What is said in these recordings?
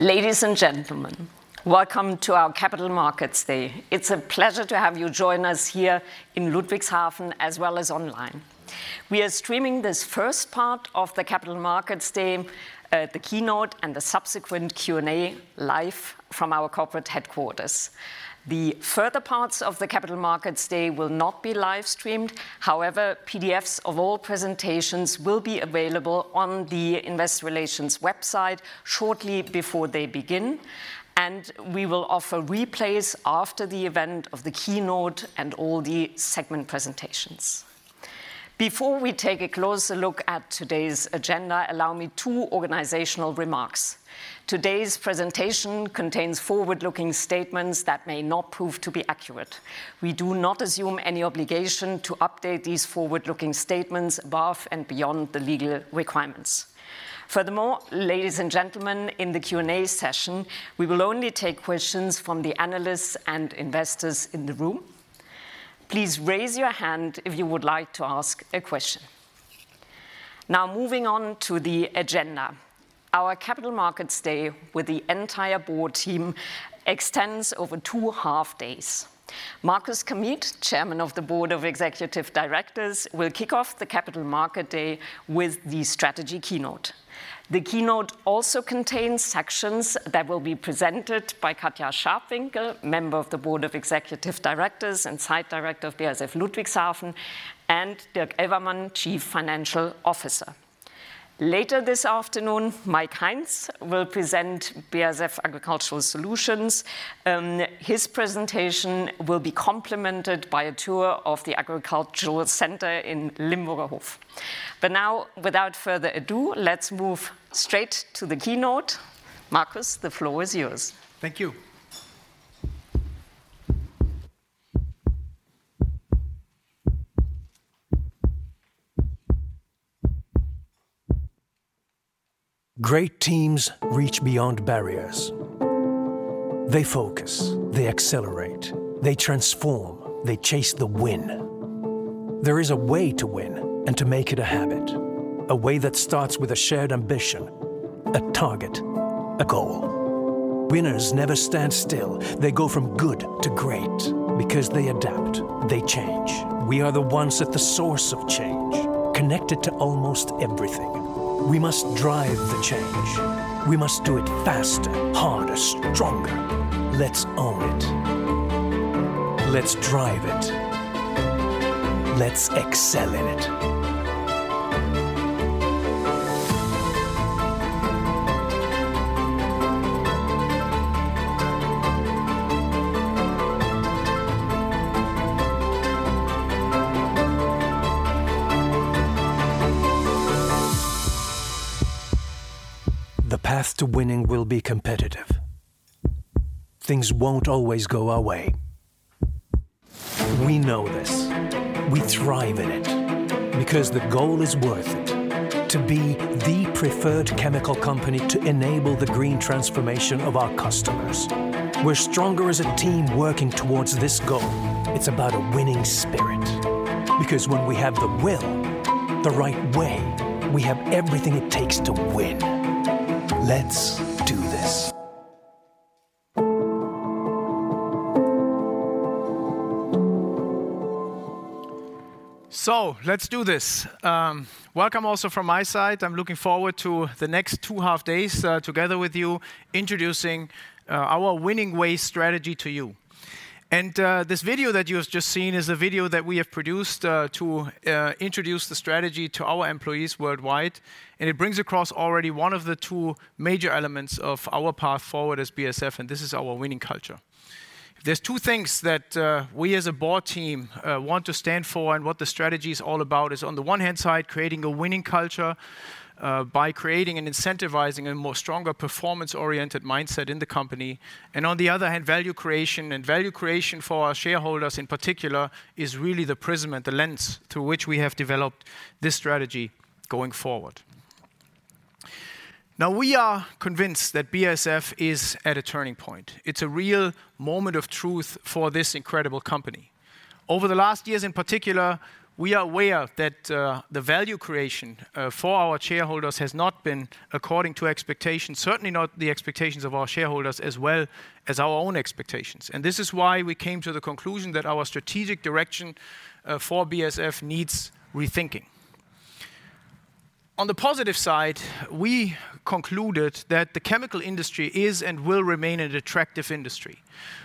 Ladies and gentlemen, welcome to our Capital Markets Day. It's a pleasure to have you join us here in Ludwigshafen, as well as online. We are streaming this first part of the Capital Markets Day, the keynote and the subsequent Q&A, live from our corporate headquarters. The further parts of the Capital Markets Day will not be live-streamed. However, PDFs of all presentations will be available on the investor relations website shortly before they begin, and we will offer replays after the event of the keynote and all the segment presentations. Before we take a closer look at today's agenda, allow me two organizational remarks. Today's presentation contains forward-looking statements that may not prove to be accurate. We do not assume any obligation to update these forward-looking statements above and beyond the legal requirements. Furthermore, ladies and gentlemen, in the Q&A session, we will only take questions from the analysts and investors in the room. Please raise your hand if you would like to ask a question. Now, moving on to the agenda. Our Capital Markets Day with the entire Board team extends over two half days. Markus Kamieth, Chairman of the Board of Executive Directors, will kick off the Capital Markets Day with the strategy keynote. The keynote also contains sections that will be presented by Katja Scharpwinkel, Member of the Board of Executive Directors and Site Director of BASF Ludwigshafen, and Dirk Elvermann, Chief Financial Officer. Later this afternoon, Mike Heinz will present BASF Agricultural Solutions. His presentation will be complemented by a tour of the agricultural center in Limburgerhof. But now, without further ado, let's move straight to the keynote. Markus, the floor is yours. Thank you. Great teams reach beyond barriers. They focus, they accelerate, they transform, they chase the win. There is a way to win and to make it a habit, a way that starts with a shared ambition, a target, a goal. Winners never stand still. They go from good to great because they adapt, they change. We are the ones at the source of change, connected to almost everything. We must drive the change. We must do it faster, harder, stronger. Let's own it. Let's drive it. Let's excel in it. The path to winning will be competitive. Things won't always go our way. We know this. We thrive in it because the goal is worth it: to be the preferred chemical company to enable the green transformation of our customers. We're stronger as a team working towards this goal. It's about a winning spirit, because when we have the will, the right way, we have everything it takes to win. Let's do this! So let's do this. Welcome also from my side. I'm looking forward to the next two half days, together with you, introducing our Winning Way strategy to you. And, this video that you have just seen is a video that we have produced to introduce the strategy to our employees worldwide, and it brings across already one of the two major elements of our path forward as BASF, and this is our winning culture. There's two things that we as a board team want to stand for, and what the strategy is all about is, on the one-hand side, creating a winning culture by creating and incentivizing a more stronger performance-oriented mindset in the company, and on the other hand, value creation. And value creation for our shareholders, in particular, is really the prism and the lens through which we have developed this strategy going forward. Now, we are convinced that BASF is at a turning point. It's a real moment of truth for this incredible company. Over the last years in particular, we are aware that the value creation for our shareholders has not been according to expectations, certainly not the expectations of our shareholders, as well as our own expectations. This is why we came to the conclusion that our strategic direction for BASF needs rethinking. On the positive side, we concluded that the chemical industry is and will remain an attractive industry.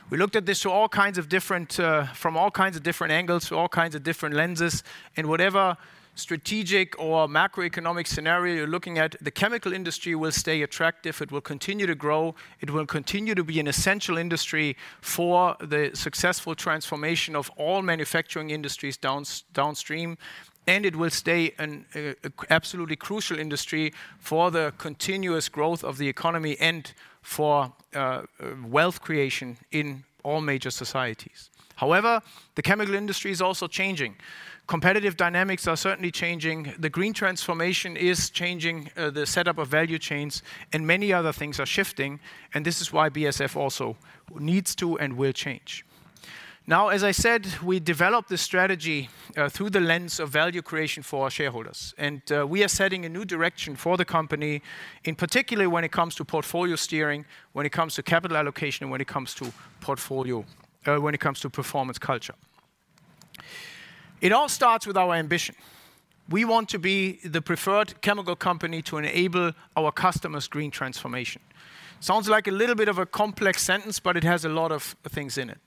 We looked at this from all kinds of different angles, through all kinds of different lenses, and whatever strategic or macroeconomic scenario you're looking at, the chemical industry will stay attractive, it will continue to grow, it will continue to be an essential industry for the successful transformation of all manufacturing industries downstream, and it will stay an absolutely crucial industry for the continuous growth of the economy and for wealth creation in all major societies. However, the chemical industry is also changing. Competitive dynamics are certainly changing. The green transformation is changing the setup of value chains, and many other things are shifting, and this is why BASF also needs to and will change. Now, as I said, we developed this strategy through the lens of value creation for our shareholders, and we are setting a new direction for the company, in particular, when it comes to portfolio steering, when it comes to capital allocation, and when it comes to portfolio, when it comes to performance culture. It all starts with our ambition. We want to be the preferred chemical company to enable our customers' green transformation. Sounds like a little bit of a complex sentence, but it has a lot of things in it.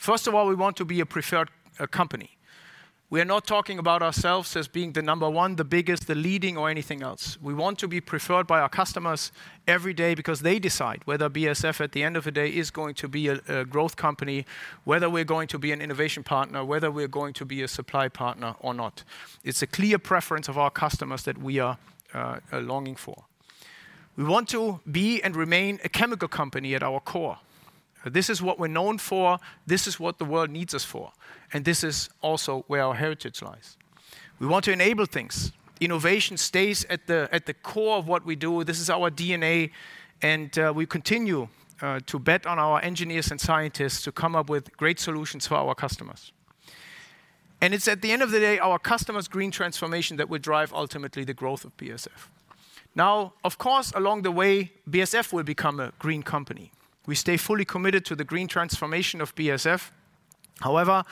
First of all, we want to be a preferred company. We are not talking about ourselves as being the number one, the biggest, the leading, or anything else. We want to be preferred by our customers every day because they decide whether BASF, at the end of the day, is going to be a growth company, whether we're going to be an innovation partner, whether we're going to be a supply partner or not. It's a clear preference of our customers that we are longing for. We want to be and remain a chemical company at our core. This is what we're known for, this is what the world needs us for, and this is also where our heritage lies. We want to enable things. Innovation stays at the, at the core of what we do. This is our DNA, and we continue to bet on our engineers and scientists to come up with great solutions for our customers. It's at the end of the day, our customers' green transformation that will drive ultimately the growth of BASF. Now, of course, along the way, BASF will become a green company. We stay fully committed to the green transformation of BASF. However,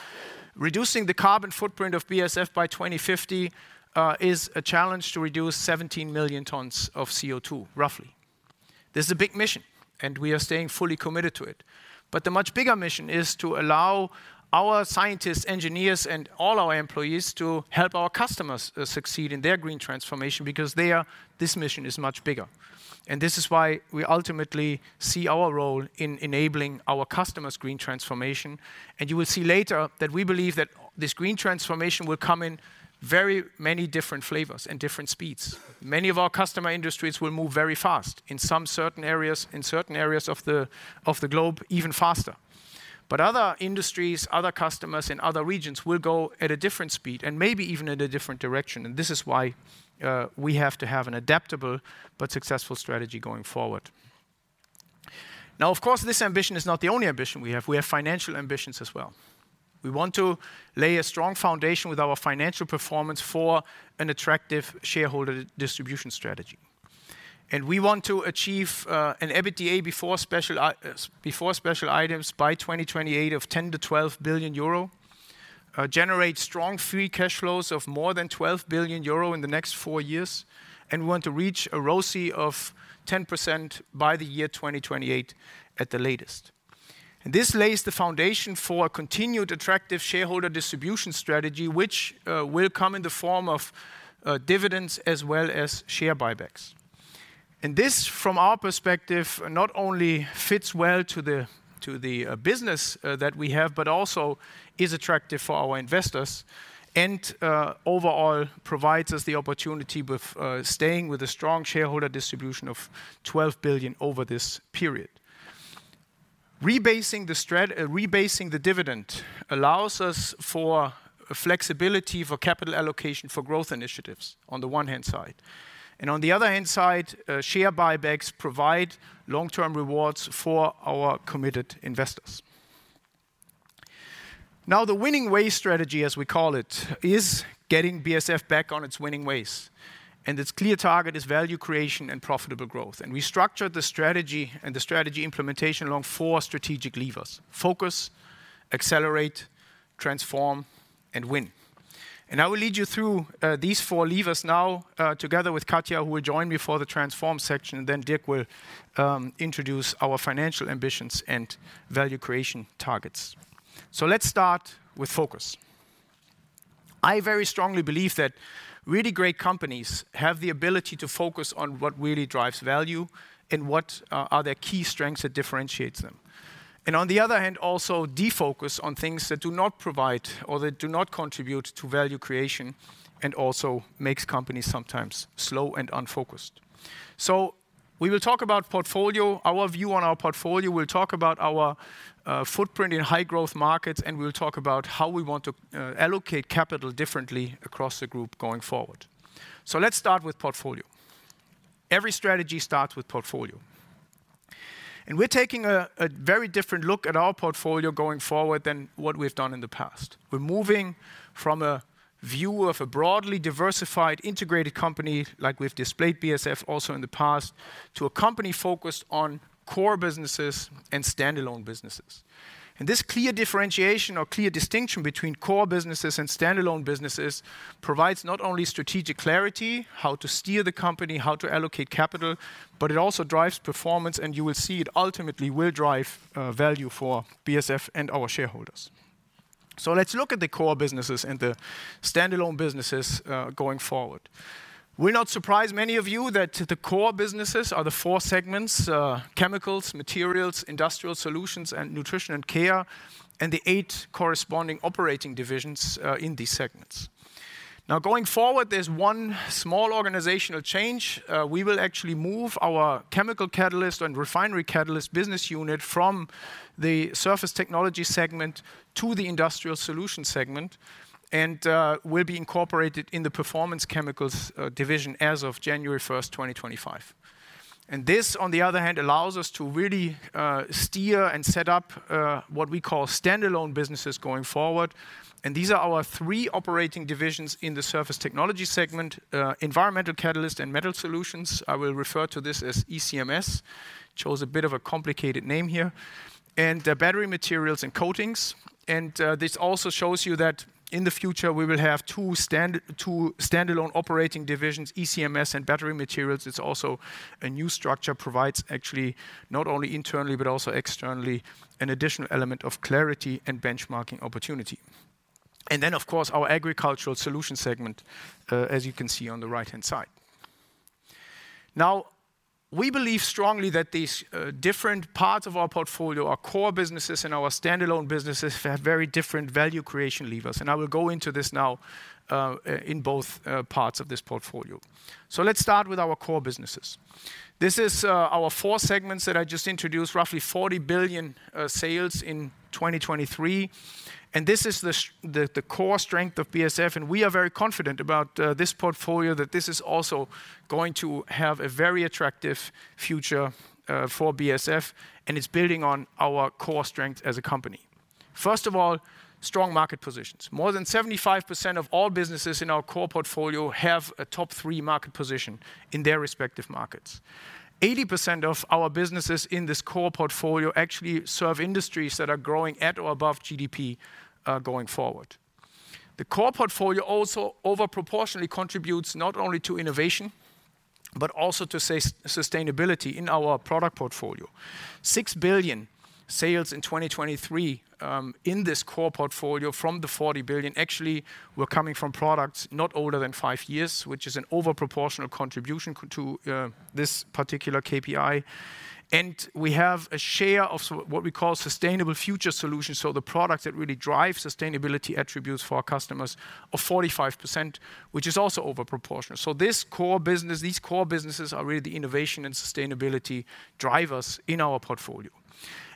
reducing the carbon footprint of BASF by 2050 is a challenge to reduce 17 million tons of CO2, roughly. This is a big mission, and we are staying fully committed to it. The much bigger mission is to allow our scientists, engineers, and all our employees to help our customers succeed in their green transformation because this mission is much bigger. And this is why we ultimately see our role in enabling our customers' green transformation, and you will see later that we believe that this green transformation will come in very many different flavors and different speeds. Many of our customer industries will move very fast, in certain areas of the globe, even faster. But other industries, other customers in other regions will go at a different speed and maybe even in a different direction. And this is why we have to have an adaptable but successful strategy going forward. Now, of course, this ambition is not the only ambition we have. We have financial ambitions as well. We want to lay a strong foundation with our financial performance for an attractive shareholder distribution strategy. And we want to achieve an EBITDA before special items by 2028 of 10 billion to 12 billion euro, generate strong free cash flows of more than 12 billion euro in the next four years, and we want to reach a ROCE of 10% by the year 2028 at the latest. And this lays the foundation for a continued attractive shareholder distribution strategy, which will come in the form of dividends as well as share buybacks. And this, from our perspective, not only fits well to the business that we have, but also is attractive for our investors and overall, provides us the opportunity with staying with a strong shareholder distribution of 12 billion over this period. Rebasing the dividend allows us for flexibility for capital allocation for growth initiatives on the one-hand side, and on the other-hand side, share buybacks provide long-term rewards for our committed investors. Now, the winning way strategy, as we call it, is getting BASF back on its winning ways, and its clear target is value creation and profitable growth, and we structured the strategy and the strategy implementation along four strategic levers: focus, accelerate, transform, and win. And I will lead you through these four levers now together with Katja, who will join me for the transform section, then Dirk will introduce our financial ambitions and value creation targets. Let's start with focus. I very strongly believe that really great companies have the ability to focus on what really drives value and what are their key strengths that differentiates them. And on the other hand, also defocus on things that do not provide or that do not contribute to value creation, and also makes companies sometimes slow and unfocused. So we will talk about portfolio, our view on our portfolio. We'll talk about our footprint in high-growth markets, and we'll talk about how we want to allocate capital differently across the group going forward. So let's start with portfolio. Every strategy starts with portfolio. And we're taking a very different look at our portfolio going forward than what we've done in the past. We're moving from a view of a broadly diversified, integrated company, like we've displayed BASF also in the past, to a company focused on core businesses and standalone businesses. This clear differentiation or clear distinction between core businesses and standalone businesses provides not only strategic clarity, how to steer the company, how to allocate capital, but it also drives performance, and you will see it ultimately will drive value for BASF and our shareholders. Let's look at the core businesses and the standalone businesses going forward. It will not surprise many of you that the core businesses are the four segments, Chemicals, Materials, Industrial Solutions, and Nutrition & Care, and the eight corresponding operating divisions in these segments. Now, going forward, there is one small organizational change. We will actually move our Chemical Catalyst and Refinery Catalyst business unit from the Surface Technologies segment to the Industrial Solutions segment, and will be incorporated in the Performance Chemicals division as of January 1st, 2025. This, on the other hand, allows us to really steer and set up what we call standalone businesses going forward. These are our three operating divisions in the Surface Technologies segment, Environmental Catalyst and Metal Solutions. I will refer to this as ECMS. Chose a bit of a complicated name here, and battery materials and coatings. This also shows you that in the future, we will have two standalone operating divisions, ECMS and battery materials. It's also a new structure, provides actually, not only internally, but also externally, an additional element of clarity and benchmarking opportunity. Then, of course, our agricultural solutions segment, as you can see on the right-hand side. Now, we believe strongly that these, different parts of our portfolio, our core businesses and our standalone businesses, have very different value creation levers, and I will go into this now, in both, parts of this portfolio. So let's start with our core businesses. This is, our four segments that I just introduced, roughly 40 billion sales in 2023. And this is the, the core strength of BASF, and we are very confident about, this portfolio, that this is also going to have a very attractive future, for BASF, and it's building on our core strength as a company. First of all, strong market positions. More than 75% of all businesses in our core portfolio have a top three market position in their respective markets. 80% of our businesses in this core portfolio actually serve industries that are growing at or above GDP going forward. The core portfolio also over proportionately contributes not only to innovation, but also to sustainability in our product portfolio. 6 billion sales in 2023 in this core portfolio from the 40 billion actually were coming from products not older than five years, which is an overproportional contribution to this particular KPI. And we have a share of what we call Sustainable Future Solutions, so the products that really drive sustainability attributes for our customers, of 45%, which is also overproportionate. So this core business, these core businesses are really the innovation and sustainability drivers in our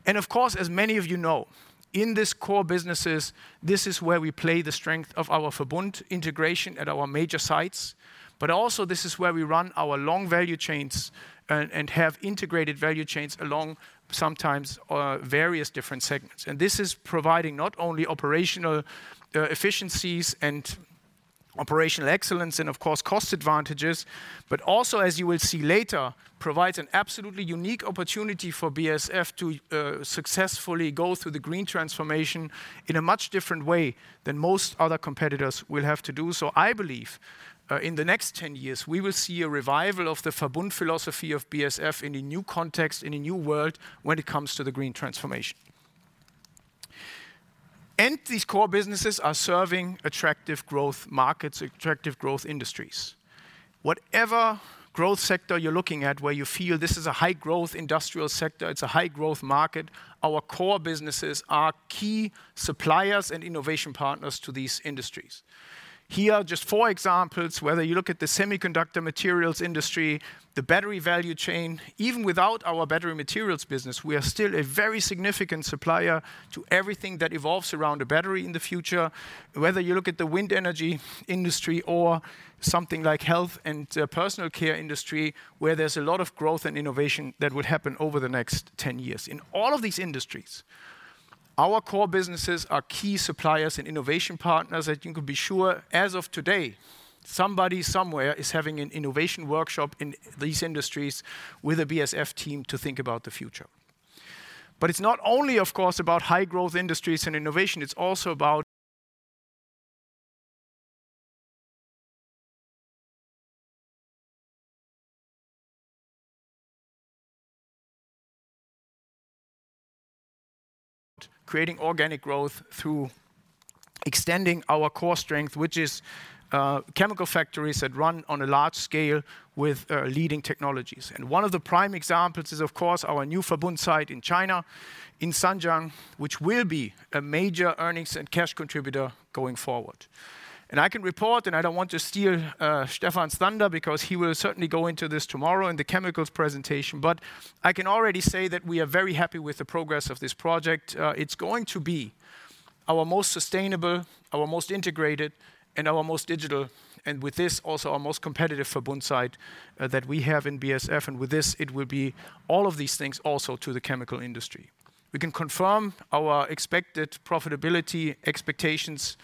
portfolio. Of course, as many of you know, in this core businesses, this is where we play the strength of our Verbund integration at our major sites, but also, this is where we run our long value chains and have integrated value chains along sometimes various different segments. This is providing not only operational efficiencies and operational excellence, and of course, cost advantages, but also, as you will see later, provides an absolutely unique opportunity for BASF to successfully go through the green transformation in a much different way than most other competitors will have to do. I believe in the next ten years, we will see a revival of the Verbund philosophy of BASF in a new context and in a new world when it comes to the green transformation. These core businesses are serving attractive growth markets, attractive growth industries. Whatever growth sector you're looking at, where you feel this is a high-growth industrial sector, it's a high-growth market, our core businesses are key suppliers and innovation partners to these industries. Here are just four examples. Whether you look at the semiconductor materials industry, the battery value chain, even without our battery materials business, we are still a very significant supplier to everything that evolves around the battery in the future. Whether you look at the wind energy industry or something like health and personal care industry where there's a lot of growth and innovation that would happen over the next ten years. In all of these industries, our core businesses are key suppliers and innovation partners, and you can be sure, as of today, somebody somewhere is having an innovation workshop in these industries with a BASF team to think about the future. But it's not only, of course, about high-growth industries and innovation. It's also about creating organic growth through extending our core strength, which is, chemical factories that run on a large scale with, leading technologies. And one of the prime examples is, of course, our new Verbund site in China, in Zhanjiang, which will be a major earnings and cash contributor going forward. And I can report, and I don't want to steal Stefan's thunder, because he will certainly go into this tomorrow in the chemicals presentation, but I can already say that we are very happy with the progress of this project. It's going to be our most sustainable, our most integrated, and our most digital, and with this, also our most competitive Verbund site that we have in BASF, and with this, it will be all of these things also to the chemical industry. We can confirm our expected profitability expectations,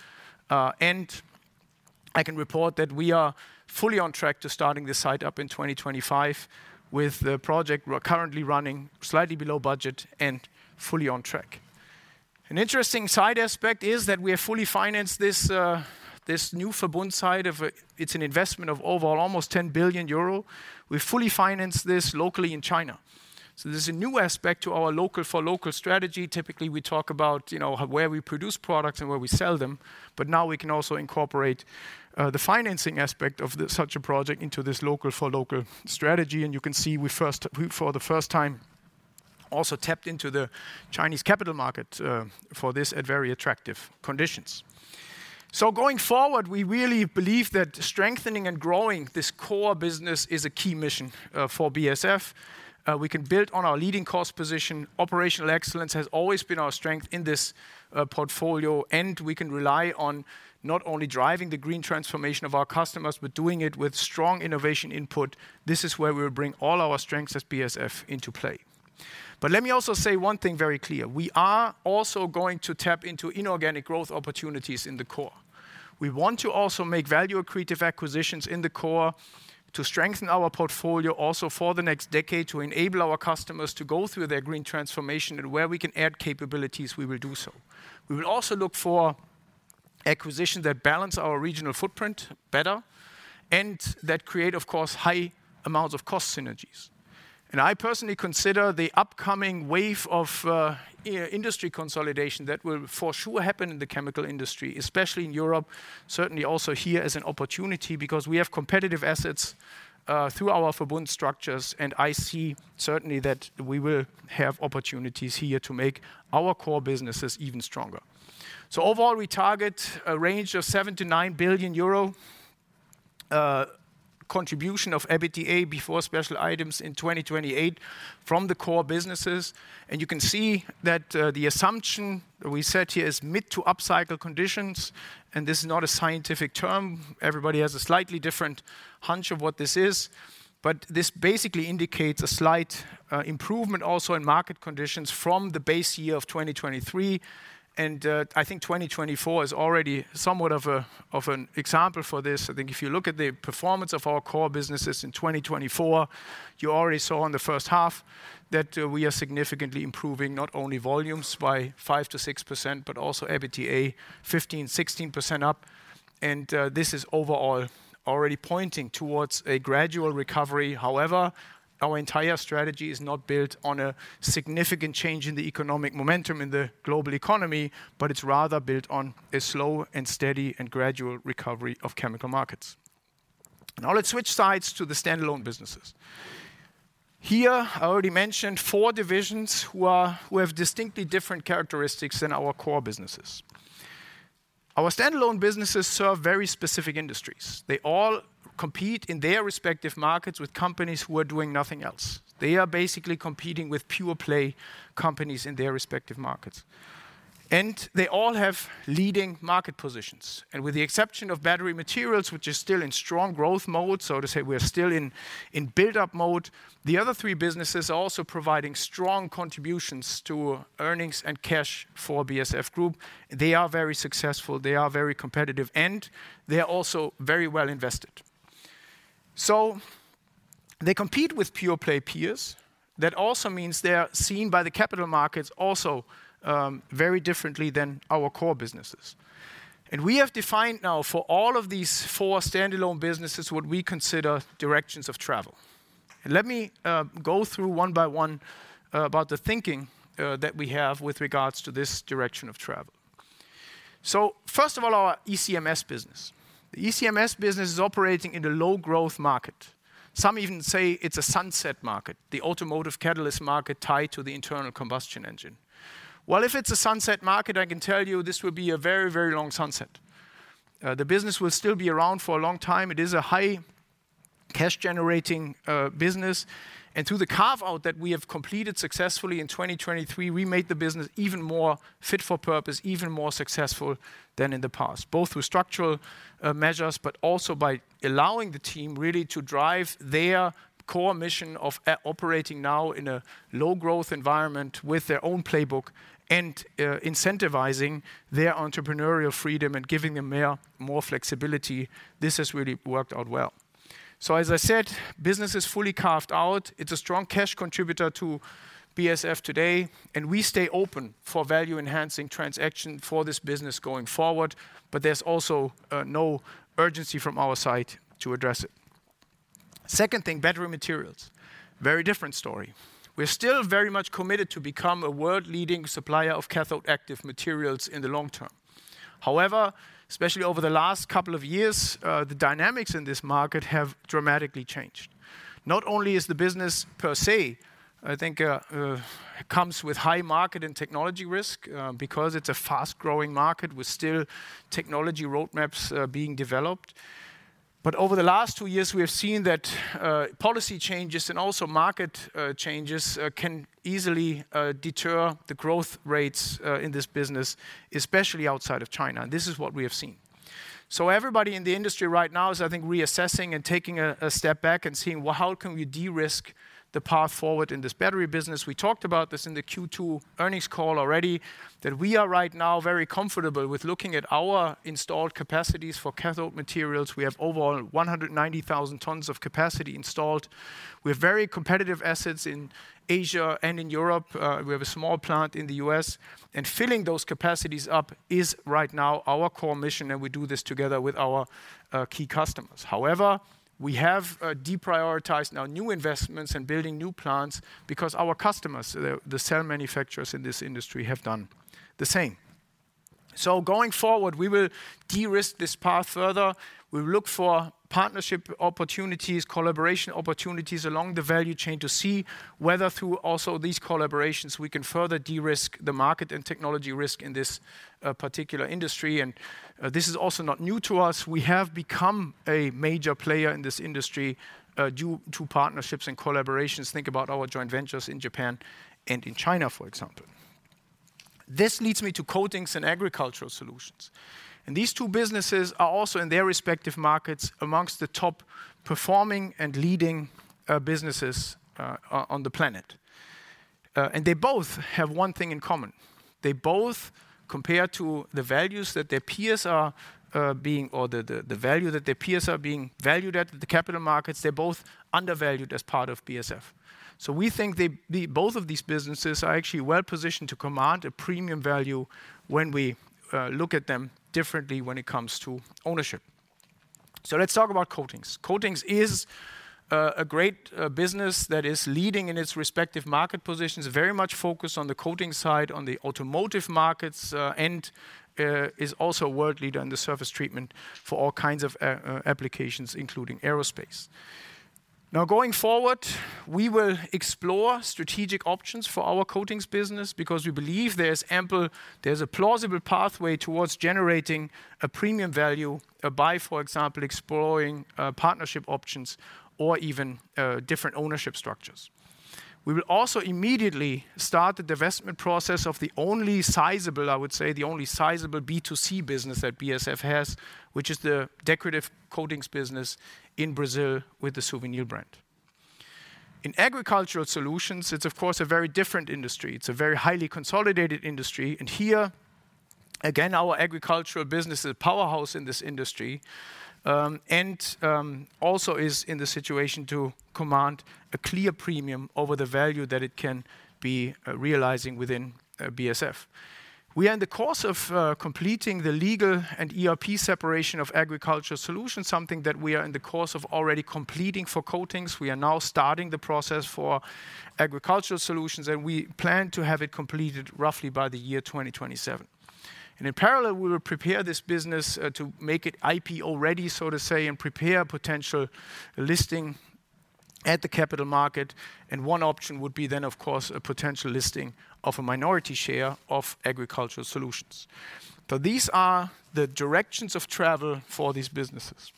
and I can report that we are fully on track to starting this site up in 2025 with the project, we're currently running slightly below budget and fully on track. An interesting side aspect is that we have fully financed this, this new Verbund site of, it's an investment of overall almost 10 billion euro. We fully financed this locally in China. So this is a new aspect to our local-for-local strategy. Typically, we talk about, you know, where we produce products and where we sell them, but now we can also incorporate the financing aspect of such a project into this local-for-local strategy, and you can see we first, for the first time, also tapped into the Chinese capital market for this at very attractive conditions, so going forward, we really believe that strengthening and growing this core business is a key mission for BASF. We can build on our leading cost position. Operational excellence has always been our strength in this portfolio, and we can rely on not only driving the green transformation of our customers, but doing it with strong innovation input. This is where we will bring all our strengths as BASF into play. But let me also say one thing very clear: We are also going to tap into inorganic growth opportunities in the core. We want to also make value-accretive acquisitions in the core to strengthen our portfolio also for the next decade, to enable our customers to go through their green transformation, and where we can add capabilities, we will do so. We will also look for acquisitions that balance our regional footprint better and that create, of course, high amounts of cost synergies. And I personally consider the upcoming wave of industry consolidation that will for sure happen in the chemical industry, especially in Europe, certainly also here as an opportunity, because we have competitive assets through our Verbund structures, and I see certainly that we will have opportunities here to make our core businesses even stronger. So overall, we target a range of 7 billion to 9 billion euro contribution of EBITDA before special items in 2028 from the core businesses. You can see that the assumption we set here is mid to upcycle conditions, and this is not a scientific term. Everybody has a slightly different hunch of what this is, but this basically indicates a slight improvement also in market conditions from the base year of 2023. I think 2024 is already somewhat of an example for this. I think if you look at the performance of our core businesses in 2024, you already saw in the first half that we are significantly improving not only volumes by 5% to 6%, but also EBITDA 15% to 16% up. This is overall already pointing towards a gradual recovery. However, our entire strategy is not built on a significant change in the economic momentum in the global economy, but it's rather built on a slow and steady and gradual recovery of chemical markets. Now, let's switch sides to the standalone businesses. Here, I already mentioned four divisions who have distinctly different characteristics than our core businesses. Our standalone businesses serve very specific industries. They all compete in their respective markets with companies who are doing nothing else. They are basically competing with pure-play companies in their respective markets, and they all have leading market positions, and with the exception of battery materials, which is still in strong growth mode, so to say, we are still in build-up mode, the other three businesses are also providing strong contributions to earnings and cash for BASF Group. They are very successful, they are very competitive, and they are also very well invested, so they compete with pure-play peers. That also means they are seen by the capital markets also very differently than our core businesses, and we have defined now for all of these four standalone businesses what we consider directions of travel, and let me go through one by one about the thinking that we have with regards to this direction of travel, so first of all, our ECMS business. The ECMS business is operating in a low-growth market. Some even say it's a sunset market, the automotive catalyst market tied to the internal combustion engine, well, if it's a sunset market, I can tell you this will be a very, very long sunset. The business will still be around for a long time. It is a high-cash generating business, and through the carve-out that we have completed successfully in 2023, we made the business even more fit for purpose, even more successful than in the past, both through structural measures, but also by allowing the team really to drive their core mission of operating now in a low-growth environment with their own playbook and incentivizing their entrepreneurial freedom and giving them more flexibility. This has really worked out well. So as I said, business is fully carved out. It's a strong cash contributor to BASF today, and we stay open for value-enhancing transaction for this business going forward, but there's also no urgency from our side to address it. Second thing, battery materials. Very different story. We're still very much committed to become a world-leading supplier of cathode active materials in the long term. However, especially over the last couple of years, the dynamics in this market have dramatically changed. Not only is the business per se, I think, comes with high market and technology risk, because it's a fast-growing market with still technology roadmaps, being developed. But over the last two years, we have seen that, policy changes and also market, changes, can easily, deter the growth rates, in this business, especially outside of China, and this is what we have seen. So everybody in the industry right now is, I think, reassessing and taking a step back and seeing, well, how can we de-risk the path forward in this battery business? We talked about this in the Q2 earnings call already, that we are right now very comfortable with looking at our installed capacities for cathode materials. We have overall 190,000 tons of capacity installed. We have very competitive assets in Asia and in Europe. We have a small plant in the U.S., and filling those capacities up is right now our core mission, and we do this together with our key customers. However, we have deprioritized now new investments and building new plants because our customers, the cell manufacturers in this industry have done the same. So going forward, we will de-risk this path further. We will look for partnership opportunities, collaboration opportunities along the value chain to see whether through also these collaborations, we can further de-risk the market and technology risk in this particular industry. And this is also not new to us. We have become a major player in this industry due to partnerships and collaborations, think about our joint ventures in Japan and in China, for example. This leads me to Coatings and Agricultural Solutions, and these two businesses are also, in their respective markets, among the top performing and leading businesses on the planet, and they both have one thing in common: they both compare to the values that their peers are being or the value that their peers are being valued at the capital markets. They're both undervalued as part of BASF. So we think they both of these businesses are actually well-positioned to command a premium value when we look at them differently when it comes to ownership. So let's talk about Coatings. Coatings is a great business that is leading in its respective market positions, very much focused on the coating side, on the automotive markets, and is also a world leader in the surface treatment for all kinds of applications, including aerospace. Now, going forward, we will explore strategic options for our Coatings business because we believe there's a plausible pathway towards generating a premium value by, for example, exploring partnership options or even different ownership structures. We will also immediately start the divestment process of the only sizable, I would say, B2C business that BASF has, which is the decorative coatings business in Brazil with the Suvinil brand. In Agricultural Solutions, it's of course a very different industry. It's a very highly consolidated industry, and here, again, our agricultural business is a powerhouse in this industry. Also is in the situation to command a clear premium over the value that it can be realizing within BASF. We are in the course of completing the legal and ERP separation of Agricultural Solutions, something that we are in the course of already completing for Coatings. We are now starting the process for Agricultural Solutions, and we plan to have it completed roughly by the year 2027. And in parallel, we will prepare this business to make it IPO-ready, so to say, and prepare a potential listing at the capital market. And one option would be then, of course, a potential listing of a minority share of Agricultural Solutions. So these are the directions of travel for these businesses.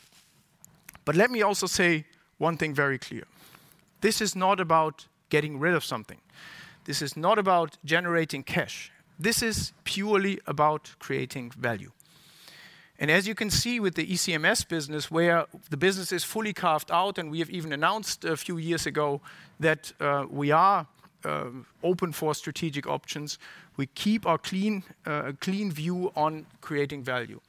But let me also say one thing very clear: This is not about getting rid of something. This is not about generating cash. This is purely about creating value. And as you can see with the ECMS business, where the business is fully carved out, and we have even announced a few years ago that we are open for strategic options, we keep our clear view on creating value.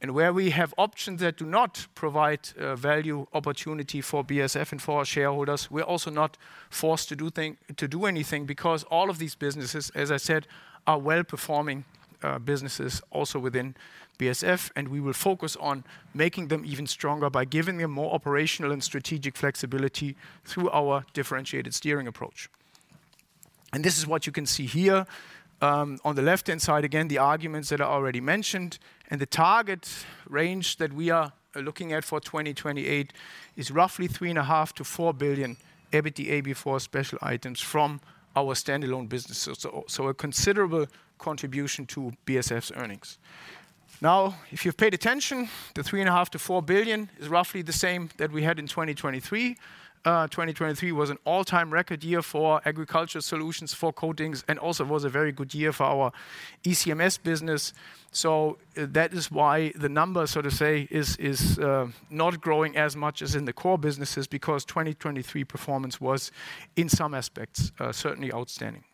And where we have options that do not provide value opportunity for BASF and for our shareholders, we're also not forced to do anything, because all of these businesses, as I said, are well-performing businesses also within BASF, and we will focus on making them even stronger by giving them more operational and strategic flexibility through our differentiated steering approach. And this is what you can see here. On the left-hand side, again, the arguments that are already mentioned and the target range that we are looking at for 2028 is roughly 3.5 billion to 4 billion EBITDA before special items from our standalone businesses. So a considerable contribution to BASF's earnings. Now, if you've paid attention, the 3.5 billion to 4 billion is roughly the same that we had in 2023. 2023 was an all-time record year for Agricultural Solutions, for Coatings, and also was a very good year for our ECMS business. So that is why the number, so to say, is not growing as much as in the core businesses, because 2023 performance was, in some aspects, certainly outstanding.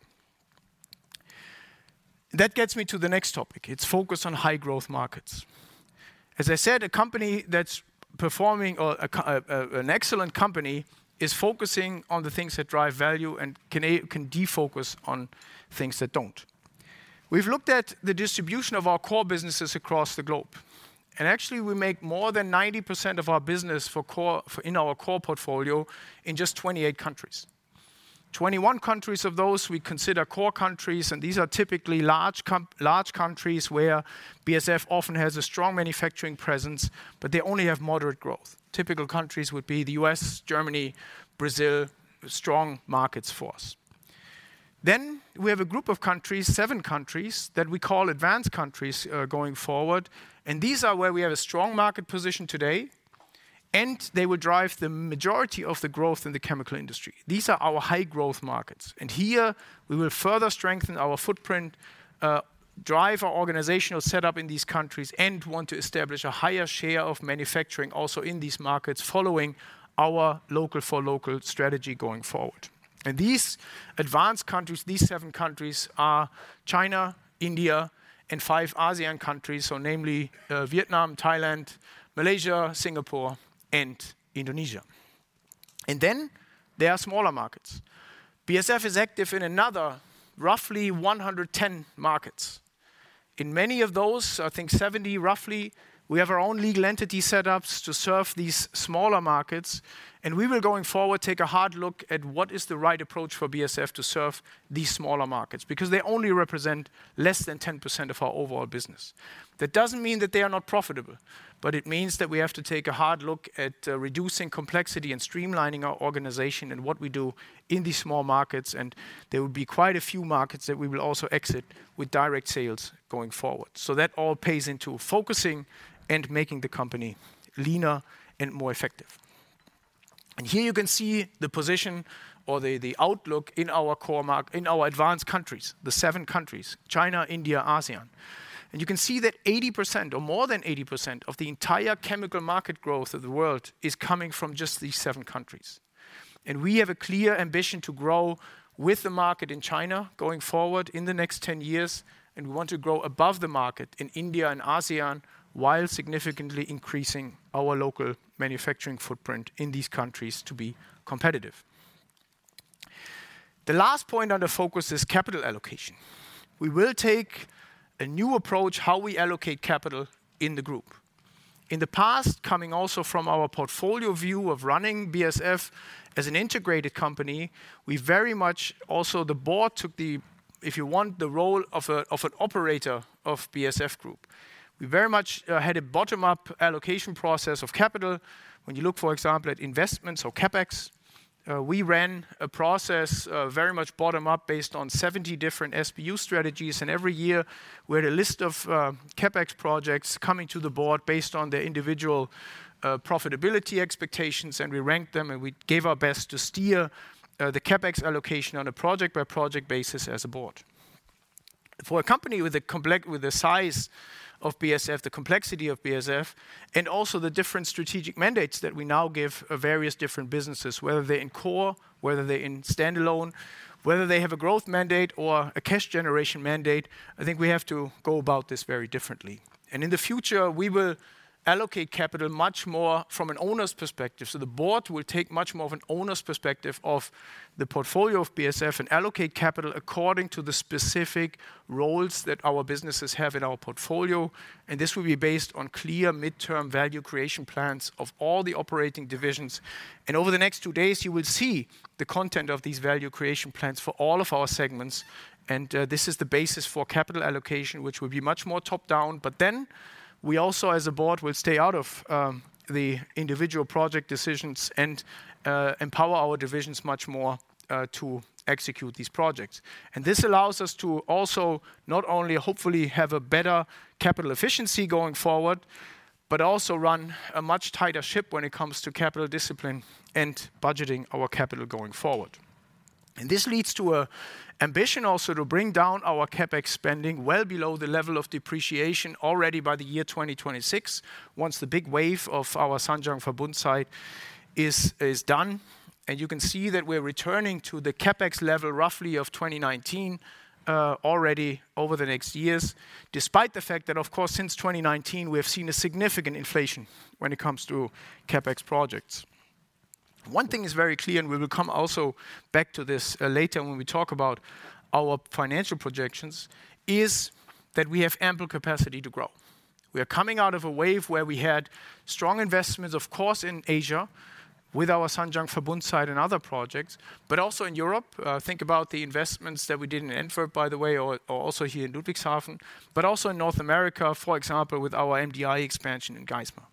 That gets me to the next topic. It's focused on high-growth markets. As I said, a company that's performing or an excellent company is focusing on the things that drive value and can defocus on things that don't. We've looked at the distribution of our core businesses across the globe, and actually, we make more than 90% of our business in our core portfolio in just 28 countries. Twenty-one countries of those we consider core countries, and these are typically large countries where BASF often has a strong manufacturing presence, but they only have moderate growth. Typical countries would be the U.S., Germany, Brazil, strong markets for us. Then we have a group of countries, seven countries, that we call advanced countries, going forward, and these are where we have a strong market position today, and they will drive the majority of the growth in the chemical industry. These are our high-growth markets, and here we will further strengthen our footprint, drive our organizational set-up in these countries, and want to establish a higher share of manufacturing also in these markets, following our local-for-local strategy going forward. These advanced countries, these seven countries, are China, India, and five ASEAN countries, so namely, Vietnam, Thailand, Malaysia, Singapore, and Indonesia. Then there are smaller markets. BASF is active in another roughly 110 markets. In many of those, I think roughly 70, we have our own legal entity set ups to serve these smaller markets, and we will, going forward, take a hard look at what is the right approach for BASF to serve these smaller markets, because they only represent less than 10% of our overall business. That doesn't mean that they are not profitable, but it means that we have to take a hard look at reducing complexity and streamlining our organization and what we do in these small markets, and there will be quite a few markets that we will also exit with direct sales going forward, so that all plays into focusing and making the company leaner and more effective, and here you can see the position or the outlook in our core markets in our advanced countries, the seven countries, China, India, ASEAN, and you can see that 80% or more than 80% of the entire chemical market growth of the world is coming from just these seven countries. We have a clear ambition to grow with the market in China going forward in the next 10 years, and we want to grow above the market in India and ASEAN, while significantly increasing our local manufacturing footprint in these countries to be competitive. The last point on the focus is capital allocation. We will take a new approach how we allocate capital in the group. In the past, coming also from our portfolio view of running BASF as an integrated company, we very much also the board took the, if you want, the role of a, of an operator of BASF Group. We very much had a bottom-up allocation process of capital. When you look, for example, at investments or CapEx, we ran a process, very much bottom-up, based on 70 different SBU strategies, and every year we had a list of CapEx projects coming to the board based on their individual profitability expectations, and we ranked them, and we gave our best to steer the CapEx allocation on a project-by-project basis as a board. For a company with the size of BASF, the complexity of BASF, and also the different strategic mandates that we now give various different businesses, whether they're in core, whether they're in standalone, whether they have a growth mandate or a cash generation mandate, I think we have to go about this very differently, and in the future, we will allocate capital much more from an owner's perspective. The board will take much more of an owner's perspective of the portfolio of BASF and allocate capital according to the specific roles that our businesses have in our portfolio. And this will be based on clear midterm value creation plans of all the operating divisions. And over the next two days, you will see the content of these value creation plans for all of our segments. And this is the basis for capital allocation, which will be much more top-down. But then we also, as a board, will stay out of the individual project decisions and empower our divisions much more to execute these projects. And this allows us to also not only hopefully have a better capital efficiency going forward, but also run a much tighter ship when it comes to capital discipline and budgeting our capital going forward. This leads to an ambition also to bring down our CapEx spending well below the level of depreciation already by the year 2026, once the big wave of our Zhanjiang Verbund site is done. You can see that we're returning to the CapEx level roughly of 2019 already over the next years, despite the fact that, of course, since 2019 we have seen a significant inflation when it comes to CapEx projects. One thing is very clear, and we will come also back to this later when we talk about our financial projections, is that we have ample capacity to grow. We are coming out of a wave where we had strong investments, of course, in Asia, with our Zhanjiang Verbund site and other projects, but also in Europe. Think about the investments that we did in Antwerp, by the way, or also here in Ludwigshafen, but also in North America, for example, with our MDI expansion in Geismar.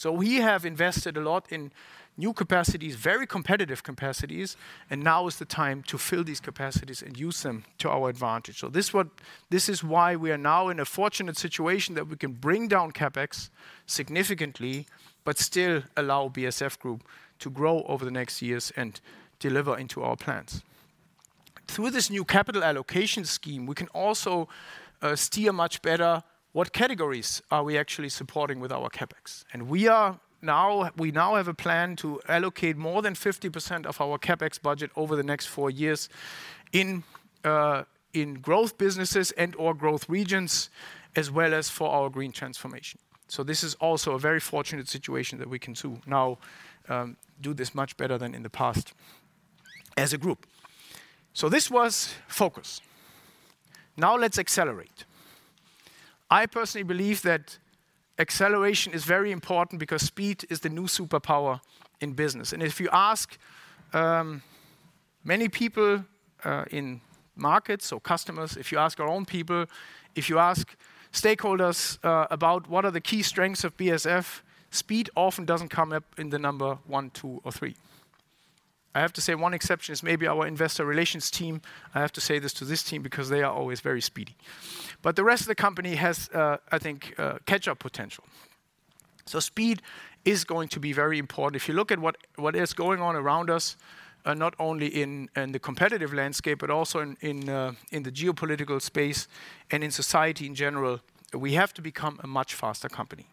So we have invested a lot in new capacities, very competitive capacities, and now is the time to fill these capacities and use them to our advantage. So this is why we are now in a fortunate situation that we can bring down CapEx significantly, but still allow BASF Group to grow over the next years and deliver into our plans. Through this new capital allocation scheme, we can also steer much better what categories are we actually supporting with our CapEx? We now have a plan to allocate more than 50% of our CapEx budget over the next four years in growth businesses and/or growth regions, as well as for our green transformation. So this is also a very fortunate situation that we can now do this much better than in the past as a group. So this was focus. Now let's accelerate. I personally believe that acceleration is very important because speed is the new superpower in business. And if you ask many people in markets or customers, if you ask our own people, if you ask stakeholders about what are the key strengths of BASF, speed often doesn't come up in the number one, two, or three. I have to say one exception is maybe our investor relations team. I have to say this to this team because they are always very speedy. But the rest of the company has, I think, catch-up potential. So speed is going to be very important. If you look at what is going on around us, not only in the competitive landscape, but also in the geopolitical space and in society in general, we have to become a much faster company.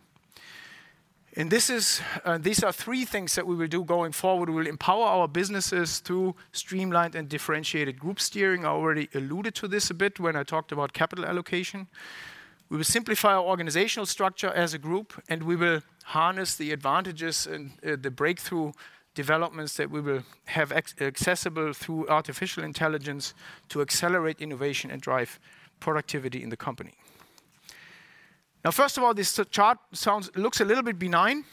And these are three things that we will do going forward. We will empower our businesses through streamlined and differentiated group steering. I already alluded to this a bit when I talked about capital allocation. We will simplify our organizational structure as a group, and we will harness the advantages and the breakthrough developments that we will have accessible through artificial intelligence to accelerate innovation and drive productivity in the company. Now, first of all, this chart looks a little bit benign,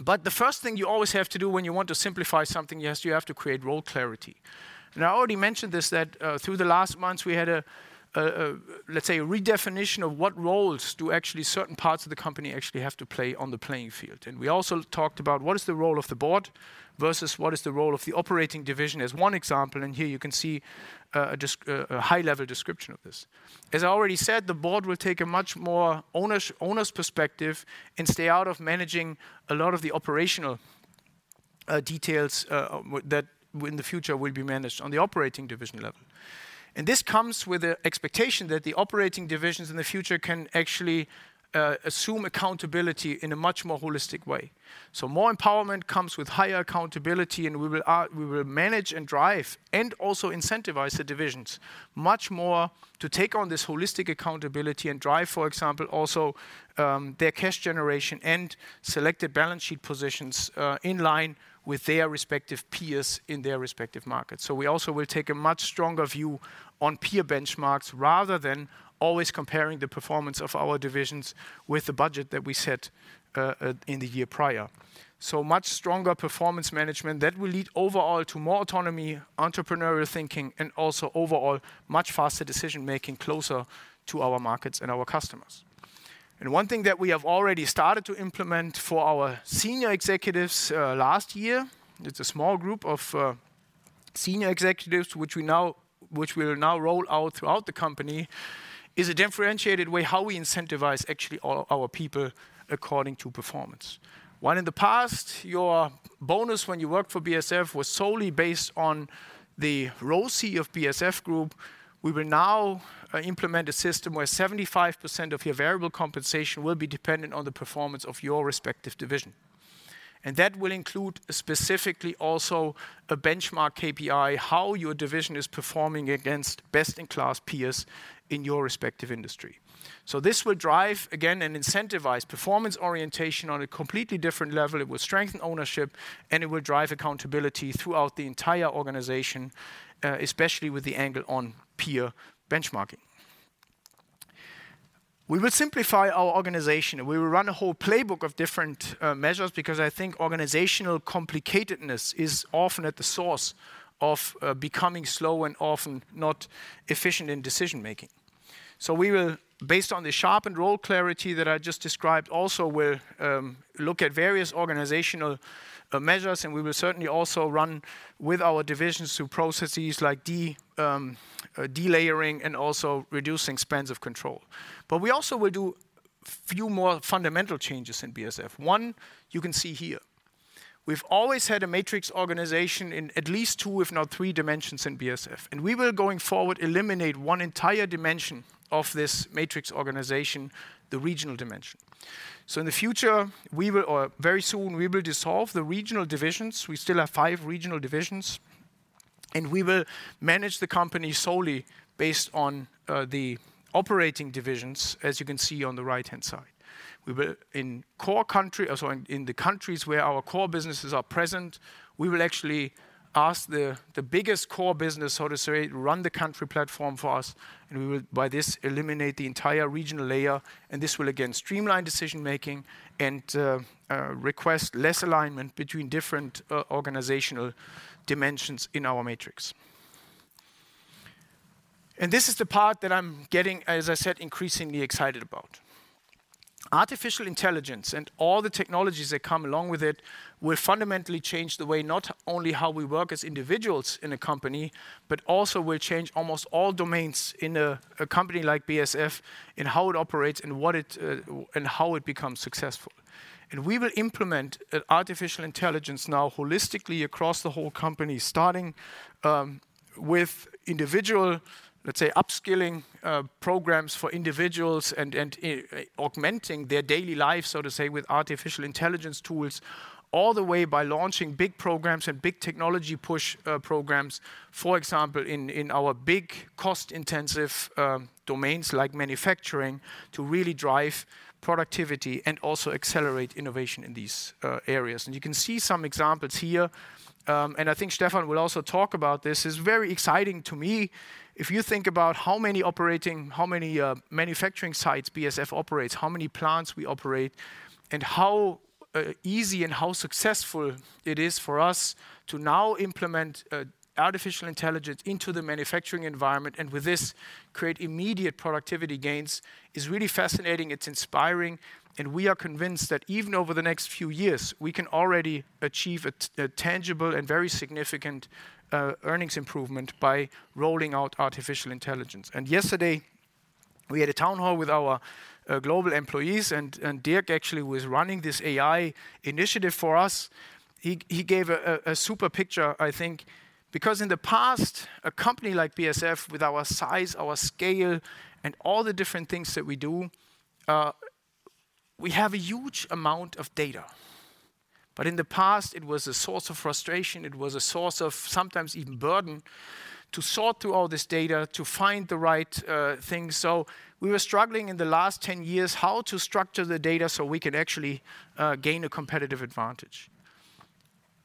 but the first thing you always have to do when you want to simplify something, yes, you have to create role clarity, and I already mentioned this, that through the last months, we had, let's say, a redefinition of what roles do actually certain parts of the company actually have to play on the playing field, and we also talked about what is the role of the board versus what is the role of the operating division, as one example, and here you can see a high-level description of this. As I already said, the board will take a much more owner's perspective and stay out of managing a lot of the operational details that in the future will be managed on the operating division level, and this comes with the expectation that the operating divisions in the future can actually assume accountability in a much more holistic way, so more empowerment comes with higher accountability, and we will manage and drive, and also incentivize the divisions much more to take on this holistic accountability and drive, for example, also, their cash generation and selected balance sheet positions in line with their respective peers in their respective markets. We also will take a much stronger view on peer benchmarks, rather than always comparing the performance of our divisions with the budget that we set in the year prior. So much stronger performance management that will lead overall to more autonomy, entrepreneurial thinking, and also overall, much faster decision-making closer to our markets and our customers. And one thing that we have already started to implement for our senior executives last year, it's a small group of senior executives, which we will now roll out throughout the company, is a differentiated way how we incentivize actually all our people according to performance. While in the past, your bonus when you worked for BASF was solely based on the ROCE of BASF Group, we will now implement a system where 75% of your variable compensation will be dependent on the performance of your respective division. And that will include specifically also a benchmark KPI, how your division is performing against best-in-class peers in your respective industry. So this will drive, again, and incentivize performance orientation on a completely different level. It will strengthen ownership, and it will drive accountability throughout the entire organization, especially with the angle on peer benchmarking. We will simplify our organization, and we will run a whole playbook of different measures because I think organizational complicatedness is often at the source of becoming slow and often not efficient in decision-making, so we will, based on the sharpened role clarity that I just described, also look at various organizational measures, and we will certainly also run with our divisions through processes like delayering and also reducing spans of control, but we also will do few more fundamental changes in BASF. One, you can see here. We've always had a matrix organization in at least two, if not three dimensions in BASF, and we will, going forward, eliminate one entire dimension of this matrix organization, the regional dimension. So in the future, we will or very soon, we will dissolve the regional divisions. We still have five regional divisions, and we will manage the company solely based on the operating divisions, as you can see on the right-hand side. We will in core country or so in the countries where our core businesses are present, we will actually ask the biggest core business, so to say, run the country platform for us, and we will, by this, eliminate the entire regional layer, and this will again streamline decision-making and require less alignment between different organizational dimensions in our matrix. And this is the part that I'm getting, as I said, increasingly excited about. Artificial Intelligence and all the technologies that come along with it will fundamentally change the way, not only how we work as individuals in a company, but also will change almost all domains in a company like BASF, in how it operates and what it and how it becomes successful. And we will implement Artificial Intelligence now holistically across the whole company, starting with individual, let's say, upskilling programs for individuals and augmenting their daily lives, so to say, with Artificial Intelligence tools, all the way by launching big programs and big technology push programs. For example, in our big cost-intensive domains like manufacturing, to really drive productivity and also accelerate innovation in these areas. You can see some examples here, and I think Stefan will also talk about this. It's very exciting to me. If you think about how many operating, how many manufacturing sites BASF operates, how many plants we operate, and how easy and how successful it is for us to now implement artificial intelligence into the manufacturing environment, and with this, create immediate productivity gains, is really fascinating, it's inspiring, and we are convinced that even over the next few years, we can already achieve a tangible and very significant earnings improvement by rolling out artificial intelligence. Yesterday, we had a town hall with our global employees, and Dirk actually was running this AI initiative for us. He gave a super picture, I think, because in the past, a company like BASF, with our size, our scale, and all the different things that we do, we have a huge amount of data. In the past, it was a source of frustration, it was a source of sometimes even burden, to sort through all this data to find the right things. So we were struggling in the last ten years how to structure the data so we could actually gain a competitive advantage.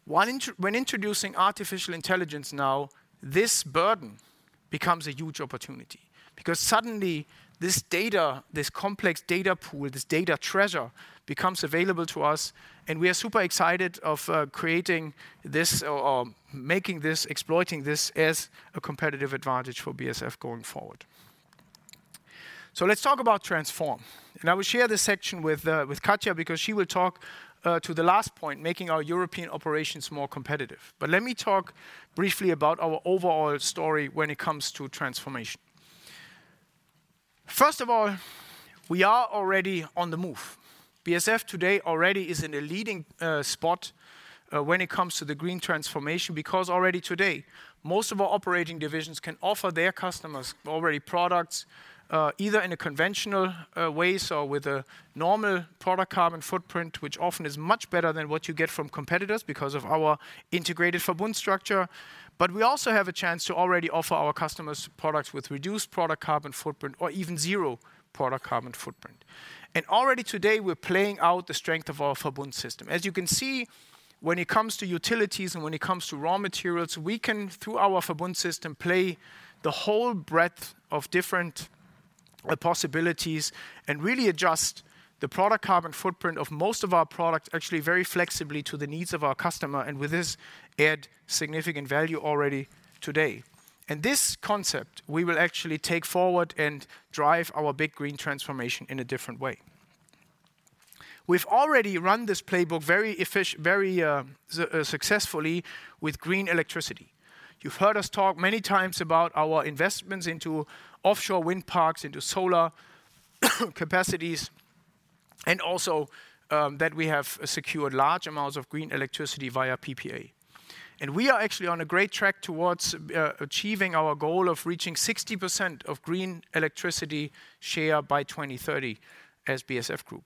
When introducing artificial intelligence now, this burden becomes a huge opportunity, because suddenly this data, this complex data pool, this data treasure, becomes available to us, and we are super excited of creating this or making this, exploiting this as a competitive advantage for BASF going forward. So let's talk about transform. And I will share this section with Katja, because she will talk to the last point, making our European operations more competitive. But let me talk briefly about our overall story when it comes to transformation. First of all, we are already on the move. BASF today already is in a leading spot when it comes to the Green transformation, because already today, most of our operating divisions can offer their customers already products either in a conventional way, so with a normal product carbon footprint, which often is much better than what you get from competitors because of our integrated Verbund structure. But we also have a chance to already offer our customers products with reduced product carbon footprint or even zero product carbon footprint. And already today, we're playing out the strength of our Verbund system. As you can see, when it comes to utilities and when it comes to raw materials, we can, through our Verbund system, play the whole breadth of different possibilities and really adjust the product carbon footprint of most of our products, actually very flexibly to the needs of our customer, and with this, add significant value already today, and this concept, we will actually take forward and drive our big green transformation in a different way. We've already run this playbook very successfully with green electricity. You've heard us talk many times about our investments into offshore wind parks, into solar capacities, and also, that we have secured large amounts of green electricity via PPA, and we are actually on a great track towards achieving our goal of reaching 60% of green electricity share by 2030 as BASF Group.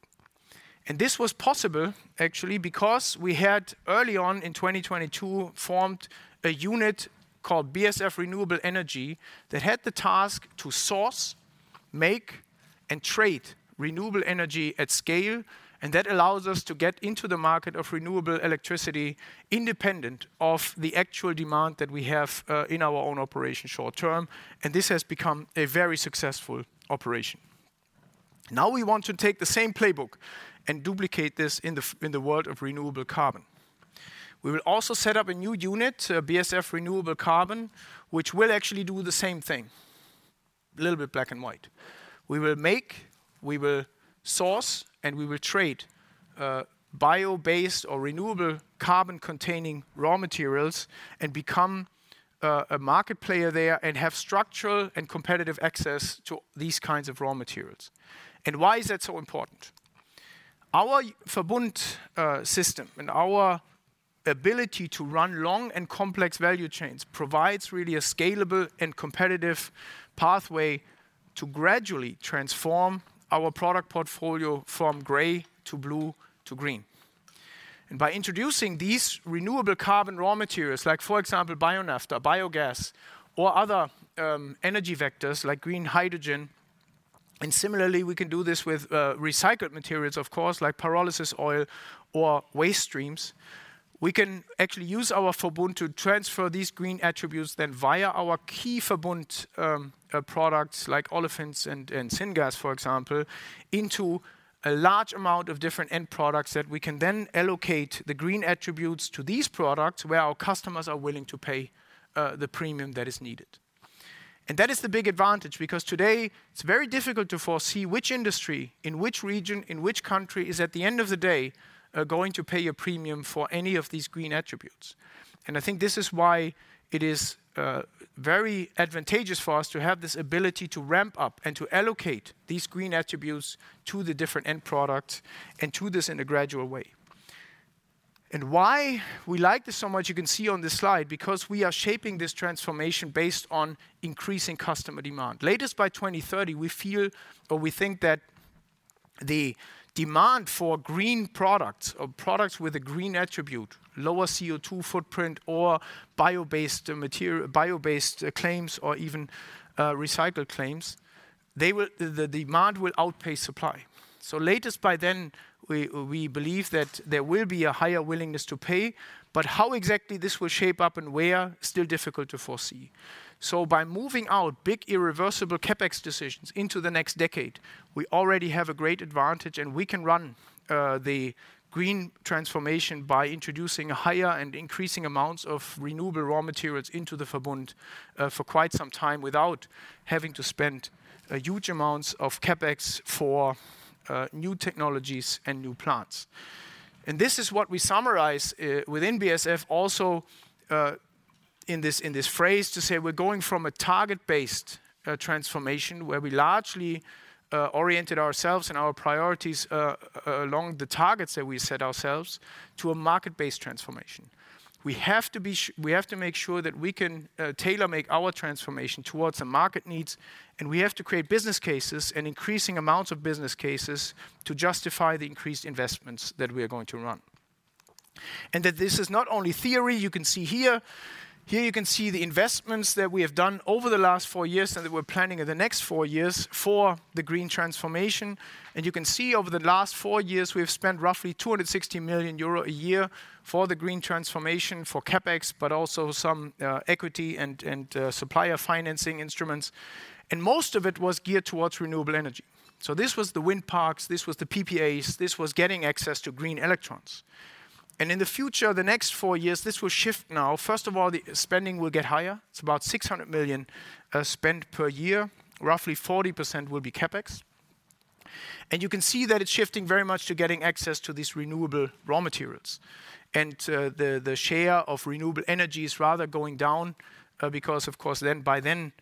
This was possible actually, because we had early on in 2022, formed a unit called BASF Renewable Energy, that had the task to source, make and trade renewable energy at scale, and that allows us to get into the market of renewable electricity independent of the actual demand that we have in our own operation short term, and this has become a very successful operation. Now we want to take the same playbook and duplicate this in the world of renewable carbon. We will also set up a new unit, BASF Renewable Carbon, which will actually do the same thing. A little bit black and white. We will make, we will source, and we will trade, bio-based or renewable carbon-containing raw materials and become a market player there and have structural and competitive access to these kinds of raw materials. And why is that so important? Our Verbund system and our ability to run long and complex value chains provides really a scalable and competitive pathway to gradually transform our product portfolio from gray to blue to green. And by introducing these renewable carbon raw materials, like for example, bio-naphtha, biogas, or other energy vectors like green hydrogen, and similarly, we can do this with recycled materials, of course, like pyrolysis oil or waste streams. We can actually use our Verbund to transfer these green attributes then via our key Verbund products like olefins and syngas, for example, into a large amount of different end products that we can then allocate the green attributes to these products, where our customers are willing to pay the premium that is needed. And that is the big advantage, because today it's very difficult to foresee which industry, in which region, in which country, is at the end of the day going to pay a premium for any of these green attributes. And I think this is why it is very advantageous for us to have this ability to ramp up and to allocate these green attributes to the different end products, and to this in a gradual way. And why we like this so much, you can see on this slide, because we are shaping this transformation based on increasing customer demand. Latest by 2030, we feel or we think that the demand for green products or products with a green attribute, lower CO₂ footprint or bio-based material, bio-based claims or even recycled claims, the demand will outpace supply. So latest by then, we believe that there will be a higher willingness to pay, but how exactly this will shape up and where, still difficult to foresee. So by moving our big irreversible CapEx decisions into the next decade, we already have a great advantage, and we can run the green transformation by introducing higher and increasing amounts of renewable raw materials into the Verbund for quite some time without having to spend a huge amounts of CapEx for new technologies and new plants. And this is what we summarize within BASF also in this phrase, to say: We're going from a target-based transformation, where we largely oriented ourselves and our priorities along the targets that we set ourselves to a market-based transformation. We have to make sure that we can tailor-make our transformation towards the market needs, and we have to create business cases and increasing amounts of business cases to justify the increased investments that we are going to run. And that this is not only theory, you can see here. Here you can see the investments that we have done over the last four years, and that we're planning in the next four years for the green transformation. And you can see over the last four years, we have spent roughly 260 million euro a year for the green transformation, for CapEx, but also some equity and supplier financing instruments. And most of it was geared towards renewable energy. So this was the wind parks, this was the PPAs, this was getting access to green electrons. In the future, the next four years, this will shift now. First of all, the spending will get higher. It's about 600 million spent per year and roughly 40% will be CapEx. You can see that it's shifting very much to getting access to these renewable raw materials. The share of renewable energy is rather going down because of course, then, by then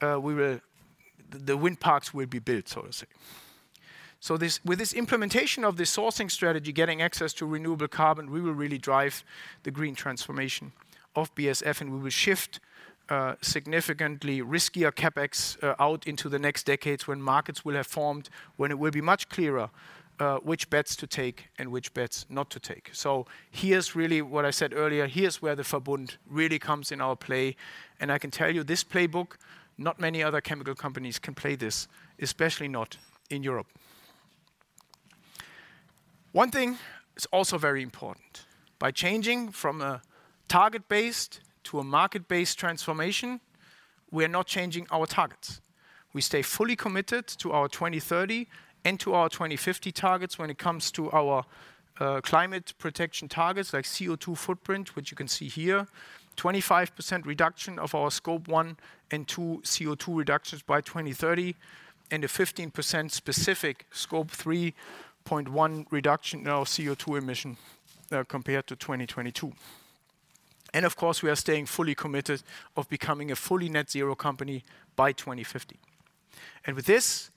the wind parks will be built, so to say. So, this with this implementation of this sourcing strategy, getting access to renewable carbon, we will really drive the green transformation of BASF, and we will shift significantly riskier CapEx out into the next decades, when markets will have formed, when it will be much clearer which bets to take and which bets not to take. Here's really what I said earlier. Here is where the Verbund really comes in our play. And I can tell you, this playbook, not many other chemical companies can play this, especially not in Europe. One thing is also very important. By changing from a target-based to a market-based transformation, we're not changing our targets. We stay fully committed to our 2030 and to our 2050 targets when it comes to our climate protection targets, like CO₂ footprint, which you can see here. 25% reduction of our Scope 1 and 2 CO₂ reductions by 2030, and a 15% specific Scope 3.1 reduction in our CO₂ emission compared to 2022. And of course, we are staying fully committed to becoming a fully net zero company by 2050. And with this.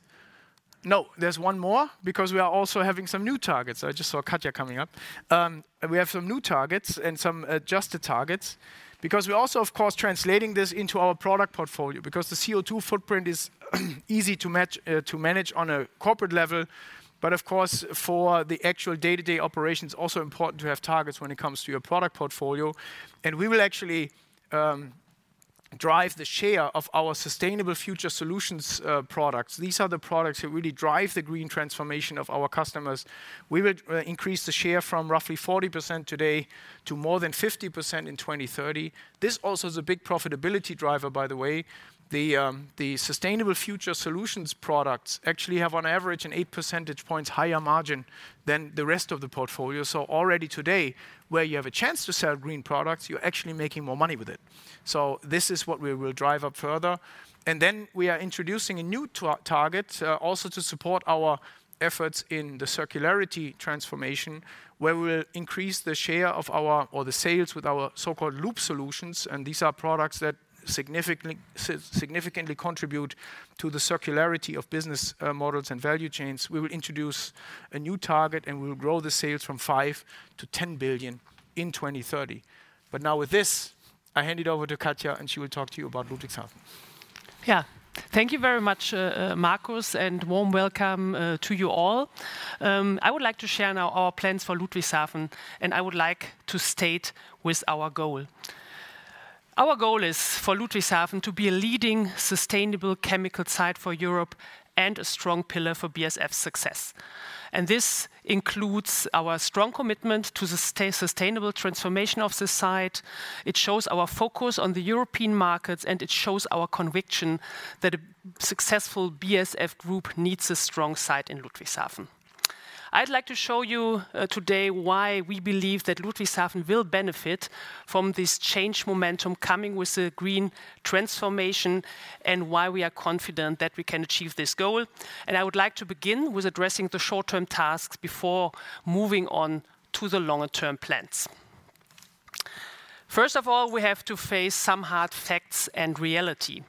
No, there's one more, because we are also having some new targets. I just saw Katja coming up. We have some new targets and some adjusted targets, because we're also, of course, translating this into our product portfolio, because the CO₂ footprint is easy to match to manage on a corporate level. But of course, for the actual day-to-day operations, it's also important to have targets when it comes to your product portfolio. And we will actually drive the share of our sustainable future solutions products. These are the products that really drive the green transformation of our customers. We will increase the share from roughly 40% today to more than 50% in 2030. This also is a big profitability driver, by the way. The sustainable future solutions products actually have, on average, an eight percentage points higher margin than the rest of the portfolio. So already today, where you have a chance to sell green products, you're actually making more money with it. So this is what we will drive up further. And then we are introducing a new target also to support our efforts in the circularity transformation, where we will increase the share of our or the sales with our so-called Loop solutions. And these are products that significantly contribute to the circularity of business models and value chains. We will introduce a new target, and we will grow the sales from 5 billion to 10 billion in 2030. But now with this, I hand it over to Katja, and she will talk to you about Ludwigshafen. Yeah. Thank you very much, Markus, and warm welcome to you all. I would like to share now our plans for Ludwigshafen, and I would like to start with our goal. Our goal is for Ludwigshafen to be a leading sustainable chemical site for Europe and a strong pillar for BASF success. This includes our strong commitment to sustainable transformation of the site. It shows our focus on the European markets, and it shows our conviction that a successful BASF group needs a strong site in Ludwigshafen. I'd like to show you today why we believe that Ludwigshafen will benefit from this change momentum coming with the green transformation, and why we are confident that we can achieve this goal. I would like to begin with addressing the short-term tasks before moving on to the longer-term plans. First of all, we have to face some hard facts and reality.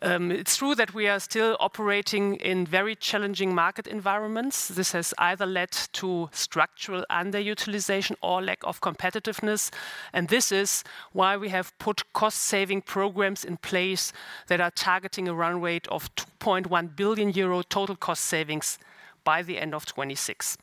It's true that we are still operating in very challenging market environments. This has either led to structural underutilization or lack of competitiveness, and this is why we have put cost-saving programs in place that are targeting a run rate of 2.1 billion euro total cost savings by the end of 2026.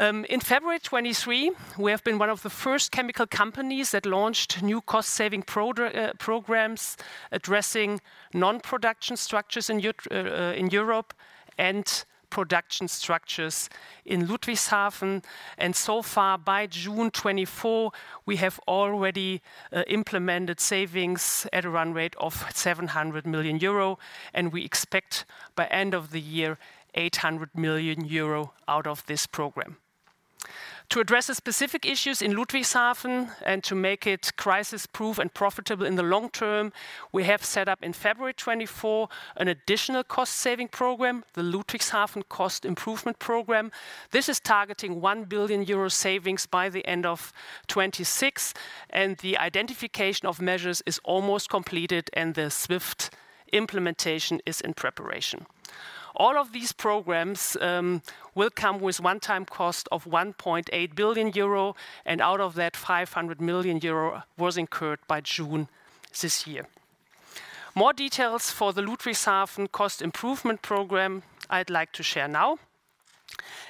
In February 2023, we have been one of the first chemical companies that launched new cost-saving programs, addressing non-production structures in Europe, and production structures in Ludwigshafen. And so far, by June 2024, we have already implemented savings at a run rate of 700 million euro, and we expect, by end of the year, 800 million euro out of this program. To address the specific issues in Ludwigshafen and to make it crisis-proof and profitable in the long term, we have set up in February 2024 an additional cost-saving program, the Ludwigshafen Cost Improvement Program. This is targeting 1 billion euro savings by the end of 2026, and the identification of measures is almost completed, and the swift implementation is in preparation. All of these programs will come with one-time cost of 1.8 billion euro, and out of that, 500 million euro was incurred by June this year. More details for the Ludwigshafen cost improvement program, I'd like to share now.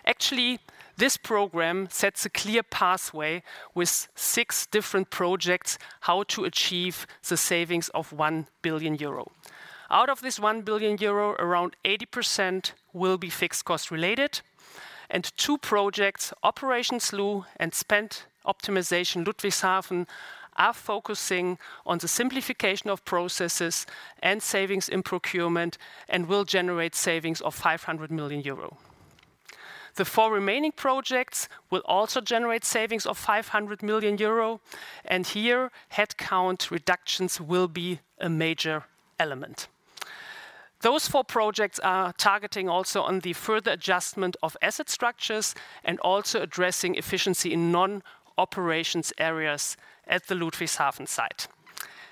Actually, this program sets a clear pathway with six different projects, how to achieve the savings of 1 billion euro. Out of this 1 billion euro, around 80% will be fixed cost related, and two projects, Operation SLU and Spend Optimization Ludwigshafen, are focusing on the simplification of processes and savings in procurement, and will generate savings of 500 million euro. The four remaining projects will also generate savings of 500 million euro, and here, headcount reductions will be a major element. Those four projects are targeting also on the further adjustment of asset structures, and also addressing efficiency in non-operations areas at the Ludwigshafen site.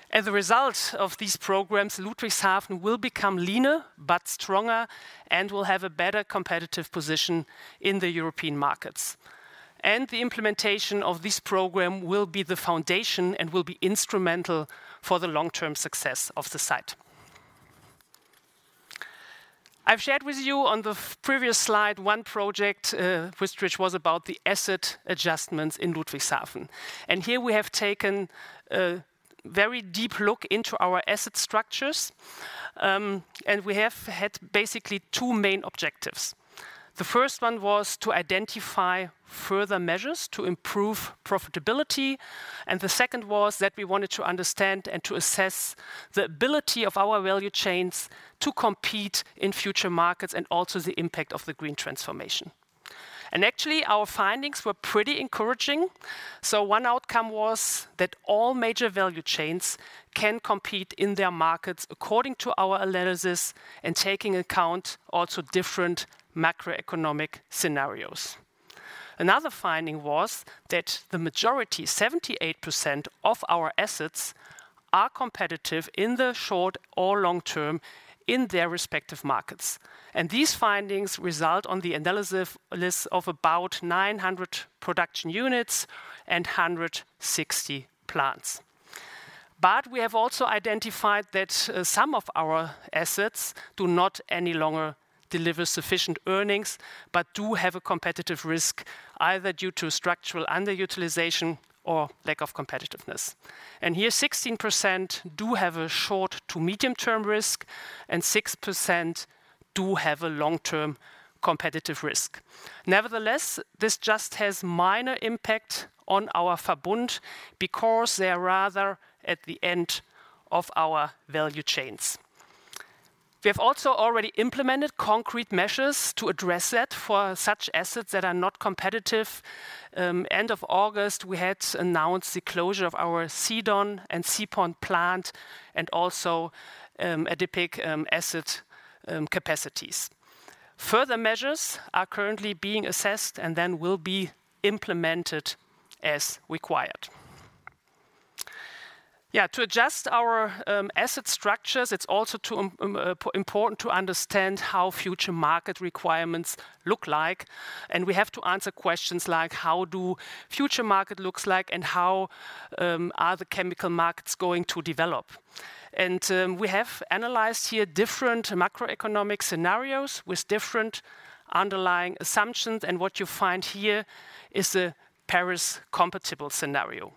As a result of these programs, Ludwigshafen will become leaner but stronger, and will have a better competitive position in the European markets, and the implementation of this program will be the foundation and will be instrumental for the long-term success of the site. I've shared with you on the previous slide, one project, which was about the asset adjustments in Ludwigshafen, and here we have taken a very deep look into our asset structures, and we have had basically two main objectives. The first one was to identify further measures to improve profitability, and the second was that we wanted to understand and to assess the ability of our value chains to compete in future markets, and also the impact of the green transformation, and actually, our findings were pretty encouraging, so one outcome was that all major value chains can compete in their markets according to our analysis, and taking account also different macroeconomic scenarios. Another finding was that the majority, 78% of our assets, are competitive in the short or long term in their respective markets. These findings result on the analysis list of about 900 production units and 160 plants. We have also identified that some of our assets do not any longer deliver sufficient earnings, but do have a competitive risk, either due to structural underutilization or lack of competitiveness. Here, 16% do have a short-term to medium-term risk, and 6% do have a long-term competitive risk. Nevertheless, this just has minor impact on our Verbund because they are rather at the end of our value chains. We have also already implemented concrete measures to address that for such assets that are not competitive. End of August, we had announced the closure of our CDon and CPon plant, and also, adipic acid asset capacities. Further measures are currently being assessed and then will be implemented as required. Yeah, to adjust our asset structures, it's also to important to understand how future market requirements look like, and we have to answer questions like: How do future market looks like? And how are the chemical markets going to develop, and we have analyzed here different macroeconomic scenarios with different underlying assumptions, and what you find here is the Paris-compatible scenario.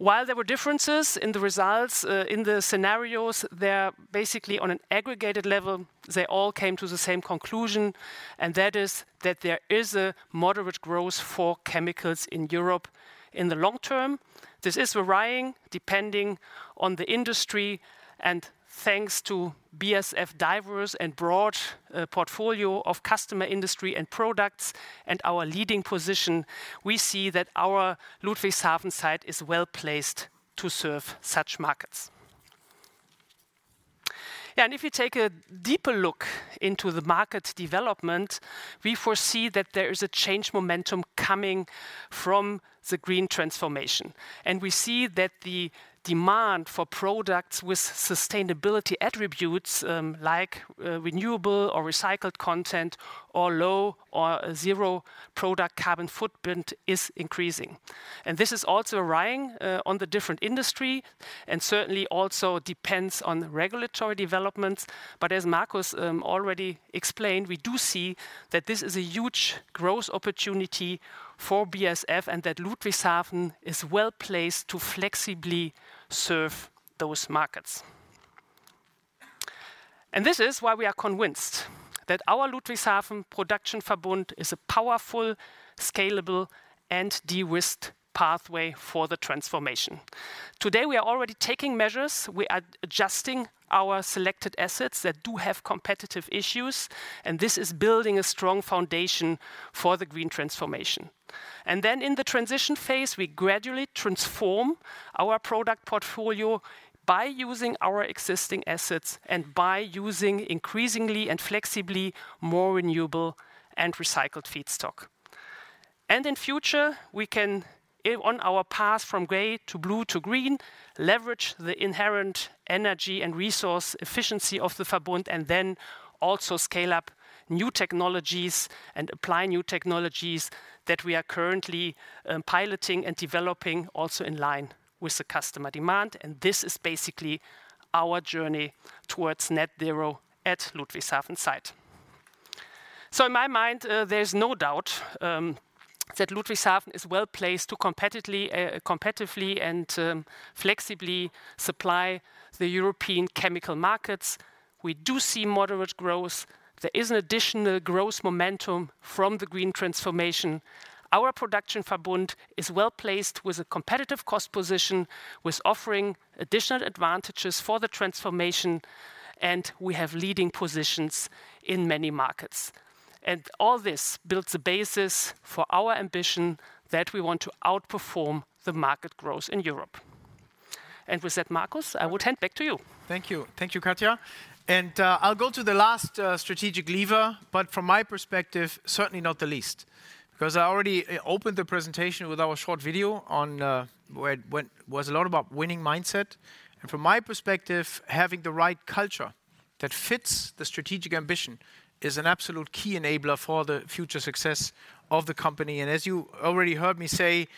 While there were differences in the results in the scenarios, they're basically on an aggregated level, they all came to the same conclusion, and that is that there is a moderate growth for chemicals in Europe in the long term. This is varying depending on the industry, and thanks to BASF diverse and broad portfolio of customer industry and products, and our leading position, we see that our Ludwigshafen site is well-placed to serve such markets. If you take a deeper look into the market development, we foresee that there is a change momentum coming from the green transformation. We see that the demand for products with sustainability attributes, like, renewable or recycled content, or low or zero product carbon footprint, is increasing. This is also varying on the different industry, and certainly also depends on regulatory developments. As Markus already explained, we do see that this is a huge growth opportunity for BASF, and that Ludwigshafen is well-placed to flexibly serve those markets. This is why we are convinced that our Ludwigshafen production Verbund is a powerful, scalable, and de-risked pathway for the transformation. Today, we are already taking measures. We are adjusting our selected assets that do have competitive issues, and this is building a strong foundation for the green transformation. Then, in the transition phase, we gradually transform our product portfolio by using our existing assets and by using increasingly and flexibly more renewable and recycled feedstock. In future, we can, on our path from gray to blue to green, leverage the inherent energy and resource efficiency of the Verbund, and then also scale up new technologies and apply new technologies that we are currently piloting and developing, also in line with the customer demand. This is basically our journey towards net zero at Ludwigshafen site. In my mind, there's no doubt that Ludwigshafen is well-placed to competitively and flexibly supply the European chemical markets. We do see moderate growth. There is an additional growth momentum from the green transformation. Our production Verbund is well-placed with a competitive cost position, with offering additional advantages for the transformation, and we have leading positions in many markets. And all this builds a basis for our ambition that we want to outperform the market growth in Europe. And with that, Markus, I will hand back to you. Thank you. Thank you, Katja. And I'll go to the last strategic lever, but from my perspective, certainly not the least, because I already opened the presentation with our short video on, which was a lot about winning mindset. And from my perspective, having the right culture that fits the strategic ambition is an absolute key enabler for the future success of the company. And as you already heard me say,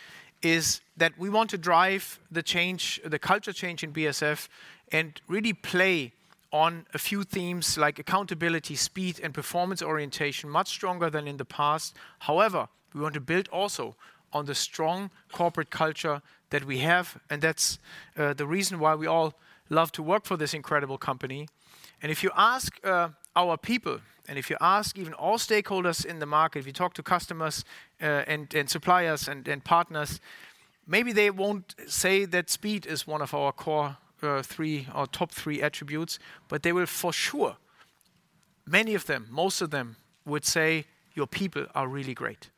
is that we want to drive the change, the culture change in BASF, and really play on a few themes like accountability, speed, and performance orientation, much stronger than in the past. However, we want to build also on the strong corporate culture that we have, and that's the reason why we all love to work for this incredible company. If you ask our people, and if you ask even all stakeholders in the market, if you talk to customers, and suppliers and partners, maybe they won't say that speed is one of our core three or top three attributes, but they will for sure, many of them, most of them, would say, "Your people are really great."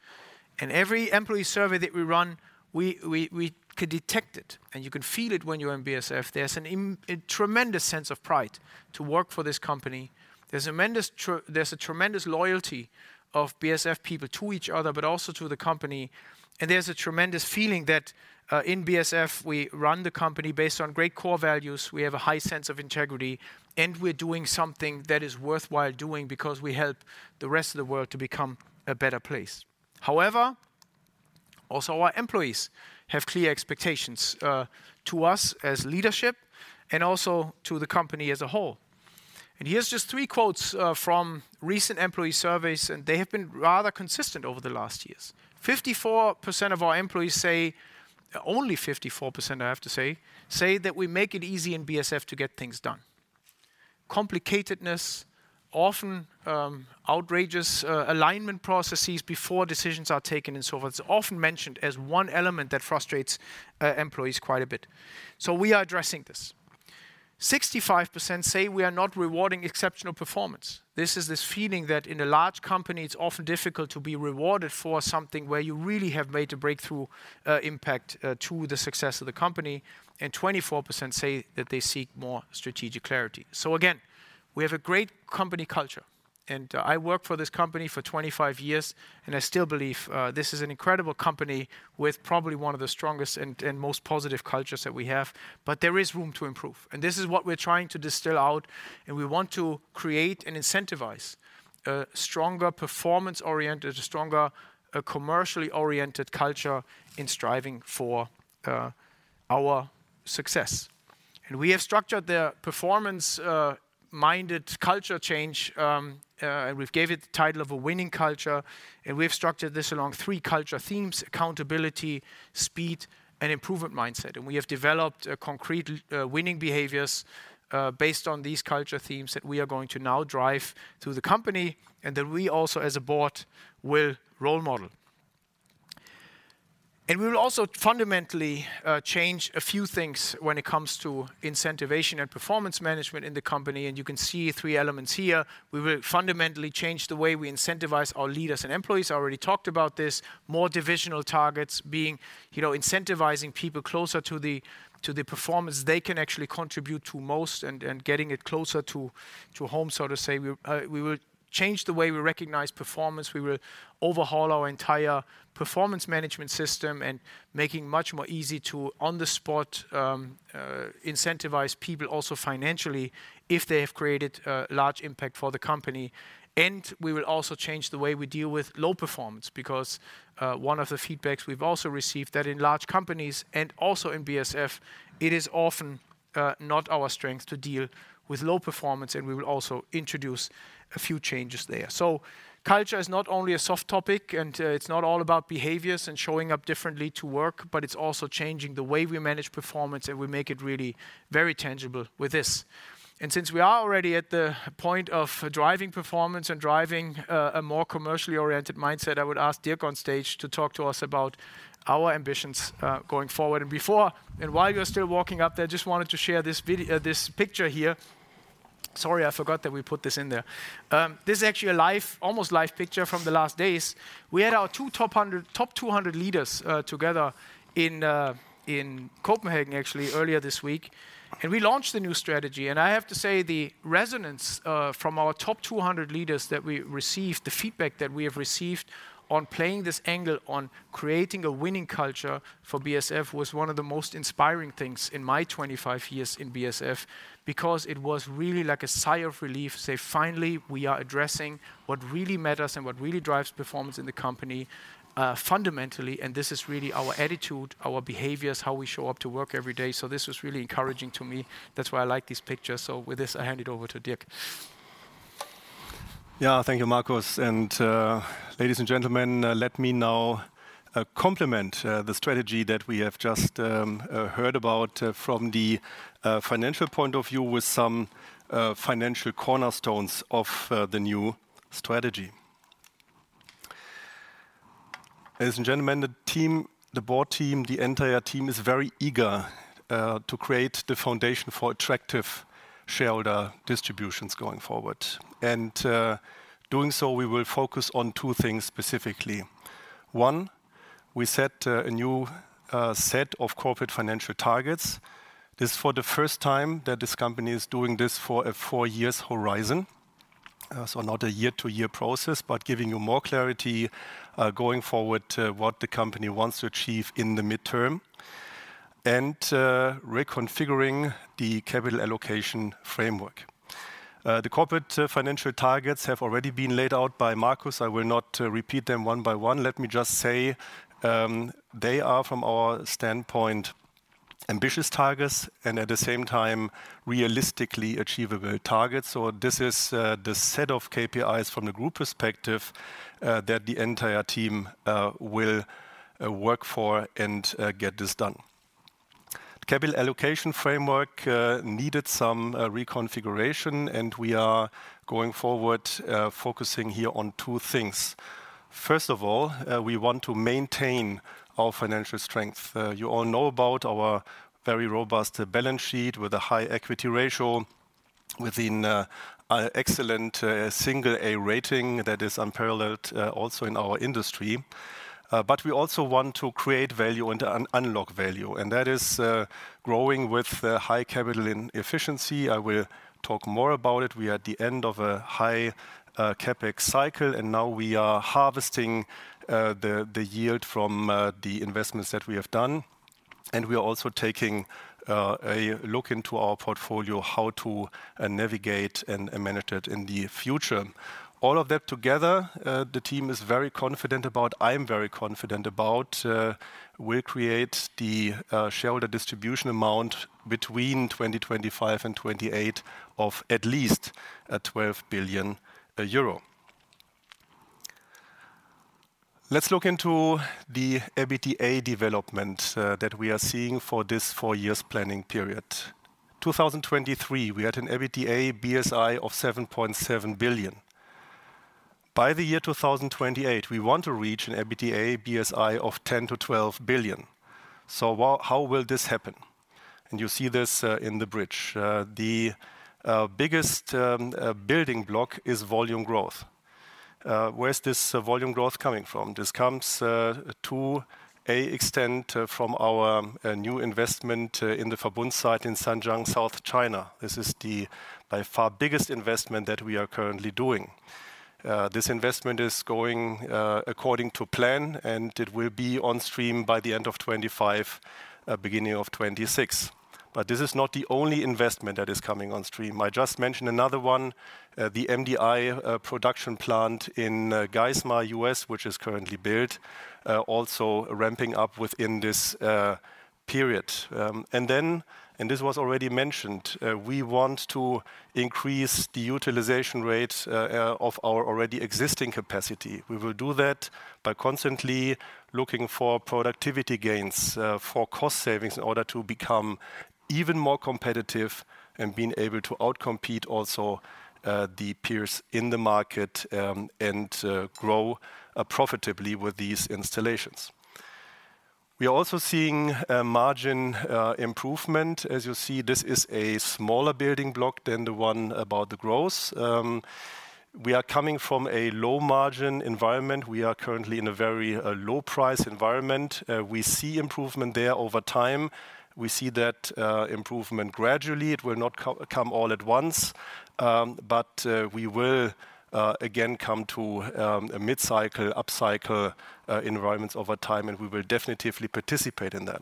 Every employee survey that we run, we can detect it, and you can feel it when you're in BASF. There's a tremendous sense of pride to work for this company. There's a tremendous loyalty of BASF people to each other, but also to the company. And there's a tremendous feeling that, in BASF, we run the company based on great core values, we have a high sense of integrity, and we're doing something that is worthwhile doing because we help the rest of the world to become a better place. However, also our employees have clear expectations, to us as leadership and also to the company as a whole. And here's just three quotes, from recent employee surveys, and they have been rather consistent over the last years. 54% of our employees say, only 54%, I have to say, say that we make it easy in BASF to get things done. Complicatedness, often, outrageous, alignment processes before decisions are taken, and so forth, is often mentioned as one element that frustrates, employees quite a bit. So we are addressing this. 65% say we are not rewarding exceptional performance. This is this feeling that in a large company, it's often difficult to be rewarded for something where you really have made a breakthrough, impact to the success of the company, and 24% say that they seek more strategic clarity. So again, we have a great company culture, and I work for this company for 25 years, and I still believe this is an incredible company with probably one of the strongest and most positive cultures that we have. But there is room to improve, and this is what we're trying to distill out, and we want to create and incentivize a stronger performance-oriented, a stronger, a commercially-oriented culture in striving for our success. We have structured the performance minded culture change, and we've gave it the title of a winning culture. We've structured this along three culture themes: accountability, speed, and improvement mindset. We have developed a concrete winning behaviors based on these culture themes that we are going to now drive through the company and that we also, as a board, will role model. We will also fundamentally change a few things when it comes to incentivation and performance management in the company, and you can see three elements here. We will fundamentally change the way we incentivize our leaders and employees. I already talked about this. More divisional targets being, you know, incentivizing people closer to the performance they can actually contribute to most and getting it closer to home, so to say. We will change the way we recognize performance. We will overhaul our entire performance management system and making much more easy to on the spot, incentivize people also financially if they have created a large impact for the company, and we will also change the way we deal with low performance, because one of the feedbacks we've also received that in large companies and also in BASF, it is often not our strength to deal with low performance, and we will also introduce a few changes there, so culture is not only a soft topic, and it's not all about behaviors and showing up differently to work, but it's also changing the way we manage performance, and we make it really very tangible with this. Since we are already at the point of driving performance and driving a more commercially oriented mindset, I would ask Dirk on stage to talk to us about our ambitions going forward. Before and while you're still walking up there, just wanted to share this picture here. Sorry, I forgot that we put this in there. This is actually a live, almost live picture from the last days. We had our top 200 leaders together in Copenhagen, actually, earlier this week. We launched the new strategy, and I have to say, the resonance from our top 200 leaders that we received, the feedback that we have received on playing this angle, on creating a winning culture for BASF, was one of the most inspiring things in my 25 years in BASF. Because it was really like a sigh of relief to say, "Finally, we are addressing what really matters and what really drives performance in the company, fundamentally, and this is really our attitude, our behaviors, how we show up to work every day." So this was really encouraging to me. That's why I like this picture. So with this, I hand it over to Dirk. Yeah, thank you, Markus. And, ladies and gentlemen, let me now complement the strategy that we have just heard about from the financial point of view with some financial cornerstones of the new strategy. Ladies and gentlemen, the team, the board team, the entire team is very eager to create the foundation for attractive shareholder distributions going forward. And, doing so, we will focus on two things specifically. One, we set a new set of corporate financial targets. This is for the first time that this company is doing this for a four-year horizon. So not a year-to-year process, but giving you more clarity going forward, what the company wants to achieve in the midterm, and reconfiguring the capital allocation framework. The corporate financial targets have already been laid out by Markus. I will not repeat them one by one. Let me just say, they are from our standpoint ambitious targets, and at the same time, realistically achievable targets. So this is the set of KPIs from the group perspective that the entire team will work for and get this done. Capital allocation framework needed some reconfiguration, and we are going forward focusing here on two things. First of all, we want to maintain our financial strength. You all know about our very robust balance sheet with a high equity ratio, an excellent single A rating that is unparalleled, also in our industry. But we also want to create value and unlock value, and that is growing with the high capital in efficiency. I will talk more about it. We are at the end of a high CapEx cycle, and now we are harvesting the yield from the investments that we have done, and we are also taking a look into our portfolio, how to navigate and manage it in the future. All of that together, the team is very confident about and I'm very confident about, we'll create the shareholder distribution amount between 2025 and 2028 of at least EUR 12 billion. Let's look into the EBITDA development that we are seeing for this four years planning period. 2023, we had an EBITDA BSI of 7.7 billion. By the year 2028, we want to reach an EBITDA before special items of 10 billion to 12 billion. How will this happen? You see this in the bridge. The biggest building block is volume growth. Where is this volume growth coming from? This comes to an extent from our new investment in the Verbund site in Zhanjiang, South China. This is the by far biggest investment that we are currently doing. This investment is going according to plan, and it will be on stream by the end of 2025, beginning of 2026. This is not the only investment that is coming on stream. I just mentioned another one, the MDI production plant in Geismar, U.S., which is currently built, also ramping up within this period. And then, and this was already mentioned, we want to increase the utilization rate of our already existing capacity. We will do that by constantly looking for productivity gains, for cost savings, in order to become even more competitive and being able to out-compete also the peers in the market, and grow profitably with these installations. We are also seeing a margin improvement. As you see, this is a smaller building block than the one about the growth. We are coming from a low-margin environment. We are currently in a very low-price environment. We see improvement there over time. We see that improvement gradually. It will not come all at once, but we will again come to a mid-cycle upcycle environments over time, and we will definitively participate in that.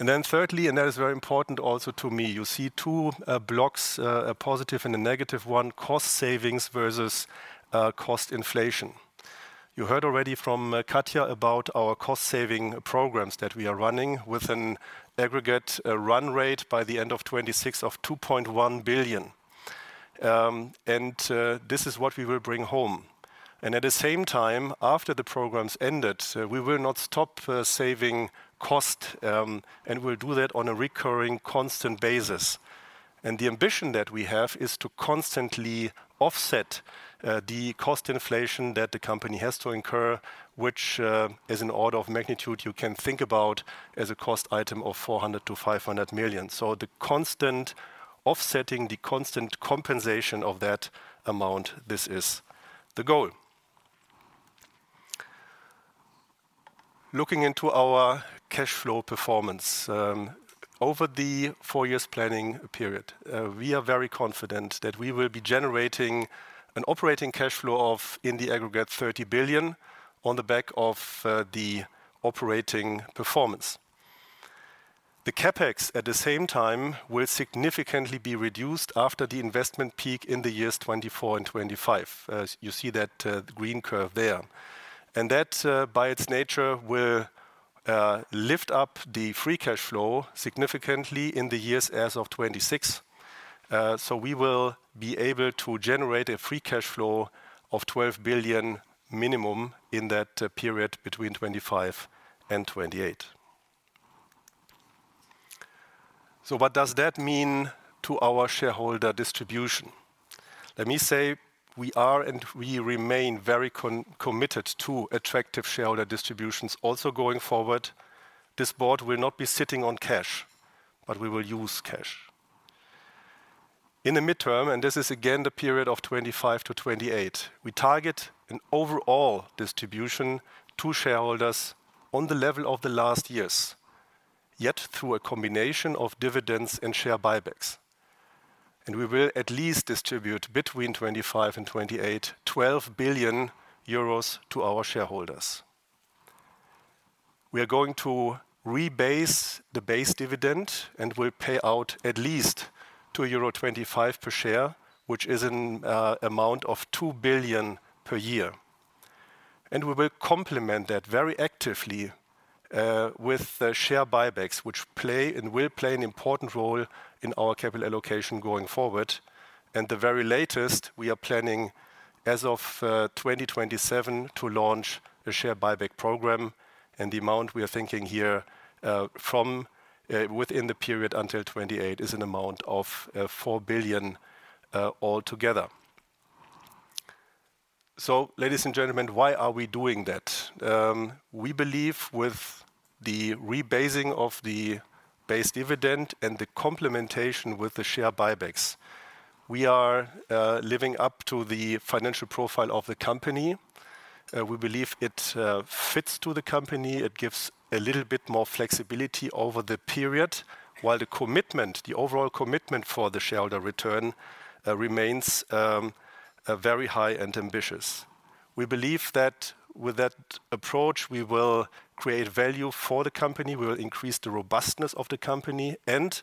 And then thirdly, and that is very important also to me, you see two blocks, a positive and a negative one: cost savings versus cost inflation. You heard already from Katja about our cost-saving programs that we are running with an aggregate run rate by the end of 2026 of 2.1 billion. And this is what we will bring home. And at the same time, after the programs ended, we will not stop saving cost, and we'll do that on a recurring, constant basis. And the ambition that we have is to constantly offset the cost inflation that the company has to incur, which is an order of magnitude you can think about as a cost item of 400 million to 500 million. So the constant offsetting, the constant compensation of that amount, this is the goal. Looking into our cash flow performance, over the four years planning period, we are very confident that we will be generating an operating cash flow of, in the aggregate, 30 billion on the back of, the operating performance. The CapEx, at the same time, will significantly be reduced after the investment peak in the years 2024 and 2025, as you see that, green curve there. And that, by its nature, will lift up the free cash flow significantly in the years as of 2026. So we will be able to generate a free cash flow of 12 billion minimum in that, period between 2025 and 2028. So what does that mean to our shareholder distribution? Let me say we are, and we remain very committed to attractive shareholder distributions. Also going forward, this board will not be sitting on cash, but we will use cash. In the midterm, and this is again the period of 2025 to 2028, we target an overall distribution to shareholders on the level of the last years, yet through a combination of dividends and share buybacks, and we will at least distribute between 2025 and 2028, EUR 12 billion to our shareholders. We are going to rebase the base dividend and will pay out at least euro 2.25 per share, which is an amount of 2 billion per year, and we will complement that very actively with the share buybacks, which play and will play an important role in our capital allocation going forward. At the very latest, we are planning as of 2027 to launch a share buyback program, and the amount we are thinking here from within the period until 2028 is an amount of 4 billion altogether. Ladies and gentlemen, why are we doing that? We believe with the rebasing of the base dividend and the complementation with the share buybacks, we are living up to the financial profile of the company. We believe it fits to the company. It gives a little bit more flexibility over the period, while the commitment, the overall commitment for the shareholder return remains very high and ambitious. We believe that with that approach, we will create value for the company, we will increase the robustness of the company, and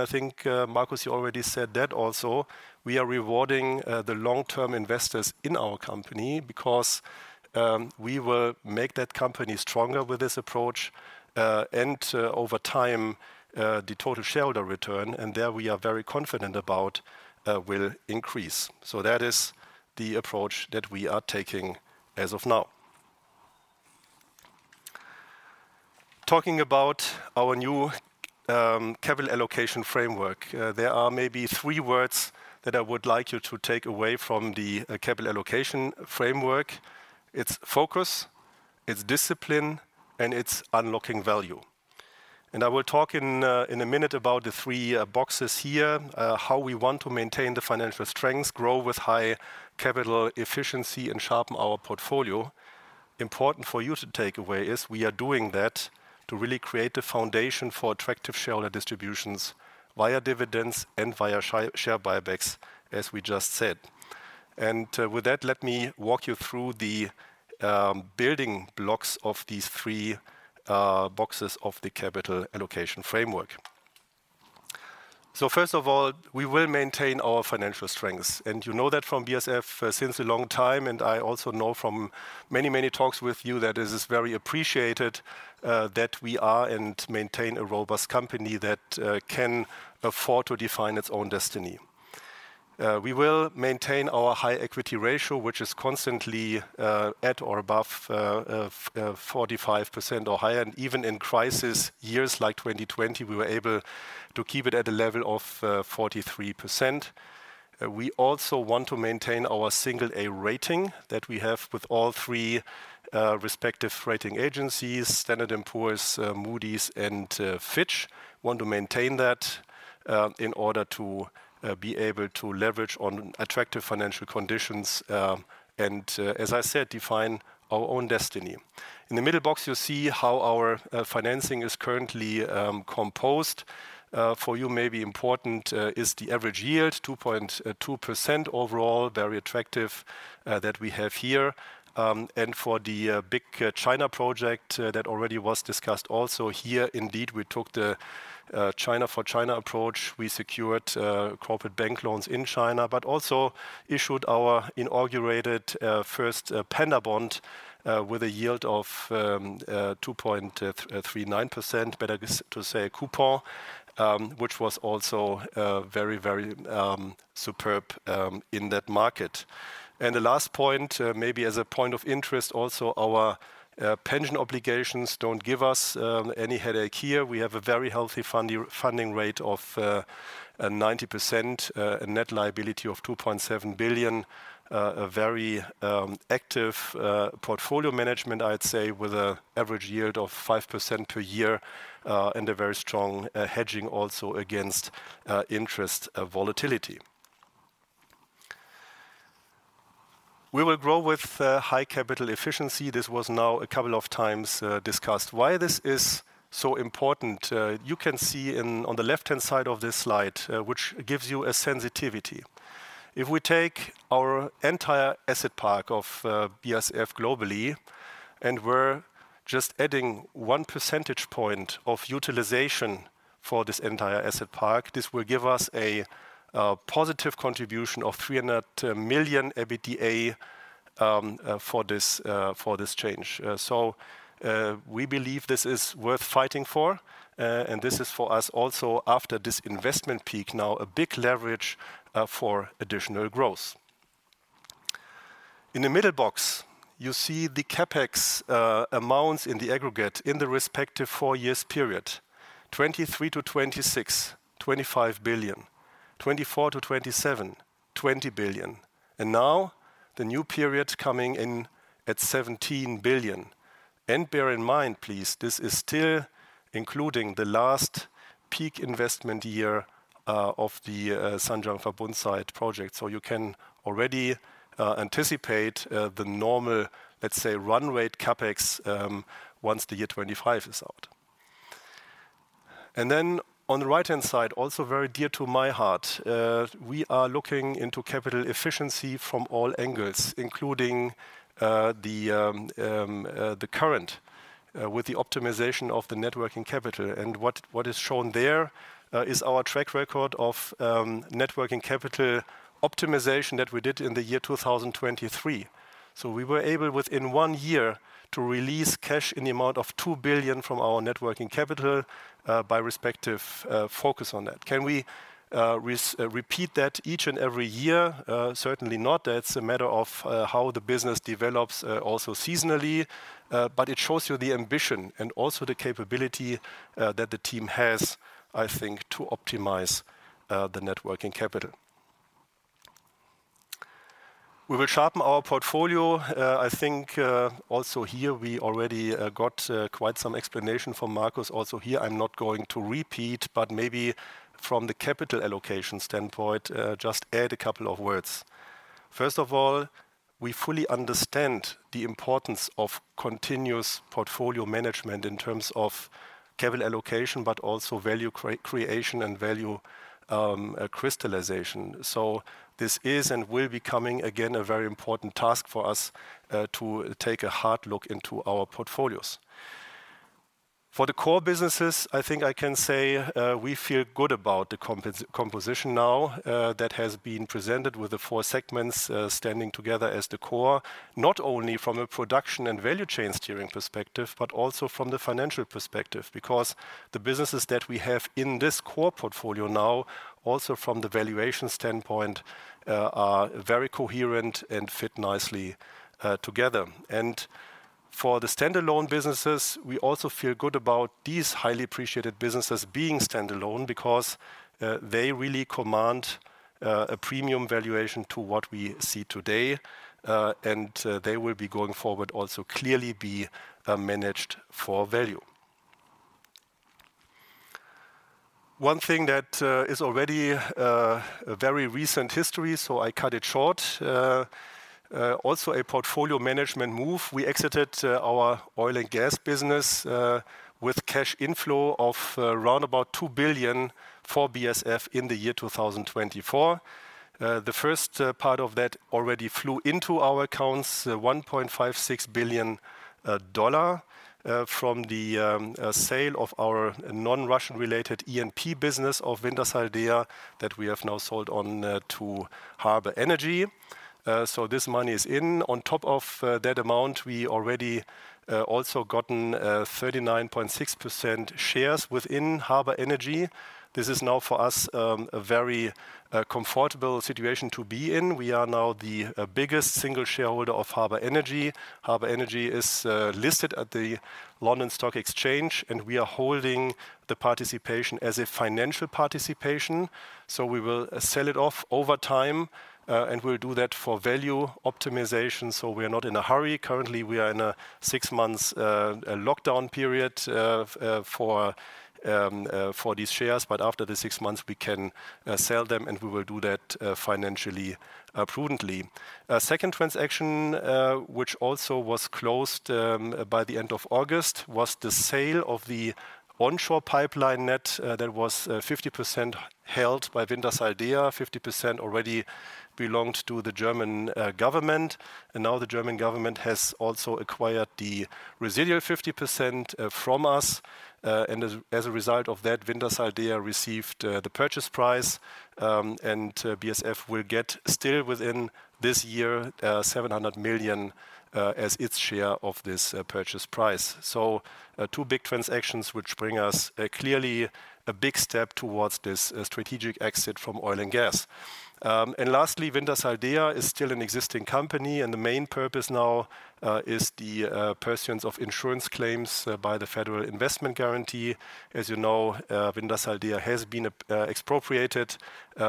I think, Markus, you already said that also, we are rewarding the long-term investors in our company because we will make that company stronger with this approach, and over time, the total shareholder return, and there we are very confident about, will increase. So that is the approach that we are taking as of now. Talking about our new capital allocation framework, there are maybe three words that I would like you to take away from the capital allocation framework. It's focus, it's discipline, and it's unlocking value. And I will talk in a minute about the three boxes here, how we want to maintain the financial strengths, grow with high capital efficiency, and sharpen our portfolio. Important for you to take away is we are doing that to really create a foundation for attractive shareholder distributions via dividends and via share buybacks, as we just said. And with that, let me walk you through the building blocks of these three boxes of the capital allocation framework. So first of all, we will maintain our financial strengths, and you know that from BASF since a long time, and I also know from many, many talks with you that this is very appreciated, that we are and maintain a robust company that can afford to define its own destiny. We will maintain our high equity ratio, which is constantly at or above 45% or higher, and even in crisis years, like 2020, we were able to keep it at a level of 43%. We also want to maintain our single-A rating that we have with all three respective rating agencies, Standard & Poor's, Moody's and Fitch. Want to maintain that in order to be able to leverage on attractive financial conditions and as I said, define our own destiny. In the middle box, you see how our financing is currently composed. For you, maybe important is the average yield, 2.2% overall, very attractive that we have here. And for the big China project that already was discussed also here, indeed, we took the China for China approach. We secured corporate bank loans in China, but also issued our inaugural first Panda bond with a yield of 2.39%, better to say coupon, which was also very, very superb in that market. The last point maybe as a point of interest, also, our pension obligations don't give us any headache here. We have a very healthy funding rate of 90%, a net liability of 2.7 billion, a very active portfolio management, I'd say, with an average yield of 5% per year, and a very strong hedging also against interest volatility. We will grow with high capital efficiency. This was now a couple of times discussed. Why this is so important, you can see on the left-hand side of this slide, which gives you a sensitivity. If we take our entire asset park of BASF globally, and we're just adding one percentage point of utilization for this entire asset park, this will give us a positive contribution of 300 million EBITDA for this change. We believe this is worth fighting for, and this is for us also after this investment peak, now a big leverage, for additional growth. In the middle box, you see the CapEx amounts in the aggregate in the respective four years period, 2023 to 2026, 25 billion, 2024 to 2027, 20 billion, and now the new period coming in at 17 billion. Bear in mind, please, this is still including the last peak investment year of the Zhanjiang Verbund site project. You can already anticipate the normal, let's say, run rate CapEx once the year 2025 is out. Then on the right-hand side, also very dear to my heart, we are looking into capital efficiency from all angles, including the current with the optimization of the net working capital. What is shown there is our track record of net working capital optimization that we did in the year 2023. We were able, within one year, to release cash in the amount of 2 billion from our net working capital by respective focus on that. Can we repeat that each and every year? Certainly not. That is a matter of how the business develops also seasonally. But it shows you the ambition and also the capability that the team has, I think, to optimize the net working capital. We will sharpen our portfolio. I think also here, we already got quite some explanation from Markus. Also here, I am not going to repeat, but maybe from the capital allocation standpoint just add a couple of words. First of all, we fully understand the importance of continuous portfolio management in terms of capital allocation, but also value creation and value crystallization. So this is, and will be coming again, a very important task for us to take a hard look into our portfolios. For the core businesses, I think I can say we feel good about the composition now that has been presented with the four segments standing together as the core, not only from a production and value chain steering perspective, but also from the financial perspective, because the businesses that we have in this core portfolio now, also from the valuation standpoint, are very coherent and fit nicely together. For the standalone businesses, we also feel good about these highly appreciated businesses being standalone because they really command a premium valuation to what we see today, and they will be going forward, also clearly be managed for value. One thing that is already a very recent history, so I cut it short. Also a portfolio management move. We exited our oil and gas business with cash inflow of around about 2 billion for BASF in the year two thousand and twenty-four. The first part of that already flew into our accounts, $1.56 billion from the sale of our non-Russian related E&P business of Wintershall Dea, that we have now sold on to Harbour Energy. So this money is in. On top of that amount, we already also gotten 39.6% shares within Harbour Energy. This is now for us a very comfortable situation to be in. We are now the biggest single shareholder of Harbour Energy. Harbour Energy is listed at the London Stock Exchange, and we are holding the participation as a financial participation, so we will sell it off over time, and we'll do that for value optimization, so we are not in a hurry. Currently, we are in a six months lockdown period for these shares, but after the six months, we can sell them, and we will do that financially prudently. Second transaction, which also was closed by the end of August, was the sale of the onshore pipeline net that was 50% held by Wintershall Dea. Fifty percent already belonged to the German government, and now the German government has also acquired the residual 50% from us. And as a result of that, Wintershall Dea received the purchase price, and BASF will get still within this year 700 million as its share of this purchase price. So, two big transactions, which bring us clearly a big step towards this strategic exit from oil and gas. And lastly, Wintershall Dea is still an existing company, and the main purpose now is the pursuance of insurance claims by the Federal Investment Guarantee. As you know, Wintershall Dea has been expropriated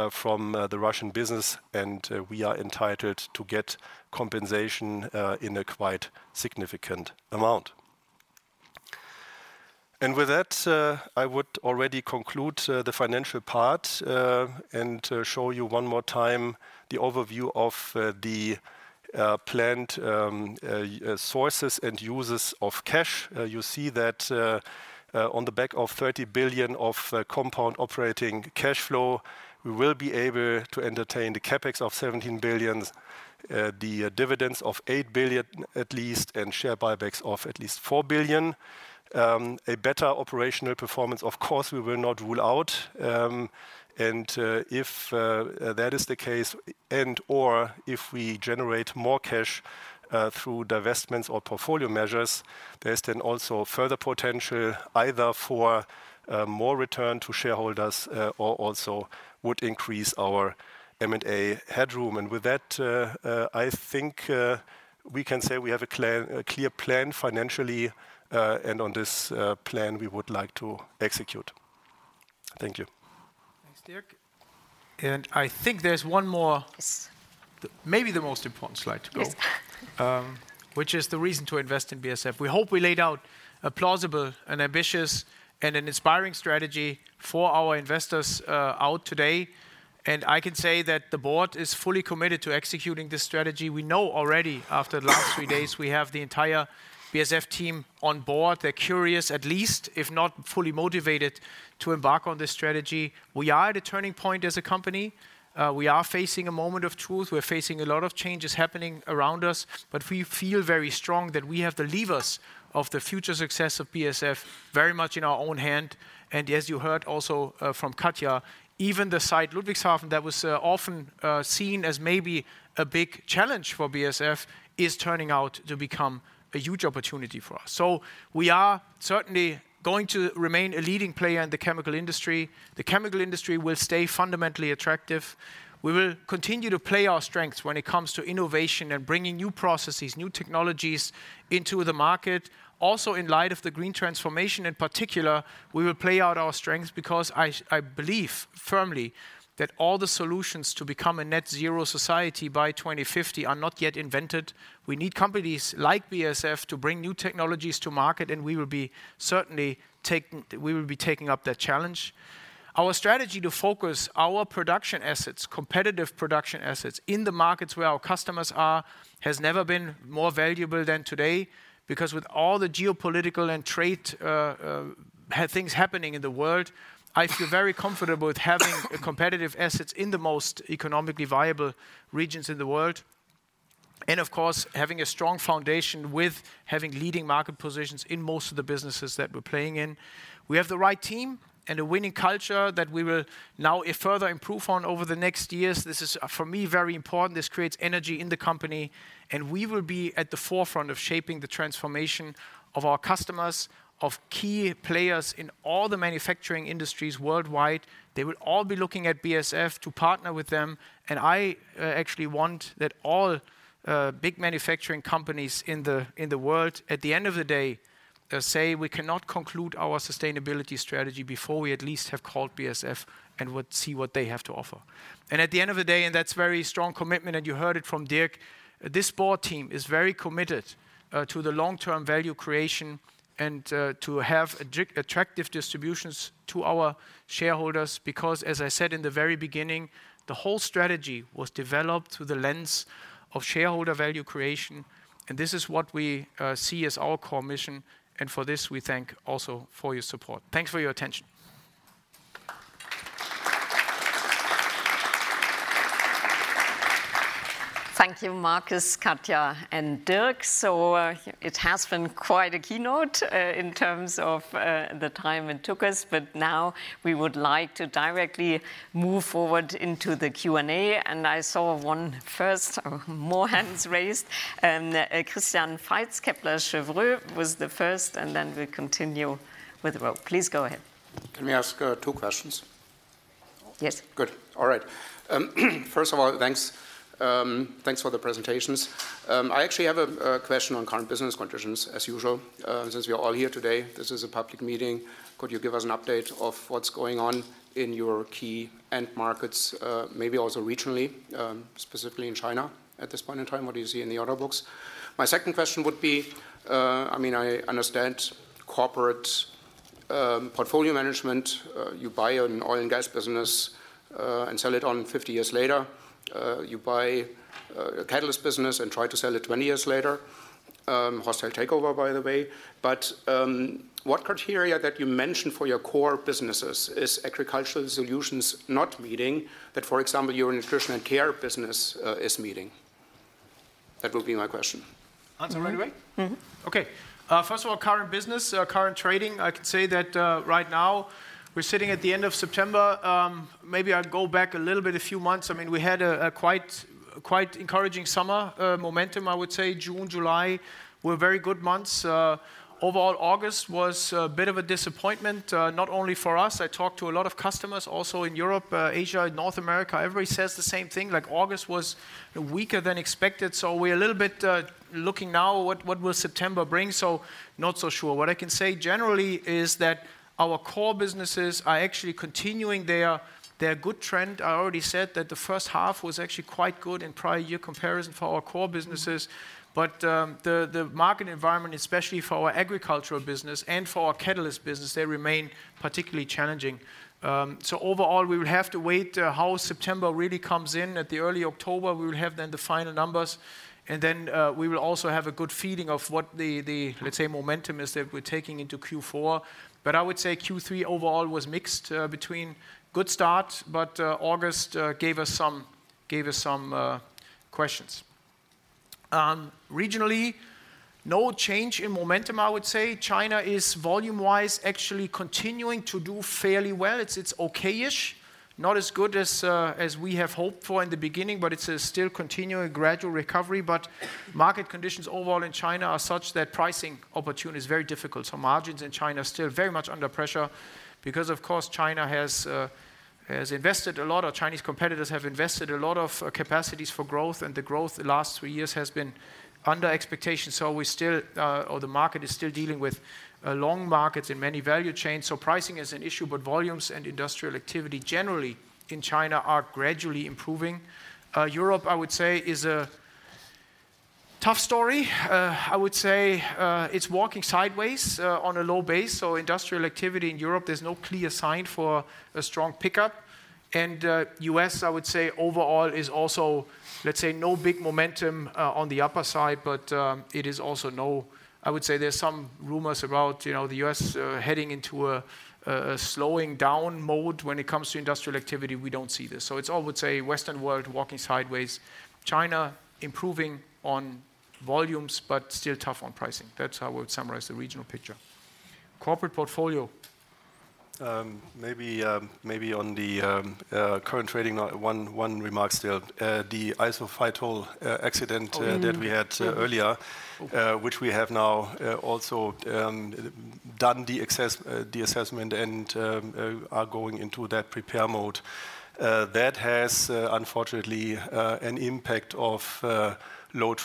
from the Russian business, and we are entitled to get compensation in a quite significant amount. And with that, I would already conclude the financial part, and show you one more time the overview of the planned sources and uses of cash. You see that on the back of 30 billion of compound operating cash flow, we will be able to entertain the CapEx of 17 billion, the dividends of 8 billion at least, and share buybacks of at least 4 billion. A better operational performance, of course, we will not rule out. And if that is the case and/or if we generate more cash through divestments or portfolio measures, there's then also further potential either for more return to shareholders or also would increase our M&A headroom. And with that, I think we can say we have a clear plan financially, and on this plan, we would like to execute. Thank you. Thanks, Dirk. And I think there's one more. Yes Maybe the most important slide to go. Yes. Which is the reason to invest in BASF. We hope we laid out a plausible and ambitious and an inspiring strategy for our investors out today, and I can say that the board is fully committed to executing this strategy. We know already, after the last three days, we have the entire BASF team on board. They're curious, at least, if not fully motivated, to embark on this strategy. We are at a turning point as a company. We are facing a moment of truth. We're facing a lot of changes happening around us, but we feel very strong that we have the levers of the future success of BASF very much in our own hand. And as you heard also, from Katja, even the site Ludwigshafen, that was, often, seen as maybe a big challenge for BASF, is turning out to become a huge opportunity for us. So we are certainly going to remain a leading player in the chemical industry. The chemical industry will stay fundamentally attractive. We will continue to play our strengths when it comes to innovation and bringing new processes, new technologies into the market. Also, in light of the green transformation in particular, we will play out our strengths because I, I believe firmly that all the solutions to become a net zero society by 2050 are not yet invented. We need companies like BASF to bring new technologies to market, and we will be certainly taking up that challenge. Our strategy to focus our production assets, competitive production assets, in the markets where our customers are, has never been more valuable than today. Because with all the geopolitical and trade things happening in the world, I feel very comfortable with having competitive assets in the most economically viable regions in the world, and of course, having a strong foundation with having leading market positions in most of the businesses that we're playing in. We have the right team and a winning culture that we will now further improve on over the next years. This is, for me, very important. This creates energy in the company, and we will be at the forefront of shaping the transformation of our customers, of key players in all the manufacturing industries worldwide. They will all be looking at BASF to partner with them, and I actually want that all big manufacturing companies in the world, at the end of the day, say: "We cannot conclude our sustainability strategy before we at least have called BASF and would see what they have to offer." At the end of the day, that's a very strong commitment, and you heard it from Dirk. This board team is very committed to the long-term value creation and to have attractive distributions to our shareholders. Because, as I said in the very beginning, the whole strategy was developed through the lens of shareholder value creation, and this is what we see as our core mission, and for this, we thank also for your support. Thanks for your attention. Thank you, Markus, Katja, and Dirk. So, it has been quite a keynote in terms of the time it took us, but now we would like to directly move forward into the Q&A, and I saw one first, more hands raised, and Christian Faitz, Kepler Cheuvreux, was the first, and then we continue with Rob. Please go ahead. Can I ask two questions? Yes. Good. All right. First of all, thanks. Thanks for the presentations. I actually have a question on current business conditions, as usual. Since we are all here today, this is a public meeting, could you give us an update of what's going on in your key end markets, maybe also regionally, specifically in China at this point in time? What do you see in the order books? My second question would be, I mean, I understand corporate portfolio management. You buy an oil and gas business, and sell it on fifty years later. You buy a catalyst business and try to sell it twenty years later, hostile takeover, by the way. But, what criteria that you mentioned for your core businesses is Agricultural Solutions not meeting, for example, your Nutrition & Care business, is meeting? That will be my question. Answer right away? Mm-hmm. Okay. First of all, current business, current trading, I can say that, right now, we're sitting at the end of September. Maybe I'd go back a little bit, a few months. I mean, we had a quite encouraging summer momentum. I would say June, July, were very good months. Overall, August was a bit of a disappointment, not only for us. I talked to a lot of customers also in Europe, Asia, and North America. Everybody says the same thing, like August was weaker than expected, so we're a little bit looking now what will September bring? So not so sure. What I can say generally is that our core businesses are actually continuing their good trend. I already said that the first half was actually quite good in prior year comparison for our core businesses. But the market environment, especially for our agricultural business and for our catalyst business, they remain particularly challenging. So overall, we will have to wait how September really comes in. At the early October, we will have then the final numbers, and then we will also have a good feeling of what the, let's say, momentum is that we're taking into Q4. But I would say Q3 overall was mixed between good start, but August gave us some questions. Regionally, no change in momentum, I would say. China is volume-wise actually continuing to do fairly well. It's okay-ish, not as good as we have hoped for in the beginning, but it's still continuing gradual recovery. But market conditions overall in China are such that pricing opportunity is very difficult. So margins in China are still very much under pressure because, of course, China has invested a lot, or Chinese competitors have invested a lot of capacities for growth, and the growth the last three years has been under expectation. So the market is still dealing with long markets in many value chains. So pricing is an issue, but volumes and industrial activity generally in China are gradually improving. Europe, I would say, is a tough story. I would say, it's walking sideways on a low base. So industrial activity in Europe, there's no clear sign for a strong pickup. U.S., I would say, overall is also, let's say, no big momentum on the upper side, but it is also. I would say there's some rumors about, you know, the U.S. heading into a slowing down mode when it comes to industrial activity. We don't see this. So it's all, I would say, Western world walking sideways. China improving on volumes, but still tough on pricing. That's how I would summarize the regional picture. Corporate portfolio. Maybe on the current trading, one remark still. The Isophytol accident that we had earlier, which we have now also done the assessment and are going into that prepare mode. That has unfortunately an impact of low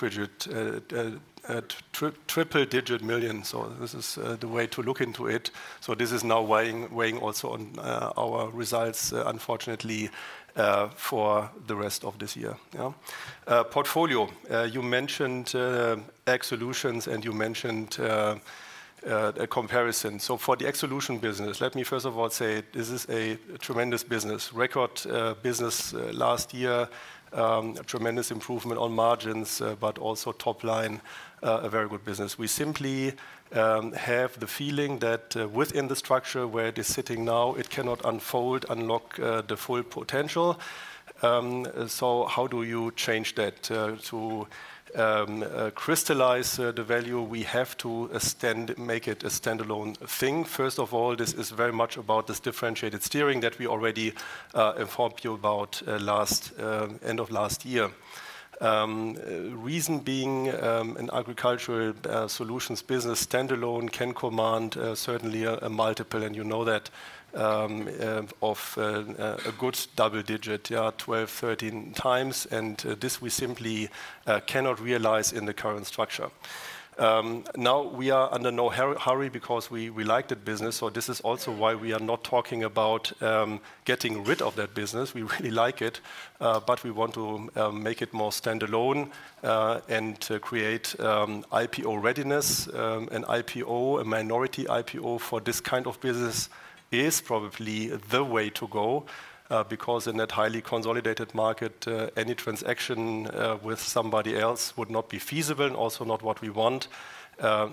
triple-digit million. So this is the way to look into it. So this is now weighing also on our results, unfortunately, for the rest of this year. Yeah. Portfolio, you mentioned Ag Solutions, and you mentioned a comparison. So for the Ag Solution business, let me first of all say this is a tremendous business. Record business last year, a tremendous improvement on margins, but also top line, a very good business. We simply have the feeling that within the structure where it is sitting now, it cannot unfold, unlock the full potential. So how do you change that? To crystallize the value, we have to extend, make it a standalone thing. First of all, this is very much about this differentiated steering that we already informed you about last end of last year. Reason being, an agricultural solutions business standalone can command certainly a multiple, and you know that of a good double-digit, yeah, 12x to 13x, and this we simply cannot realize in the current structure. Now, we are under no hurry because we like the business, so this is also why we are not talking about getting rid of that business. We really like it, but we want to make it more standalone, and create IPO readiness. An IPO, a minority IPO for this kind of business is probably the way to go, because in that highly consolidated market, any transaction with somebody else would not be feasible and also not what we want.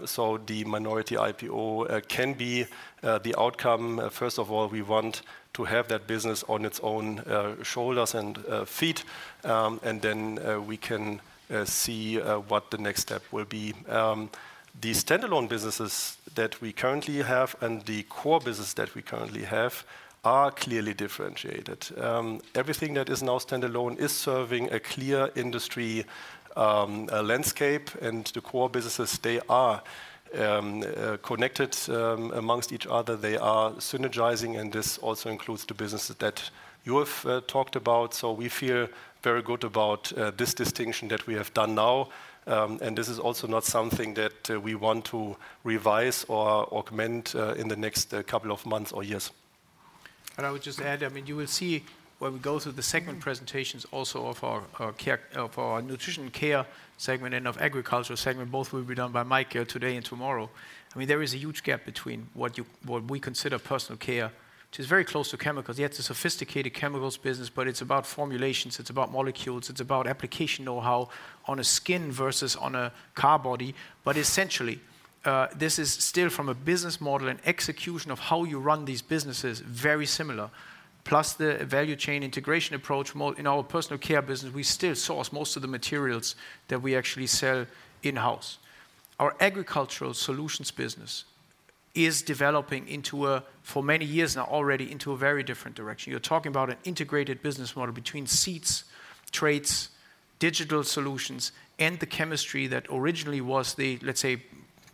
So the minority IPO can be the outcome. First of all, we want to have that business on its own shoulders and feet, and then we can see what the next step will be. The standalone businesses that we currently have and the core business that we currently have are clearly differentiated. Everything that is now standalone is serving a clear industry landscape, and the core businesses, they are connected amongst each other. They are synergizing, and this also includes the businesses that you have talked about. So we feel very good about this distinction that we have done now, and this is also not something that we want to revise or augment in the next couple of months or years. I would just add, I mean, you will see when we go through the segment presentations also of our nutrition care segment and of agricultural segment, both will be done by Mike today and tomorrow. I mean, there is a huge gap between what we consider personal care, which is very close to chemicals. Yes, it's a sophisticated chemicals business, but it's about formulations, it's about molecules, it's about application know-how on a skin versus on a car body. But essentially, this is still from a business model and execution of how you run these businesses very similar, plus the value chain integration approach. More in our personal care business, we still source most of the materials that we actually sell in-house. Our agricultural solutions business is developing into a, for many years now, already into a very different direction. You're talking about an integrated business model between seeds, traits, digital solutions, and the chemistry that originally was the, let's say,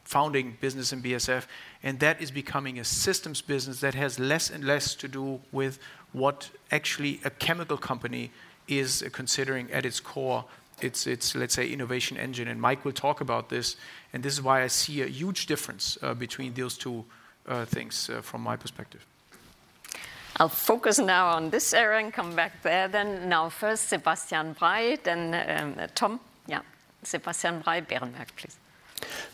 founding business in BASF, and that is becoming a systems business that has less and less to do with what actually a chemical company is considering at its core, its, let's say, innovation engine. And Mike will talk about this, and this is why I see a huge difference between those two things from my perspective. I'll focus now on this area and come back there then. Now, first, Sebastian Bray, then, Tom. Yeah. Sebastian Bray, Berenberg, please.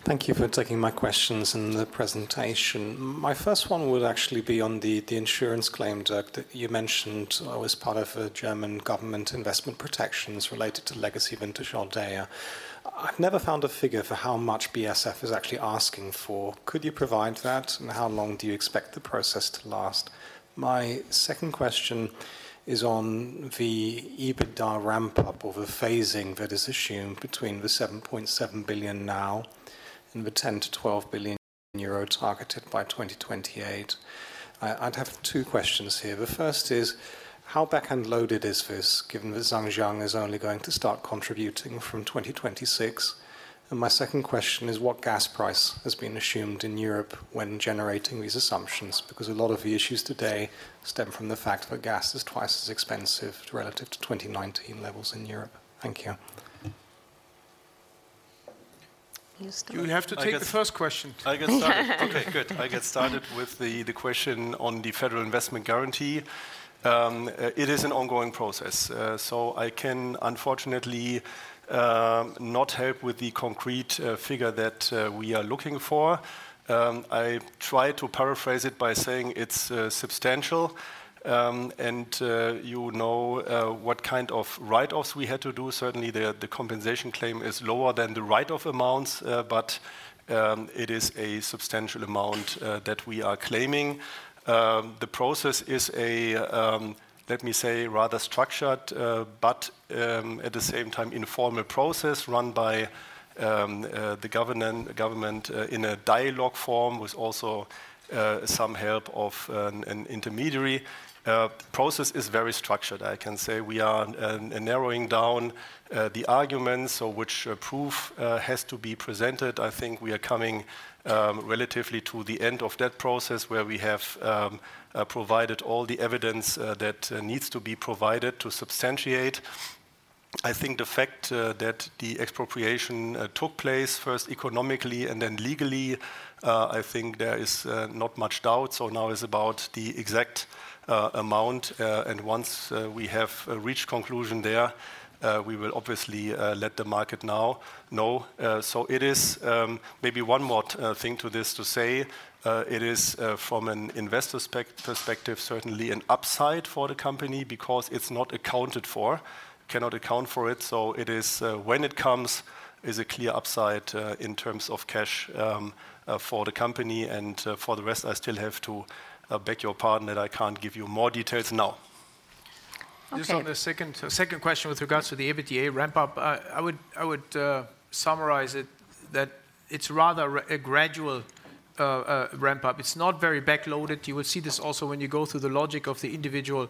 Thank you for taking my questions in the presentation. My first one would actually be on the insurance claim, Dirk, that you mentioned was part of a German government investment protections related to legacy vintage Ordia. I've never found a figure for how much BASF is actually asking for. Could you provide that, and how long do you expect the process to last? My second question is on the EBITDA ramp-up or the phasing that is assumed between the 7.7 billion now and the 10 billion to 12 billion euro targeted by 2028. I'd have two questions here. The first is: how back-end loaded is this, given that Zhanjiang is only going to start contributing from 2026? And my second question is: what gas price has been assumed in Europe when generating these assumptions? Because a lot of the issues today stem from the fact that gas is twice as expensive relative to 2019 levels in Europe. Thank you. You start? You have to take the first question. I get started. Okay, good. I get started with the question on the federal investment guarantee. It is an ongoing process. So I can unfortunately not help with the concrete figure that we are looking for. I try to paraphrase it by saying it's substantial. And you know what kind of write-offs we had to do. Certainly, the compensation claim is lower than the write-off amounts, but it is a substantial amount that we are claiming. The process is a, let me say, rather structured, but at the same time, informal process run by the government in a dialogue form, with also some help of an intermediary. Process is very structured. I can say we are narrowing down the arguments of which proof has to be presented. I think we are coming relatively to the end of that process, where we have provided all the evidence that needs to be provided to substantiate. I think the fact that the expropriation took place, first economically and then legally, I think there is not much doubt, so now is about the exact amount, and once we have reached conclusion there, we will obviously let the market know, so it is. Maybe one more thing to this to say, it is from an investor perspective, certainly an upside for the company because it's not accounted for. I cannot account for it, so it is when it comes, is a clear upside in terms of cash for the company and for the rest. I still have to beg your pardon that I can't give you more details now. Okay. Just on the second question with regards to the EBITDA ramp-up, I would summarize it that it's rather a gradual ramp-up. It's not very back-loaded. You will see this also when you go through the logic of the individual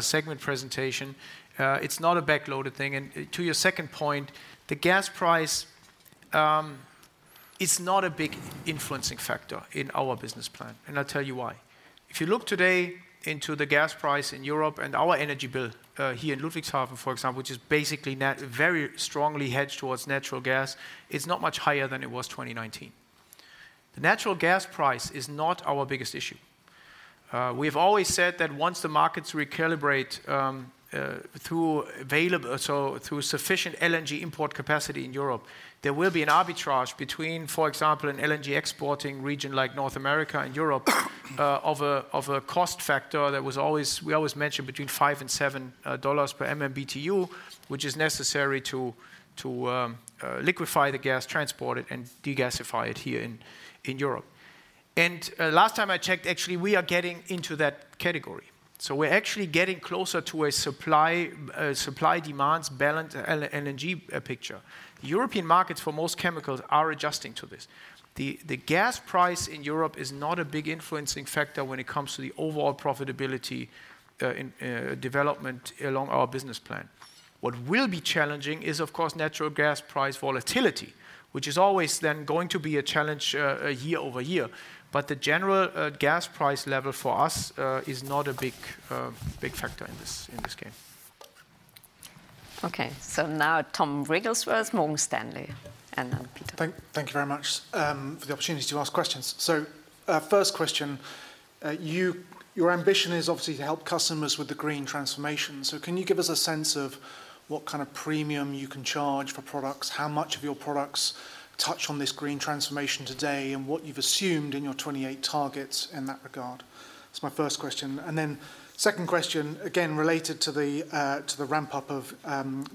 segment presentation. It's not a back-loaded thing. And to your second point, the gas price is not a big influencing factor in our business plan, and I'll tell you why. If you look today into the gas price in Europe and our energy bill here in Ludwigshafen, for example, which is basically very strongly hedged towards natural gas, it's not much higher than it was 2019. The natural gas price is not our biggest issue. We've always said that once the markets recalibrate through available through sufficient LNG import capacity in Europe, there will be an arbitrage between, for example, an LNG-exporting region like North America and Europe, of a cost factor that we always mention between $5 and $7 per MMBtu, which is necessary to liquefy the gas, transport it, and regasify it here in Europe. Last time I checked, actually, we are getting into that category. We're actually getting closer to a supply-demand balance LNG picture. The European markets for most chemicals are adjusting to this. The gas price in Europe is not a big influencing factor when it comes to the overall profitability in development along our business plan. What will be challenging is, of course, natural gas price volatility, which is always then going to be a challenge, year over year. But the general gas price level for us is not a big factor in this game. Okay, so now Tom Wrigglesworth, Morgan Stanley, and then Peter. Thank you very much for the opportunity to ask questions. So, first question, your ambition is obviously to help customers with the green transformation. So can you give us a sense of what kind of premium you can charge for products? How much of your products touch on this green transformation today, and what you've assumed in your 2028 targets in that regard? That's my first question. And then second question, again, related to the ramp-up of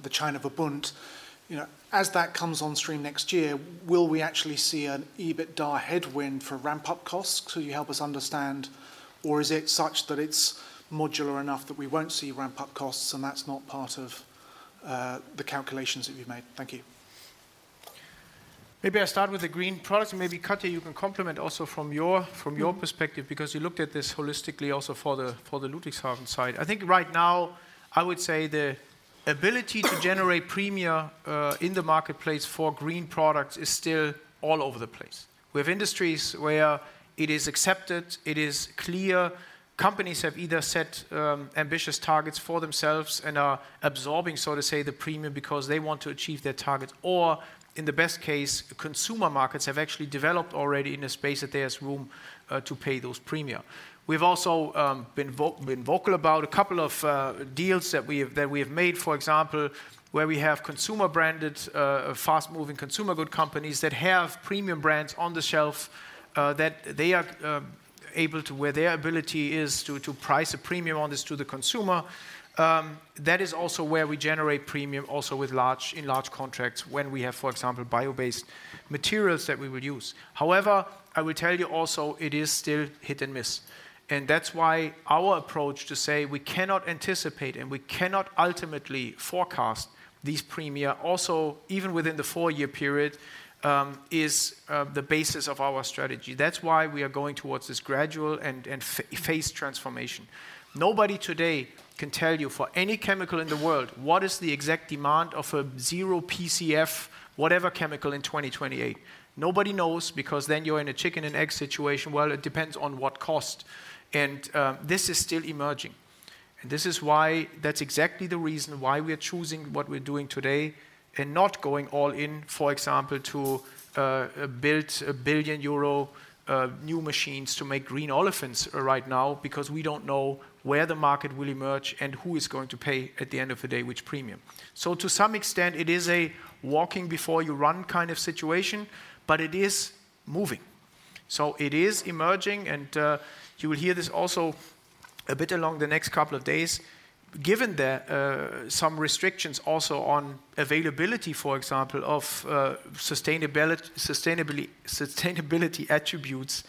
the China Verbund. You know, as that comes on stream next year, will we actually see an EBITDA headwind for ramp-up costs? Could you help us understand, or is it such that it's modular enough that we won't see ramp-up costs, and that's not part of the calculations that you've made? Thank you. Maybe I start with the green products, and maybe, Katja, you can complement also from your perspective, because you looked at this holistically also for the Ludwigshafen side. I think right now, I would say the ability to generate premia in the marketplace for green products is still all over the place. We have industries where it is accepted, it is clear. Companies have either set ambitious targets for themselves and are absorbing, so to say, the premium because they want to achieve their targets, or in the best case, consumer markets have actually developed already in a space that there's room to pay those premia. We've also been vocal about a couple of deals that we have made, for example, where we have consumer-branded fast-moving consumer good companies that have premium brands on the shelf that they are able to where their ability is to, to price a premium on this to the consumer, That is also where we generate premium also with large, in large contracts when we have, for example, bio-based materials that we will use. However, I will tell you also, it is still hit and miss. And that's why our approach to say we cannot anticipate and we cannot ultimately forecast these premia, also even within the four-year period, is the basis of our strategy. That's why we are going towards this gradual and phase transformation. Nobody today can tell you for any chemical in the world, what is the exact demand of a zero PCF, whatever chemical in 2028? Nobody knows, because then you're in a chicken and egg situation. It depends on what cost. This is still emerging, and this is why that's exactly the reason why we are choosing what we're doing today and not going all in, for example, to build 1 billion euro new machines to make green olefins right now, because we don't know where the market will emerge and who is going to pay at the end of the day, which premium. So to some extent, it is a walking before you run kind of situation, but it is moving. So it is emerging, and you will hear this also a bit along the next couple of days. Given that, some restrictions also on availability, for example, of, sustainability attributes,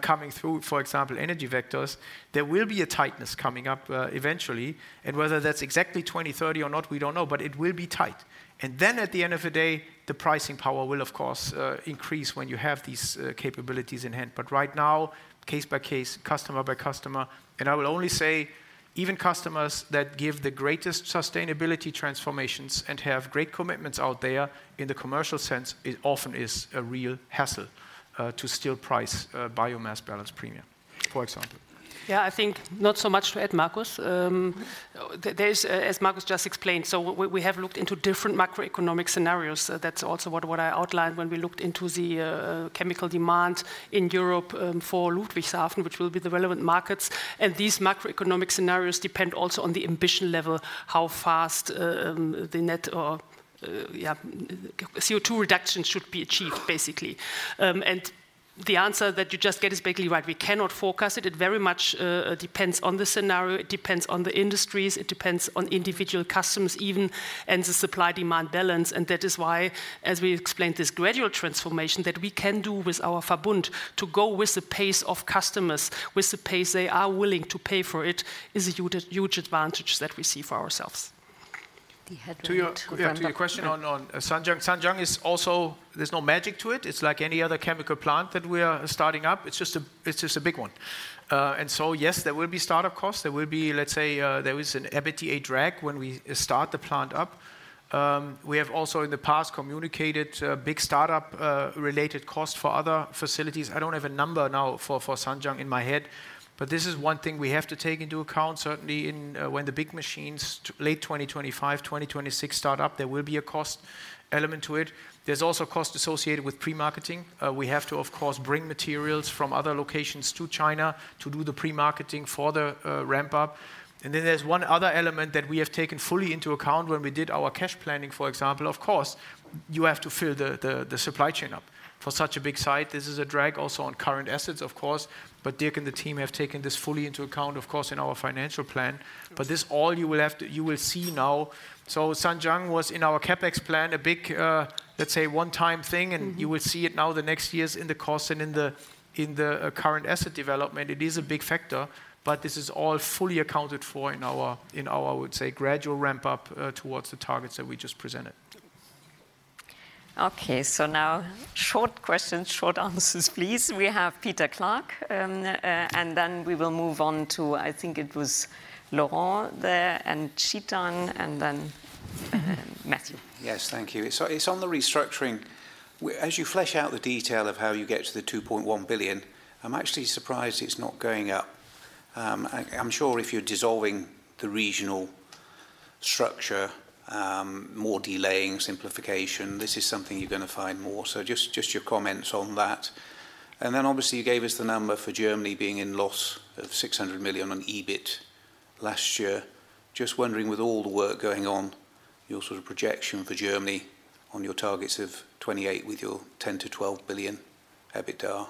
coming through, for example, energy vectors, there will be a tightness coming up, eventually, and whether that's exactly 2030 or not, we don't know, but it will be tight. And then at the end of the day, the pricing power will, of course, increase when you have these, capabilities in hand. But right now, case by case, customer by customer, and I will only say even customers that give the greatest sustainability transformations and have great commitments out there in the commercial sense, it often is a real hassle, to still price, biomass balance premium, for example. Yeah, I think not so much to add, Marcus. There is, as Marcus just explained, so we have looked into different macroeconomic scenarios. That's also what I outlined when we looked into the chemical demand in Europe, for Ludwigshafen, which will be the relevant markets. And these macroeconomic scenarios depend also on the ambition level, how fast the net zero CO₂ reduction should be achieved, basically. And the answer that you just get is basically right: we cannot forecast it. It very much depends on the scenario, it depends on the industries, it depends on individual customers even, and the supply-demand balance. That is why, as we explained, this gradual transformation that we can do with our Verbund to go with the pace of customers, with the pace they are willing to pay for it, is a huge, huge advantage that we see for ourselves. We head to. To your. Go ahead, Markus. Yeah, to your question on Zhanjiang. Zhanjiang is also. There's no magic to it. It's like any other chemical plant that we are starting up. It's just a big one. And so yes, there will be start-up costs. There will be, let's say, there is an EBITDA drag when we start the plant up. We have also in the past communicated big start-up related costs for other facilities. I don't have a number now for Zhanjiang in my head, but this is one thing we have to take into account, certainly when the big machines, late 2025, 2026, start up, there will be a cost element to it. There's also a cost associated with pre-marketing. We have to, of course, bring materials from other locations to China to do the pre-marketing for the ramp up. And then there's one other element that we have taken fully into account when we did our cash planning, for example. Of course, you have to fill the supply chain up. For such a big site, this is a drag also on current assets, of course. But Dirk and the team have taken this fully into account, of course, in our financial plan but this all you will have to. You will see now. So Zhanjiang was in our CapEx plan, a big, let's say, one-time thing, and you will see it now, the next years in the cost and in the current asset development. It is a big factor, but this is all fully accounted for in our, I would say, gradual ramp up towards the targets that we just presented. Okay, so now short questions, short answers, please. We have Peter Clark, and then we will move on to, I think it was Laurent there, and Chetan, and then, Matthew. Yes, thank you. So it's on the restructuring. As you flesh out the detail of how you get to the 2.1 billion, I'm actually surprised it's not going up. I'm sure if you're dissolving the regional structure, more delaying simplification, this is something you're gonna find more. So just your comments on that. And then obviously, you gave us the number for Germany being in loss of 600 million on EBIT last year. Just wondering, with all the work going on, your sort of projection for Germany on your targets of 2028, with your 10 billion to 12 billion EBITDA.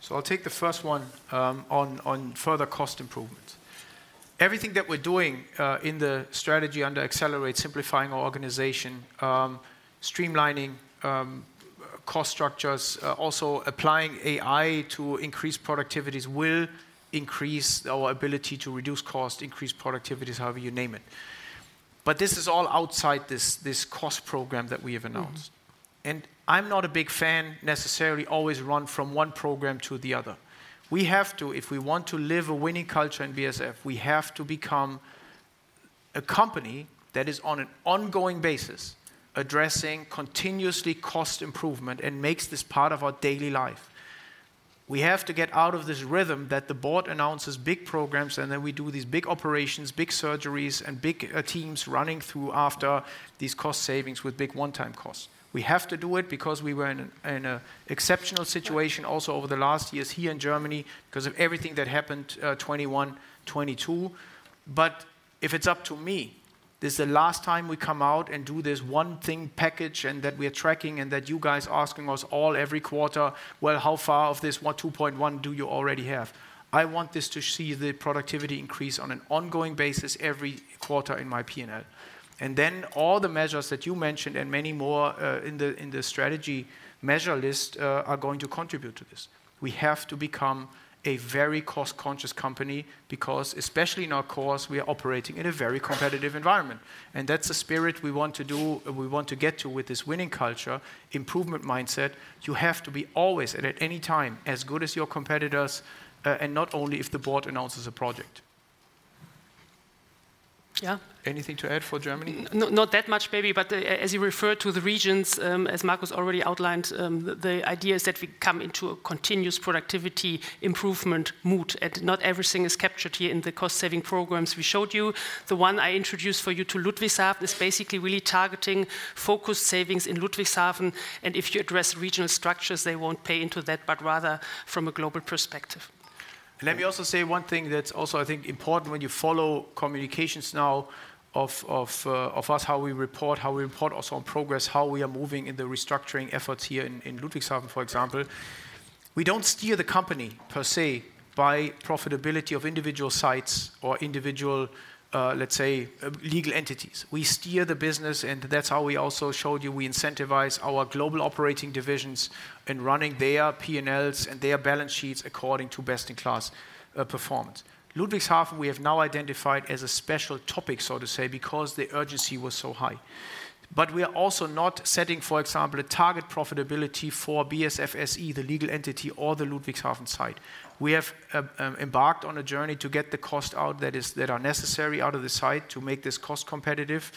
So I'll take the first one on further cost improvements. Everything that we're doing in the strategy under Accelerate, simplifying our organization, streamlining cost structures, also applying AI to increase productivities will increase our ability to reduce cost, increase productivities, however you name it. But this is all outside this cost program that we have announced. I'm not a big fan necessarily always run from one program to the other. We have to. If we want to live a winning culture in BASF, we have to become a company that is on an ongoing basis, addressing continuously cost improvement and makes this part of our daily life. We have to get out of this rhythm that the board announces big programs, and then we do these big operations, big surgeries, and big teams running through after these cost savings with big one-time costs. We have to do it because we were in a exceptional situation also over the last years here in Germany, because of everything that happened, 2021, 2022. But if it's up to me, this is the last time we come out and do this one thing package, and that we are tracking, and that you guys asking us all every quarter, "Well, how far of this one, two point one do you already have?" I want this to see the productivity increase on an ongoing basis every quarter in my P&L, and then all the measures that you mentioned, and many more, in the strategy measure list, are going to contribute to this. We have to become a very cost-conscious company, because especially in our course, we are operating in a very competitive environment, and that's the spirit we want to get to with this winning culture, improvement mindset. You have to be always and at any time, as good as your competitors, and not only if the board announces a project. Yeah? Anything to add for Germany? Not that much, maybe, but as you referred to the regions, as Markus already outlined, the idea is that we come into a continuous productivity improvement mood, and not everything is captured here in the cost-saving programs we showed you. The one I introduced for you to Ludwigshafen is basically really targeting focused savings in Ludwigshafen, and if you address regional structures, they won't play into that, but rather from a global perspective. And let me also say one thing that's also, I think, important when you follow communications now of us, how we report also on progress, how we are moving in the restructuring efforts here in Ludwigshafen, for example. We don't steer the company per se, by profitability of individual sites or individual, let's say, legal entities. We steer the business, and that's how we also showed you, we incentivize our global operating divisions in running their P&Ls and their balance sheets according to best-in-class performance. Ludwigshafen, we have now identified as a special topic, so to say, because the urgency was so high. But we are also not setting, for example, a target profitability for BASF SE, the legal entity or the Ludwigshafen site. We have embarked on a journey to get the cost out that are necessary out of the site to make this cost competitive.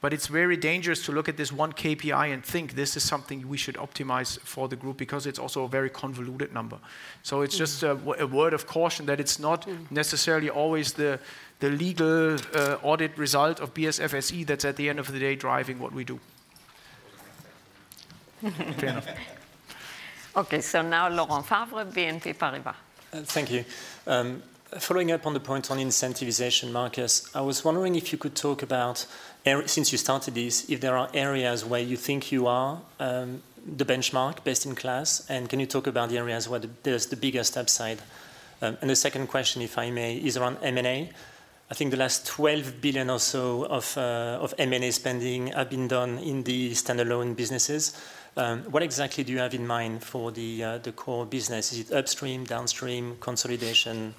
But it's very dangerous to look at this one KPI and think this is something we should optimize for the group, because it's also a very convoluted number. So it's just a word of caution that it's not necessarily always the legal audit result of BASF SE that's at the end of the day driving what we do. Fair enough. Okay, so now Laurent Favre, BNP Paribas. Thank you. Following up on the point on incentivization, Markus, I was wondering if you could talk about since you started this, if there are areas where you think you are the benchmark best in class, and can you talk about the areas where there's the biggest upside? And the second question, if I may, is around M&A. I think the last 12 billion or so of M&A spending have been done in the standalone businesses. What exactly do you have in mind for the core business? Is it upstream, downstream, consolidation?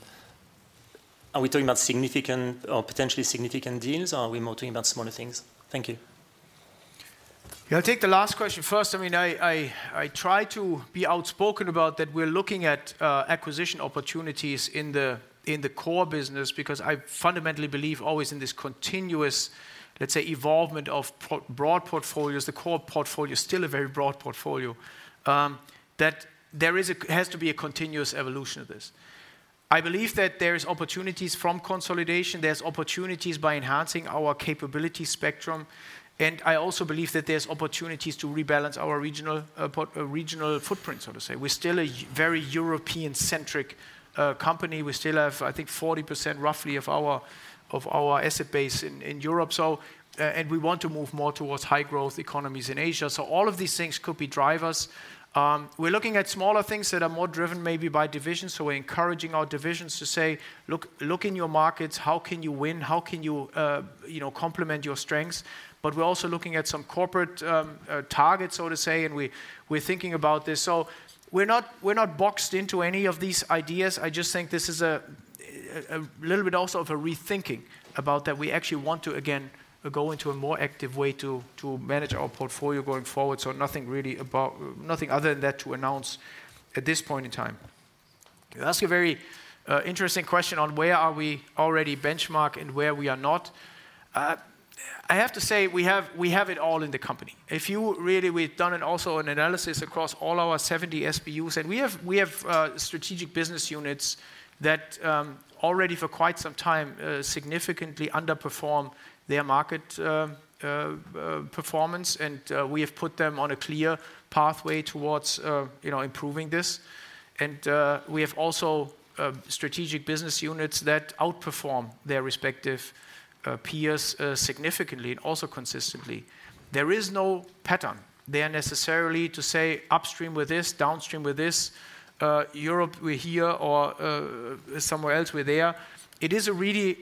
Are we talking about significant or potentially significant deals, or are we more talking about smaller things? Thank you. Yeah, I'll take the last question first. I mean, I try to be outspoken about that we're looking at acquisition opportunities in the core business, because I fundamentally believe always in this continuous, let's say, evolvement of broad portfolios, the core portfolio, still a very broad portfolio. That there is has to be a continuous evolution of this. I believe that there is opportunities from consolidation, there's opportunities by enhancing our capability spectrum, and I also believe that there's opportunities to rebalance our regional regional footprint, so to say. We're still a very European-centric company. We still have, I think, 40% roughly of our asset base in Europe. So, and we want to move more towards high growth economies in Asia. So all of these things could be drivers. We're looking at smaller things that are more driven maybe by divisions. So we're encouraging our divisions to say, "Look, look in your markets, how can you win? How can you, you know, complement your strengths?" But we're also looking at some corporate targets, so to say, and we're thinking about this. So we're not, we're not boxed into any of these ideas. I just think this is a little bit also of a rethinking about that we actually want to, again, go into a more active way to manage our portfolio going forward. So nothing really about, nothing other than that to announce at this point in time. You ask a very interesting question on where are we already benchmarked and where we are not. I have to say, we have, we have it all in the company. We've done also an analysis across all our seventy SBUs, and we have strategic business units that already for quite some time significantly underperform their market performance, and we have also strategic business units that outperform their respective peers significantly and also consistently. There is no pattern. They are necessarily to say upstream with this, downstream with this, Europe, we're here or somewhere else, we're there. It is really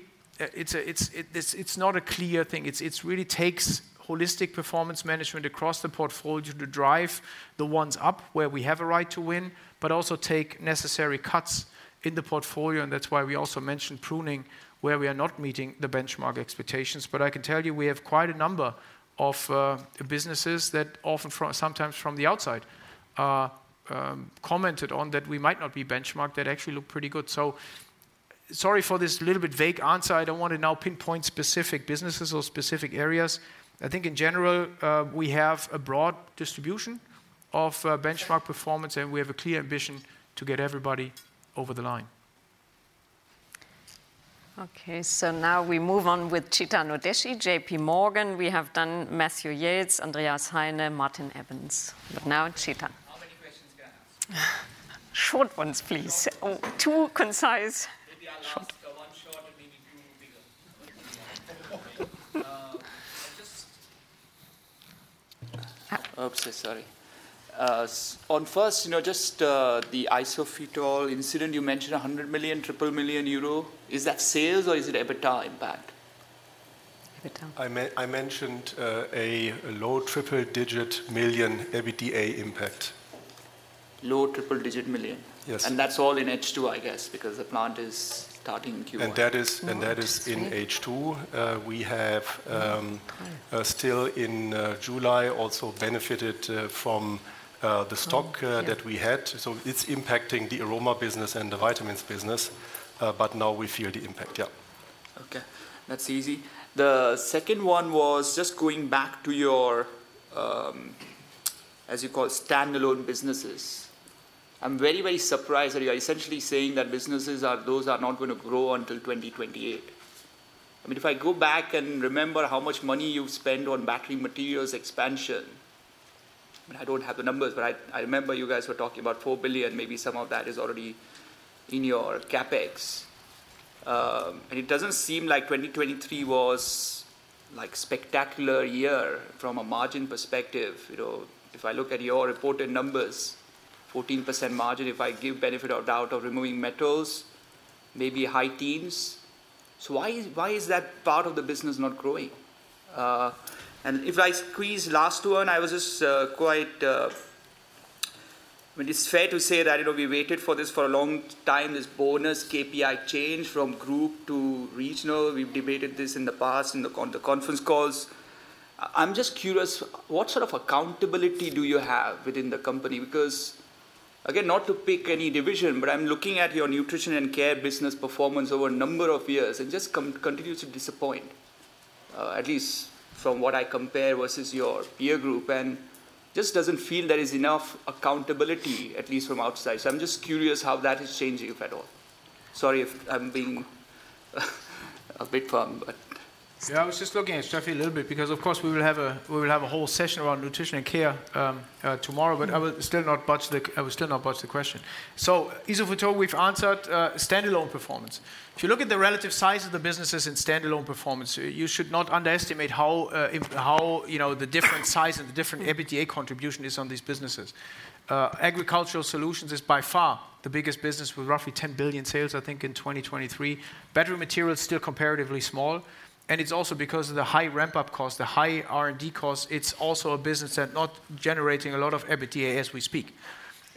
not a clear thing. It's really takes holistic performance management across the portfolio to drive the ones up where we have a right to win, but also take necessary cuts in the portfolio, and that's why we also mentioned pruning, where we are not meeting the benchmark expectations. But I can tell you, we have quite a number of businesses that often from, sometimes from the outside, commented on that we might not be benchmark, that actually look pretty good. So sorry for this little bit vague answer. I don't want to now pinpoint specific businesses or specific areas. I think in general, we have a broad distribution of benchmark performance, and we have a clear ambition to get everybody over the line. Okay, so now we move on with Chetan Udeshi, J.P. Morgan. We have done Matthew Yates, Andreas Heine, Martin Evans. Now, Chetan. Short ones, please. Oh, two concise short, Maybe I'll ask one short and maybe two bigger. But just. Yeah. Oops, so sorry. First on, you know, just the Isophytol incident, you mentioned 100 million, 300 million euro. Is that sales or is it EBITDA impact? EBITDA. I mentioned a low triple-digit million EBITDA impact. Low triple-digit million? Yes. That's all in H2 because the plant is starting in Q1. And that is in H2. Right. We have still in July also benefited from the stocks that we had. So it's impacting the aroma business and the vitamins business, but now we feel the impact. Yeah. Okay, that's easy. The second one was just going back to your, as you call it, standalone businesses. I'm very, very surprised that you're essentially saying that businesses are those that are not going to grow until twenty twenty-eight. I mean, if I go back and remember how much money you've spent on battery materials expansion, I mean, I don't have the numbers, but I, I remember you guys were talking about 4 billion. Maybe some of that is already in your CapEx. And it doesn't seem like twenty twenty-three was, like, spectacular year from a margin perspective. You know, if I look at your reported numbers, 14% margin, if I give benefit of the doubt of removing metals, maybe high-teens. So why is that part of the business not growing? And if I squeeze last one, I was just quite, I mean, it's fair to say that, you know, we waited for this for a long time, this bonus KPI change from group to regional. We've debated this in the past in the conference calls. I'm just curious, what sort of accountability do you have within the company? Because, again, not to pick any division, but I'm looking at your nutrition and care business performance over a number of years, it just continues to disappoint, at least from what I compare versus your peer group, and just doesn't feel there is enough accountability, at least from outside. So I'm just curious how that is changing, if at all. Sorry if I'm being a bit firm, but. Yeah, I was just looking at Stefanie a little bit because, of course, we will have a whole session around nutrition and care tomorrow. But I will still not budge the question. So Isophytol, we've answered standalone performance. If you look at the relative size of the businesses in standalone performance, you should not underestimate how, you know, the different size and the different EBITDA contribution is on these businesses. Agricultural Solutions is by far the biggest business, with roughly 10 billion sales, I think, in 2023. Battery material is still comparatively small, and it's also because of the high ramp-up cost, the high R&D cost. It's also a business that not generating a lot of EBITDA as we speak.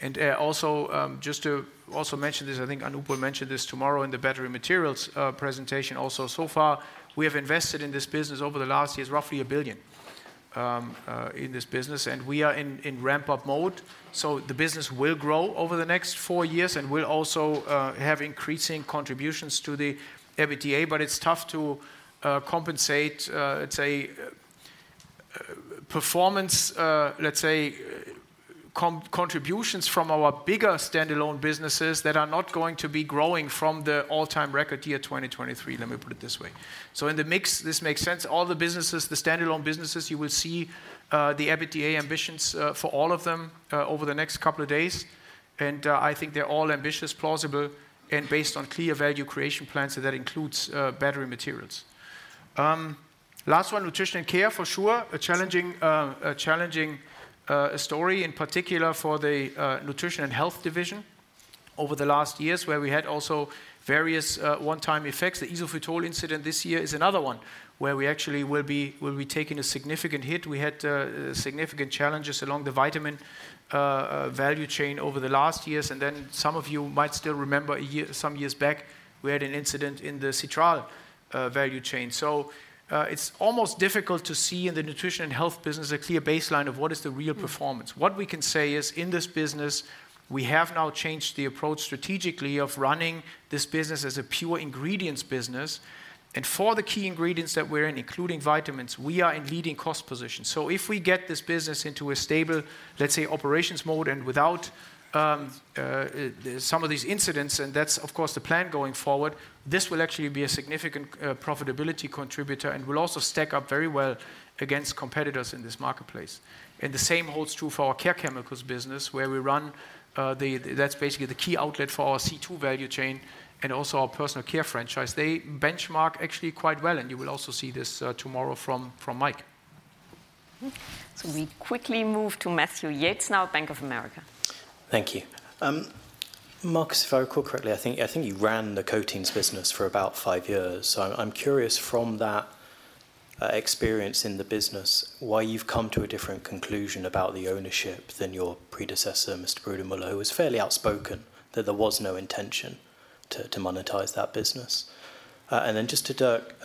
And also, just to also mention this, I think Anup mentioned this tomorrow in the battery materials presentation also. So far, we have invested in this business over the last years, roughly 1 billion in this business, and we are in ramp-up mode. So the business will grow over the next four years, and we'll also have increasing contributions to the EBITDA. But it's tough to compensate, let's say, performance, let's say, contributions from our bigger standalone businesses that are not going to be growing from the all-time record year 2023, let me put it this way. So in the mix, this makes sense. All the businesses, the standalone businesses, you will see the EBITDA ambitions for all of them over the next couple of days. I think they're all ambitious, plausible, and based on clear value creation plans, so that includes battery materials. Last one, nutrition and care, for sure, a challenging story, in particular for the nutrition and health division over the last years, where we had also various one-time effects. The Isophytol incident this year is another one, where we actually will be, we'll be taking a significant hit. We had significant challenges along the vitamin value chain over the last years. Then some of you might still remember some years back, we had an incident in the citral value chain. It's almost difficult to see in the nutrition and health business a clear baseline of what is the real performance. What we can say is, in this business, we have now changed the approach strategically of running this business as a pure ingredients business. And for the key ingredients that we're in, including vitamins, we are in leading cost position. So if we get this business into a stable, let's say, operations mode and without some of these incidents, and that's of course the plan going forward, this will actually be a significant profitability contributor and will also stack up very well against competitors in this marketplace. And the same holds true for our care chemicals business, where we run, that's basically the key outlet for our C2 value chain and also our personal care franchise. They benchmark actually quite well, and you will also see this tomorrow from Mike. So we quickly move to Matthew Yates now, Bank of America. Thank you. Markus, if I recall correctly, I think you ran the coatings business for about five years. So I'm curious, from that experience in the business, why you've come to a different conclusion about the ownership than your predecessor, Mr. Brudermüller, who was fairly outspoken that there was no intention to monetize that business? And then just to Dirk,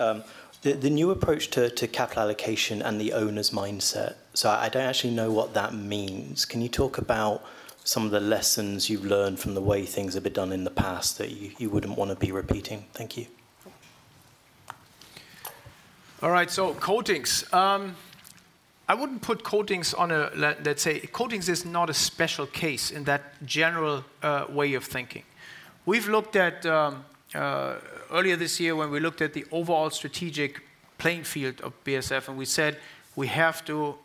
the new approach to capital allocation and the owner's mindset. So I don't actually know what that means. Can you talk about some of the lessons you've learned from the way things have been done in the past that you wouldn't want to be repeating? Thank you. All right, so coatings. I wouldn't put coatings on a level. Let's say, coatings is not a special case in that general way of thinking. We've looked at earlier this year when we looked at the overall strategic playing field of BASF, and we said we have to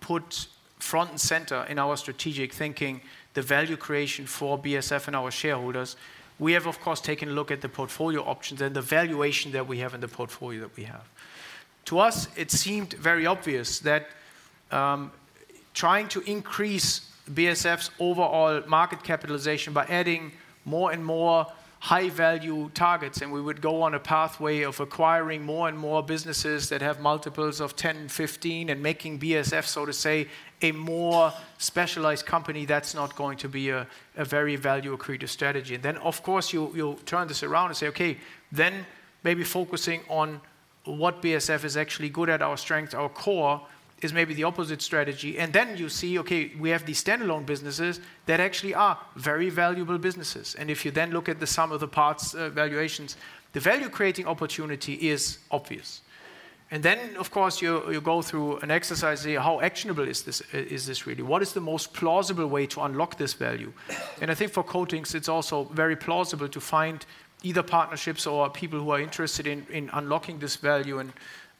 put front and center in our strategic thinking the value creation for BASF and our shareholders. We have, of course, taken a look at the portfolio options and the valuation that we have in the portfolio that we have. To us, it seemed very obvious that trying to increase BASF's overall market capitalization by adding more and more high-value targets, and we would go on a pathway of acquiring more and more businesses that have multiples of 10 and 15, and making BASF, so to say, a more specialized company, that's not going to be a very value-accretive strategy. Of course, you'll turn this around and say, "Okay, then maybe focusing on what BASF is actually good at, our strength, our core, is maybe the opposite strategy." You see, okay, we have these standalone businesses that actually are very valuable businesses. If you then look at the sum of the parts valuations, the value-creating opportunity is obvious. Of course, you go through an exercise, say: how actionable is this, is this really? What is the most plausible way to unlock this value? And I think for Coatings, it's also very plausible to find either partnerships or people who are interested in unlocking this value.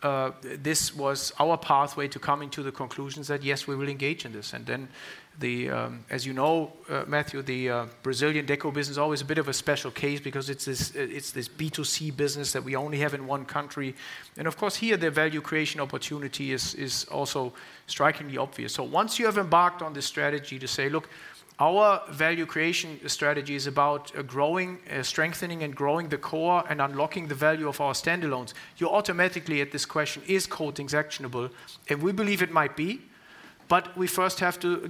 And this was our pathway to coming to the conclusions that, yes, we will engage in this. And then, as you know, Matthew, the Brazilian Deco business is always a bit of a special case because it's this, it's this B2C business that we only have in one country. And of course, here, the value creation opportunity is also strikingly obvious. So once you have embarked on this strategy to say, "Look, our value creation strategy is about growing, strengthening and growing the core and unlocking the value of our standalones," you're automatically at this question: Is Coatings actionable? And we believe it might be, but we first have to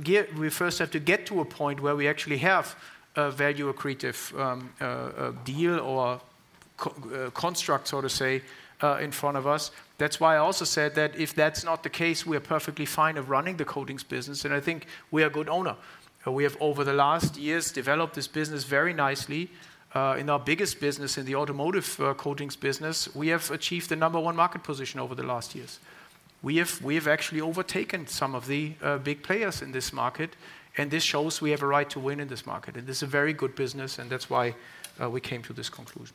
get to a point where we actually have a value-accretive, a deal or construct, so to say, in front of us. That's why I also said that if that's not the case, we are perfectly fine of running the Coatings business, and I think we are a good owner. We have, over the last years, developed this business very nicely. In our biggest business, in the automotive Coatings business, we have achieved the number one market position over the last years. We have actually overtaken some of the big players in this market, and this shows we have a right to win in this market. And this is a very good business, and that's why we came to this conclusion.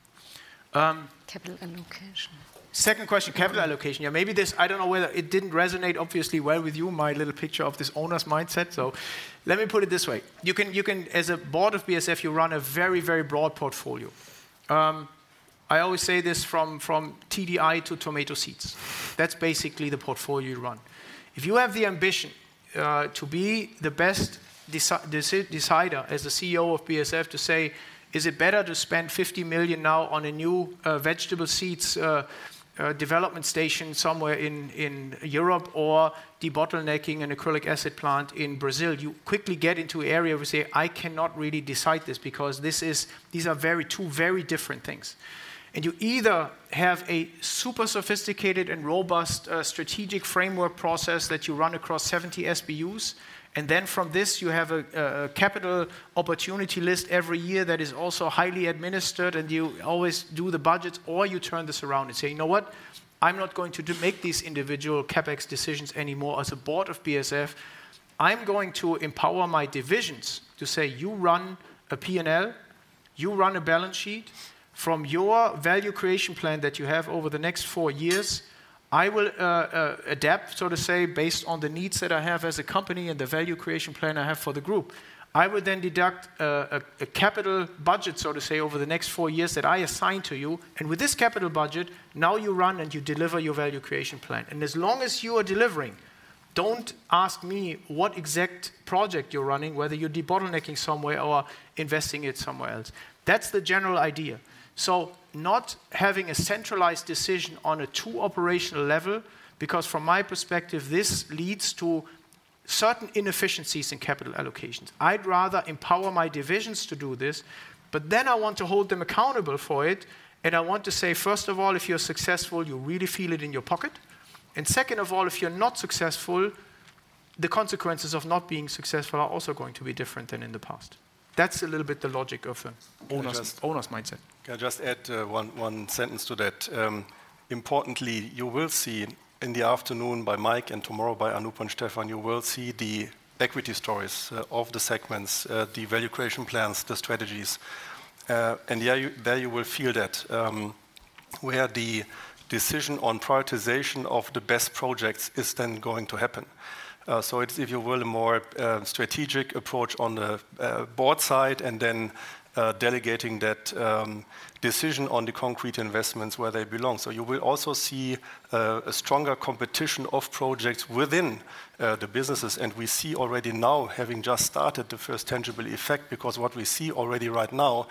Capital allocation. Second question, capital allocation. Yeah, maybe this, I don't know whether it didn't resonate obviously well with you, my little picture of this owner's mindset, so let me put it this way. You can, as a board of BASF, you run a very, very broad portfolio. I always say this from TDI to tomato seeds. That's basically the portfolio you run. If you have the ambition to be the best decider as the CEO of BASF, to say, "Is it better to spend 50 million now on a new vegetable seeds development station somewhere in Europe or debottlenecking an acrylic acid plant in Brazil?" You quickly get into an area where you say, "I cannot really decide this, because these are two very different things." And you either have a super sophisticated and robust strategic framework process that you run across seventy SBUs, and then from this, you have a capital opportunity list every year that is also highly administered, and you always do the budgets. Or you turn this around and say: You know what? I'm not going to make these individual CapEx decisions anymore as a board of BASF. I'm going to empower my divisions to say, "You run a P&L. You run a balance sheet. From your value creation plan that you have over the next four years, I will adapt, so to say, based on the needs that I have as a company and the value creation plan I have for the group. I will then deduct a capital budget, so to say, over the next four years that I assign to you, and with this capital budget, now you run and you deliver your value creation plan. And as long as you are delivering, don't ask me what exact project you're running, whether you're debottlenecking somewhere or investing it somewhere else." That's the general idea. So not having a centralized decision on a too operational level, because from my perspective, this leads to certain inefficiencies in capital allocations. I'd rather empower my divisions to do this, but then I want to hold them accountable for it, and I want to say: First of all, if you're successful, you really feel it in your pocket. And second of all, if you're not successful, the consequences of not being successful are also going to be different than in the past. That's a little bit the logic of an owner's mindset. Can I just add one sentence to that? Importantly, you will see in the afternoon by Mike and tomorrow by Anup and Stephan, you will see the equity stories of the segments, the value creation plans, the strategies. And yeah, there you will feel that, where the decision on prioritization of the best projects is then going to happen. So it's, if you will, a more strategic approach on the board side, and then delegating that decision on the concrete investments where they belong. So you will also see a stronger competition of projects within the businesses. And we see already now, having just started, the first tangible effect, because what we see already right now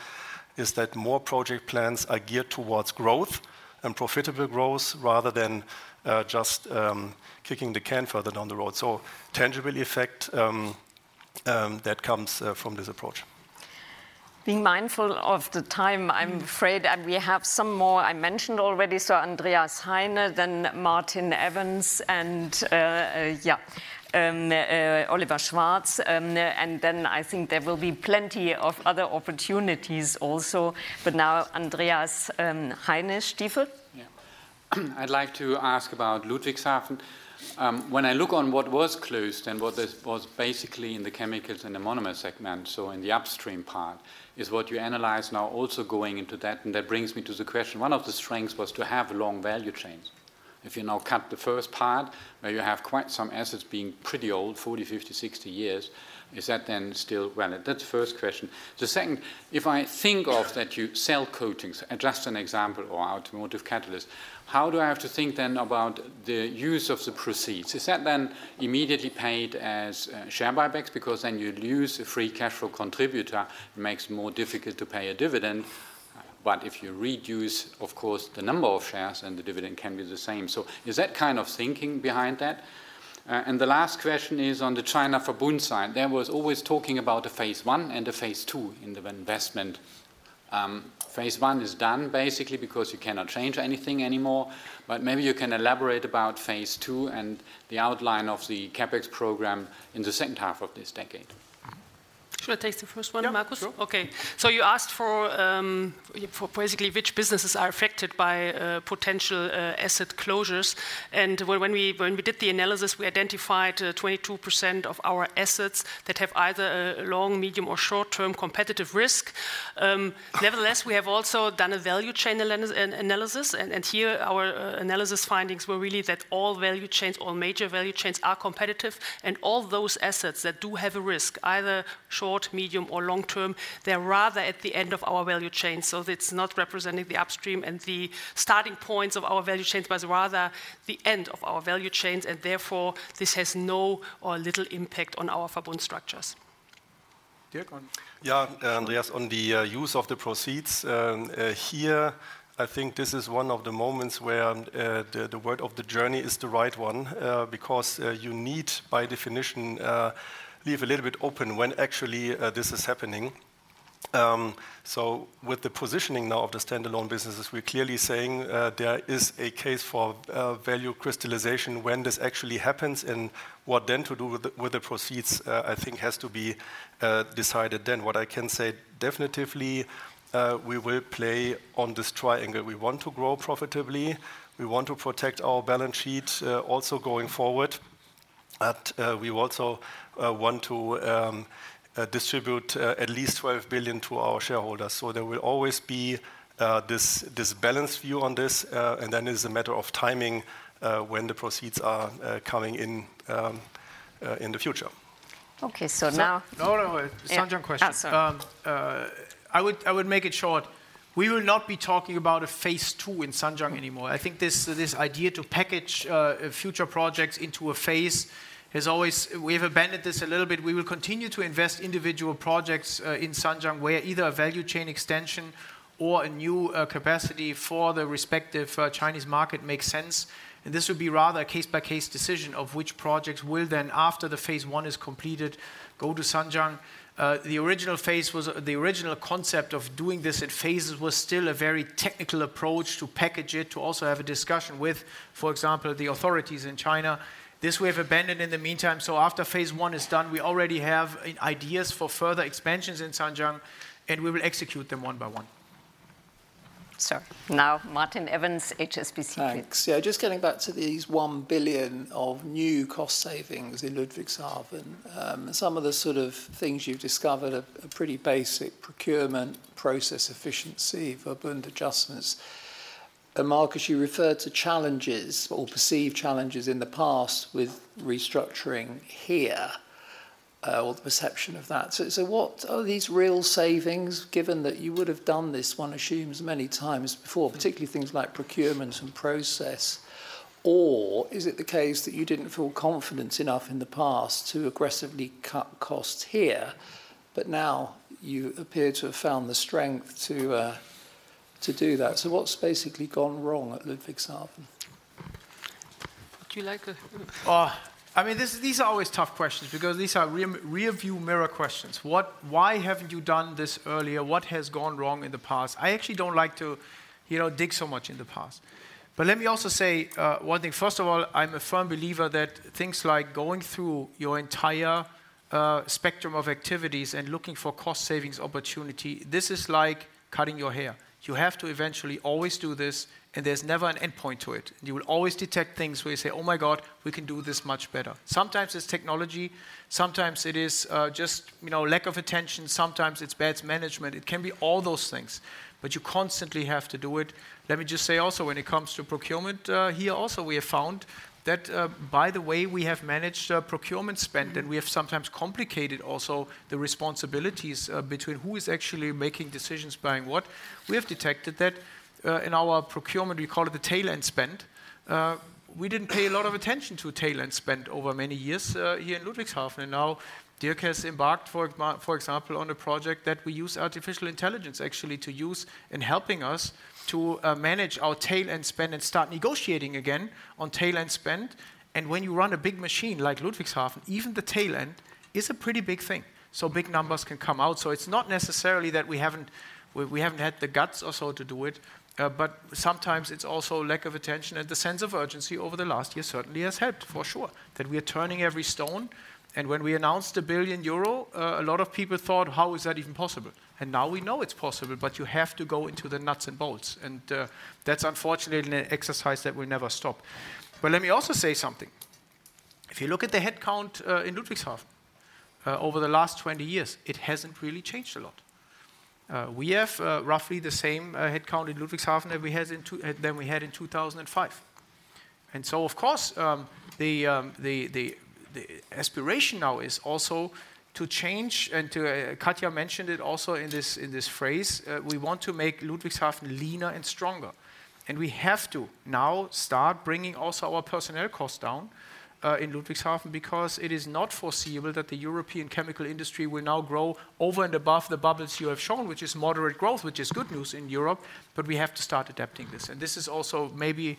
is that more project plans are geared towards growth and profitable growth, rather than just kicking the can further down the road. So tangible effect that comes from this approach. Being mindful of the time, I'm afraid, and we have some more I mentioned already, so Andreas Heine, then Martin Evans, and Oliver Schwarz, and then I think there will be plenty of other opportunities also, but now, Andreas Heine, Stifel. Yeah. I'd like to ask about Ludwigshafen. When I look on what was closed and what was basically in the chemicals and the monomer segment, so in the upstream part, is what you analyze now also going into that? And that brings me to the question: One of the strengths was to have long value chains if you now cut the first part, now you have quite some assets being pretty old, 40 years, 50 years, 60 years. Is that then still relevant? That's the first question. The second, if I think of that you sell coatings, and just an example, or automotive catalyst, how do I have to think then about the use of the proceeds? Is that then immediately paid as share buybacks? Because then you lose a free cash flow contributor, it makes it more difficult to pay a dividend. But if you reduce, of course, the number of shares, then the dividend can be the same. So is that kind of thinking behind that? And the last question is on the China Verbund site. There was always talking about a phase I and a phase II in the investment. Phase I is done basically because you cannot change anything anymore, but maybe you can elaborate about phase II and the outline of the CapEx program in the second half of this decade. Should I take the first one, Markus? Yeah, sure. Okay. So you asked for basically which businesses are affected by potential asset closures. And when we did the analysis, we identified 22% of our assets that have either a long, medium, or short-term competitive risk. Nevertheless, we have also done a value chain analysis, and here, our analysis findings were really that all value chains, all major value chains are competitive. And all those assets that do have a risk, either short, medium, or long-term, they're rather at the end of our value chain. So it's not representing the upstream and the starting points of our value chains, but rather the end of our value chains, and therefore, this has no or little impact on our Verbund structures. Dirk? Yeah, Andreas, on the use of the proceeds, here, I think this is one of the moments where the word of the journey is the right one. Because you need, by definition, leave a little bit open when actually this is happening. So with the positioning now of the standalone businesses, we're clearly saying there is a case for value crystallization when this actually happens, and what then to do with the proceeds, I think has to be decided then. What I can say definitively, we will play on this triangle. We want to grow profitably, we want to protect our balance sheet also going forward, and we also want to distribute at least 12 billion to our shareholders. So there will always be this balanced view on this, and then it's a matter of timing when the proceeds are coming in the future. Okay, so now. No, no, no. Zhanjiang question. Oh, sorry. I would make it short. We will not be talking about a phase II in Zhanjiang anymore. I think this idea to package future projects into a phase has always, we have abandoned this a little bit. We will continue to invest individual projects in Zhanjiang, where either a value chain extension or a new capacity for the respective Chinese market makes sense. And this would be rather a case-by-case decision of which projects will then, after the phase I is completed, go to Zhanjiang. The original phase was the original concept of doing this in phases was still a very technical approach to package it, to also have a discussion with, for example, the authorities in China. This we have abandoned in the meantime, so after phase I is done, we already have ideas for further expansions in Zhanjiang, and we will execute them one by one. So now Martin Evans, HSBC, please. Thanks. Yeah, just getting back to these 1 billion of new cost savings in Ludwigshafen. Some of the sort of things you've discovered are pretty basic: procurement, process efficiency, Verbund adjustments. And Markus, you referred to challenges or perceived challenges in the past with restructuring here, or the perception of that. So what are these real savings, given that you would have done this, one assumes, many times before, particularly things like procurement and process? Or is it the case that you didn't feel confident enough in the past to aggressively cut costs here, but now you appear to have found the strength to do that? So what's basically gone wrong at Ludwigshafen? Would you like to? I mean, these are always tough questions because these are rearview mirror questions. What- why haven't you done this earlier? What has gone wrong in the past? I actually don't like to, you know, dig so much in the past. But let me also say one thing. First of all, I'm a firm believer that things like going through your entire spectrum of activities and looking for cost savings opportunity, this is like cutting your hair. You have to eventually always do this, and there's never an endpoint to it. You will always detect things where you say, "Oh, my God, we can do this much better." Sometimes it's technology, sometimes it is just, you know, lack of attention, sometimes it's bad management. It can be all those things, but you constantly have to do it. Let me just say also, when it comes to procurement, here also, we have found that, by the way, we have managed procurement spend, and we have sometimes complicated also the responsibilities between who is actually making decisions, buying what. We have detected that, in our procurement, we call it the tail end spend. We didn't pay a lot of attention to tail end spend over many years, here in Ludwigshafen. And now, Dirk has embarked, for example, on a project that we use Artificial Intelligence, actually, to use in helping us to manage our tail end spend and start negotiating again on tail end spend. And when you run a big machine like Ludwigshafen, even the tail end is a pretty big thing, so big numbers can come out. So it's not necessarily that we haven't had the guts or so to do it, but sometimes it's also lack of attention, and the sense of urgency over the last year certainly has helped, for sure, that we are turning every stone. And when we announced 1 billion euro, a lot of people thought, "How is that even possible?" And now we know it's possible, but you have to go into the nuts and bolts, and that's unfortunately an exercise that will never stop. But let me also say something, if you look at the headcount in Ludwigshafen over the last 20 years, it hasn't really changed a lot. We have roughly the same headcount in Ludwigshafen that we had than we had in 2005. And so, of course, the aspiration now is also to change and to. Katja mentioned it also in this phrase, we want to make Ludwigshafen leaner and stronger. And we have to now start bringing also our personnel costs down in Ludwigshafen, because it is not foreseeable that the European chemical industry will now grow over and above the bubbles you have shown, which is moderate growth, which is good news in Europe, but we have to start adapting this. And this is also maybe,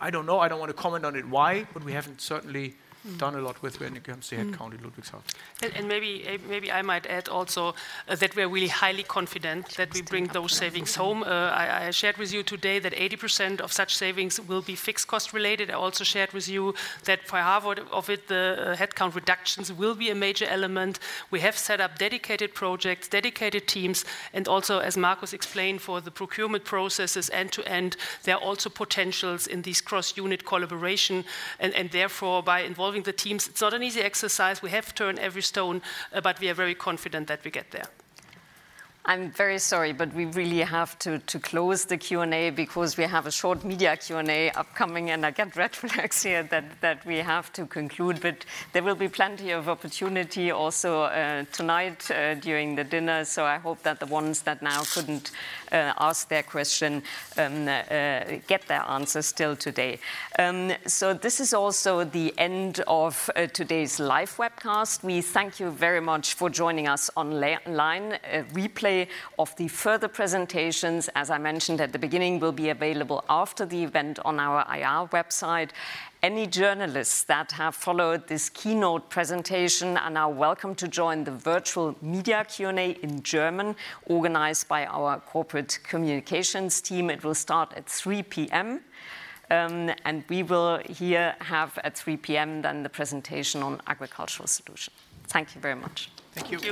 I don't know, I don't want to comment on it, why, but we haven't certainly done a lot with when it comes to headcount in Ludwigshafen. And maybe I might add also that we are highly confident that we bring those savings home. I shared with you today that 80% of such savings will be fixed cost related. I also shared with you that for half of it, the headcount reductions will be a major element. We have set up dedicated projects, dedicated teams, and also, as Markus explained, for the procurement processes end to end, there are also potentials in this cross-unit collaboration. And therefore, by involving the teams, it's not an easy exercise. We have to turn every stone, but we are very confident that we get there. I'm very sorry, but we really have to close the Q&A because we have a short media Q&A upcoming, and I get red flags here that we have to conclude, but there will be plenty of opportunity also tonight during the dinner. I hope that the ones that now couldn't ask their question get their answers still today. So this is also the end of today's live webcast. We thank you very much for joining us online. Replay of the further presentations, as I mentioned at the beginning, will be available after the event on our IR website. Any journalists that have followed this keynote presentation are now welcome to join the virtual media Q&A in German, organized by our corporate communications team. It will start at 3:00 P.M. And we will here have at 3:00 P.M., then the presentation on agricultural solutions. Thank you very much. Thank you.